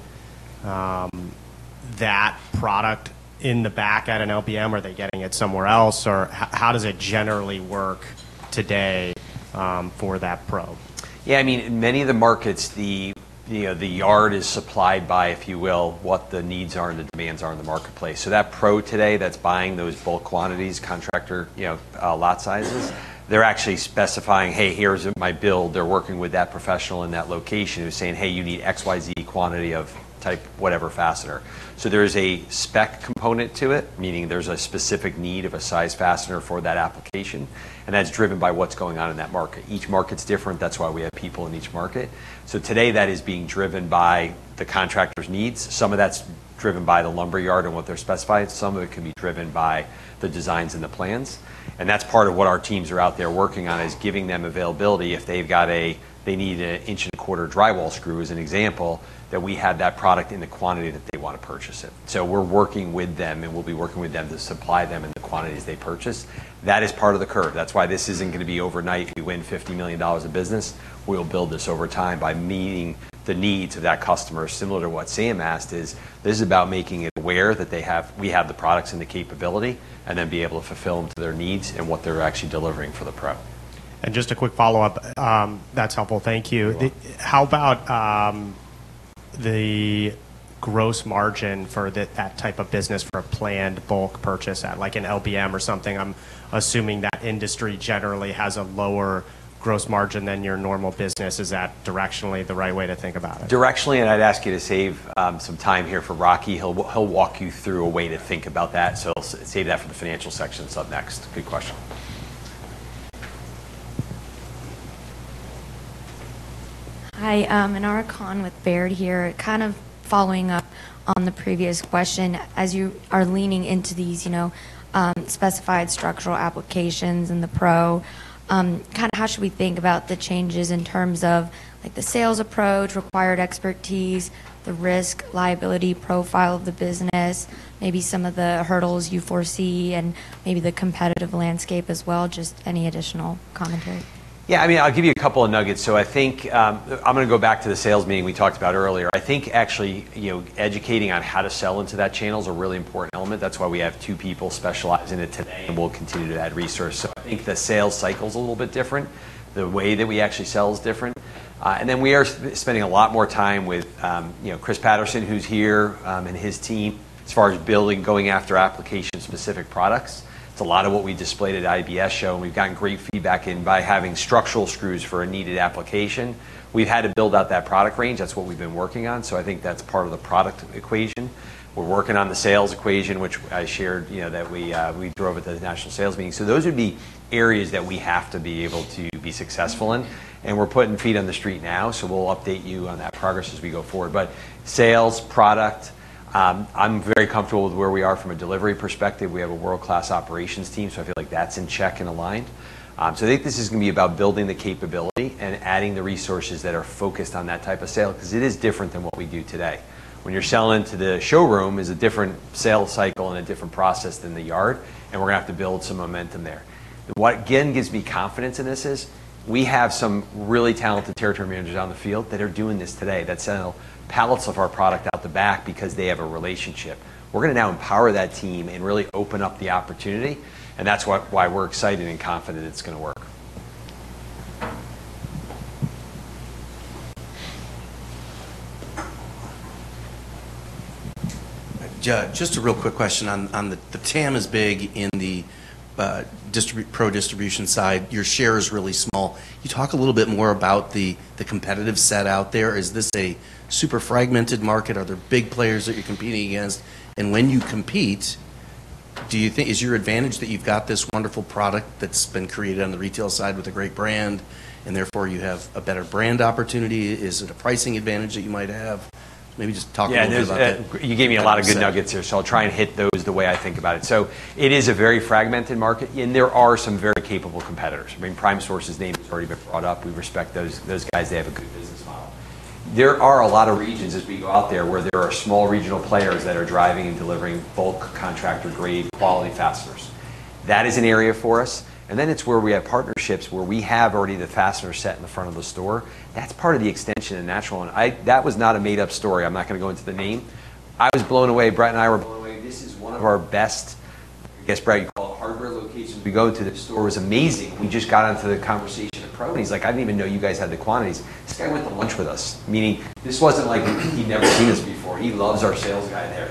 [SPEAKER 10] that product in the back at an LBM? Are they getting it somewhere else? Or how does it generally work today for that pro?
[SPEAKER 2] Yeah. I mean, in many of the markets, the yard is supplied by, if you will, what the needs are and the demands are in the marketplace. That pro today that's buying those bulk quantities, contractor, you know, lot sizes, they're actually specifying, "Hey, here's my build." They're working with that professional in that location who's saying, "Hey, you need XYZ quantity of type whatever fastener." There is a spec component to it, meaning there's a specific need of a size fastener for that application, and that's driven by what's going on in that market. Each market's different. That's why we have people in each market. Today, that is being driven by the contractor's needs. Some of that's driven by the lumber yard and what they're specifying. Some of it can be driven by the designs and the plans, and that's part of what our teams are out there working on, is giving them availability. If they've got a they need an inch and a quarter drywall screw, as an example, that we have that product in the quantity that they want to purchase it. So, we're working with them, and we'll be working with them to supply them in the quantities they purchase. That is part of the curve. That's why this isn't gonna be overnight. If you win $50 million of business, we'll build this over time by meeting the needs of that customer. Similar to what Sam asked is, this is about making it aware that we have the products and the capability, and then be able to fulfill their needs and what they're actually delivering for the pro.
[SPEAKER 10] Just a quick follow-up. That's helpful. Thank you.
[SPEAKER 2] You're welcome.
[SPEAKER 10] How about the gross margin for that type of business for a planned bulk purchase at, like, an LBM or something? I'm assuming that industry generally has a lower gross margin than your normal business. Is that directionally the right way to think about it?
[SPEAKER 2] Directionally, I'd ask you to save some time here for Rocky. He'll walk you through a way to think about that. I'll save that for the financial section. It's up next. Good question.
[SPEAKER 11] Hi. Anu Khan with Baird here. Kind of following up on the previous question. As you are leaning into these, you know, specified structural applications in the pro, kind of how should we think about the changes in terms of, like, the sales approach, required expertise, the risk, liability profile of the business, maybe some of the hurdles you foresee and maybe the competitive landscape as well? Just any additional commentary.
[SPEAKER 2] Yeah, I mean, I'll give you a couple of nuggets. I think I'm gonna go back to the sales meeting we talked about earlier. I think actually, you know, educating on how to sell into that channel is a really important element. That's why we have two people specialized in it today, and we'll continue to add resource. I think the sales cycle's a little bit different. The way that we actually sell is different. And then we are spending a lot more time with you know, Chris Paterson, who's here, and his team as far as building, going after application-specific products. It's a lot of what we displayed at IBS show, and we've gotten great feedback and by having Structural Screws for a needed application. We've had to build out that product range. That's what we've been working on. I think that's part of the product equation. We're working on the sales equation, which I shared, you know, that we drove at the national sales meeting. Those would be areas that we have to be able to be successful in. We're putting feet on the street now, so we'll update you on that progress as we go forward. Sales, product, I'm very comfortable with where we are from a delivery perspective. We have a world-class operations team, so I feel like that's in check and aligned. I think this is gonna be about building the capability and adding the resources that are focused on that type of sale 'cause it is different than what we do today. When you're selling to the showroom is a different sales cycle and a different process than the yard, and we're gonna have to build some momentum there. What, again, gives me confidence in this is we have some really talented territory managers on the field that are doing this today that sell pallets of our product out the back because they have a relationship. We're gonna now empower that team and really open up the opportunity, and that's why we're excited and confident it's gonna work.
[SPEAKER 9] Just a real quick question on the TAM is big in the pro distribution side. Your share is really small. Can you talk a little bit more about the competitive set out there. Is this a super fragmented market? Are there big players that you're competing against? When you compete, do you think is your advantage that you've got this wonderful product that's been created on the retail side with a great brand, and therefore you have a better brand opportunity? Is it a pricing advantage that you might have? Maybe just talk a little bit about that.
[SPEAKER 2] Yeah. You gave me a lot of good nuggets there, so I'll try and hit those the way I think about it. It is a very fragmented market, and there are some very capable competitors. I mean, PrimeSource's name has already been brought up. We respect those guys. They have a good business model. There are a lot of regions as we go out there, where there are small regional players that are driving and delivering bulk contractor grade quality fasteners. That is an area for us, and then it's where we have partnerships where we have already the fastener set in the front of the store. That's part of the extension in Nashville, and I. That was not a made-up story. I'm not gonna go into the name. I was blown away. Brett and I were blown away. This is one of our best, I guess, Brett, you'd call it hardware locations. We go to the store. It's amazing. We just got into the conversation of Pro, and he's like, "I didn't even know you guys had the quantities." This guy went to lunch with us, meaning this wasn't like he'd never seen us before. He loves our sales guy there.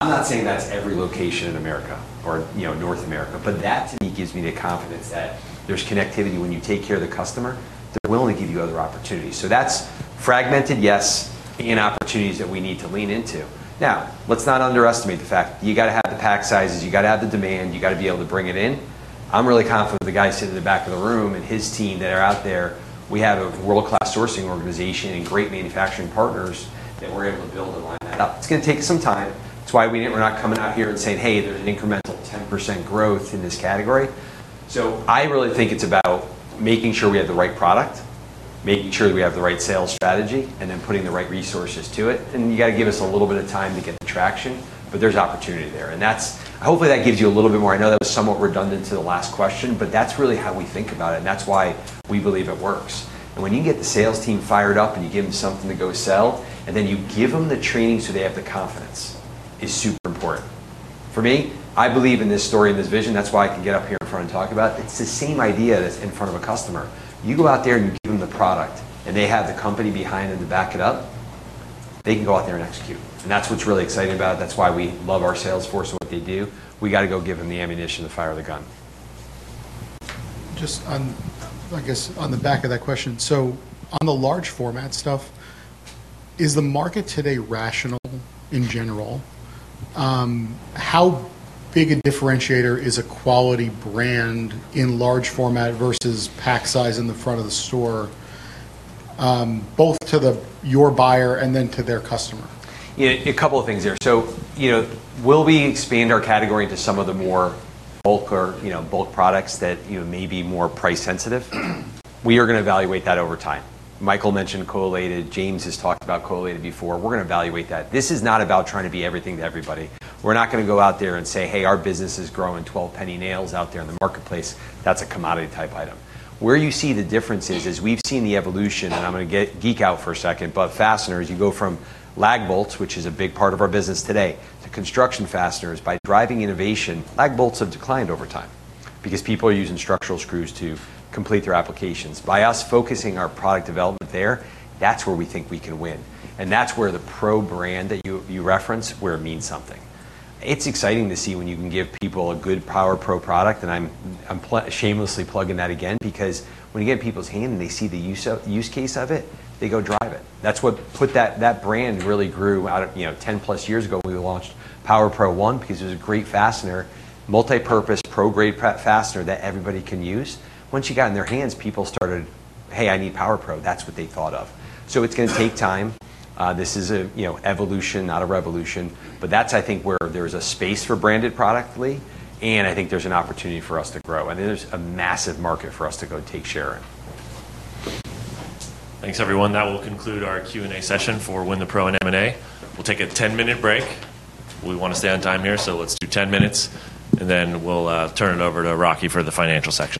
[SPEAKER 2] I'm not saying that's every location in America or, you know, North America, but that to me gives me the confidence that there's connectivity. When you take care of the customer, they're willing to give you other opportunities. That's fragmented, yes, and opportunities that we need to lean into. Now, let's not underestimate the fact that you gotta have the pack sizes, you gotta have the demand, you gotta be able to bring it in. I'm really confident the guy sitting in the back of the room and his team that are out there, we have a world-class sourcing organization and great manufacturing partners that we're able to build and line that up. It's gonna take some time. That's why we're not coming out here and saying, "Hey, there's an incremental 10% growth in this category." I really think it's about making sure we have the right product, making sure that we have the right sales strategy, and then putting the right resources to it. You gotta give us a little bit of time to get the traction, but there's opportunity there. That's. Hopefully, that gives you a little bit more. I know that was somewhat redundant to the last question, but that's really how we think about it, and that's why we believe it works. When you can get the sales team fired up, and you give them something to go sell, and then you give them the training so they have the confidence, is super important. For me, I believe in this story and this vision. That's why I can get up here in front and talk about it. It's the same idea that's in front of a customer. You go out there and you give them the product, and they have the company behind them to back it up, they can go out there and execute. That's what's really exciting about it. That's why we love our sales force and what they do. We gotta go give them the ammunition to fire the gun.
[SPEAKER 9] Just on, I guess, on the back of that question. On the large format stuff, is the market today rational in general? How big a differentiator is a quality brand in large format versus pack size in the front of the store, both to your buyer and then to their customer?
[SPEAKER 2] Yeah, a couple of things there. You know, will we expand our category into some of the more bulk or, you know, bulk products that, you know, may be more price sensitive? We are gonna evaluate that over time. Michael mentioned collated, James has talked about collated before. We're gonna evaluate that. This is not about trying to be everything to everybody. We're not gonna go out there and say, "Hey, our business is growing 12 penny nails out there in the marketplace." That's a commodity type item. Where you see the difference is we've seen the evolution, and I'm gonna geek out for a second, but fasteners, you go from lag bolts, which is a big part of our business today, to construction fasteners by driving innovation. Lag bolts have declined over time because people are using structural screws to complete their applications. By us focusing our product development there, that's where we think we can win, and that's where the Pro brand that you reference, where it means something. It's exciting to see when you can give people a good Power Pro product, and I'm shamelessly plugging that again because when you get it in people's hand and they see the use case of it, they go drive it. That's what that brand really grew out of, you know, 10+ years ago when we launched Power Pro ONE because it was a great fastener, multipurpose pro-grade fastener that everybody can use. Once you got it in their hands, people started, "Hey, I need Power Pro." That's what they thought of. It's gonna take time. This is a, you know, evolution, not a revolution, but that's I think where there's a space for branded product line, and I think there's an opportunity for us to grow, and there's a massive market for us to go take share. Thanks, everyone. That will conclude our Q&A session for Wynn, the Pro and M&A. We'll take a 10-minute break. We wanna stay on time here, so let's do 10 minutes, and then we'll turn it over to Rocky Kraft for the financial section.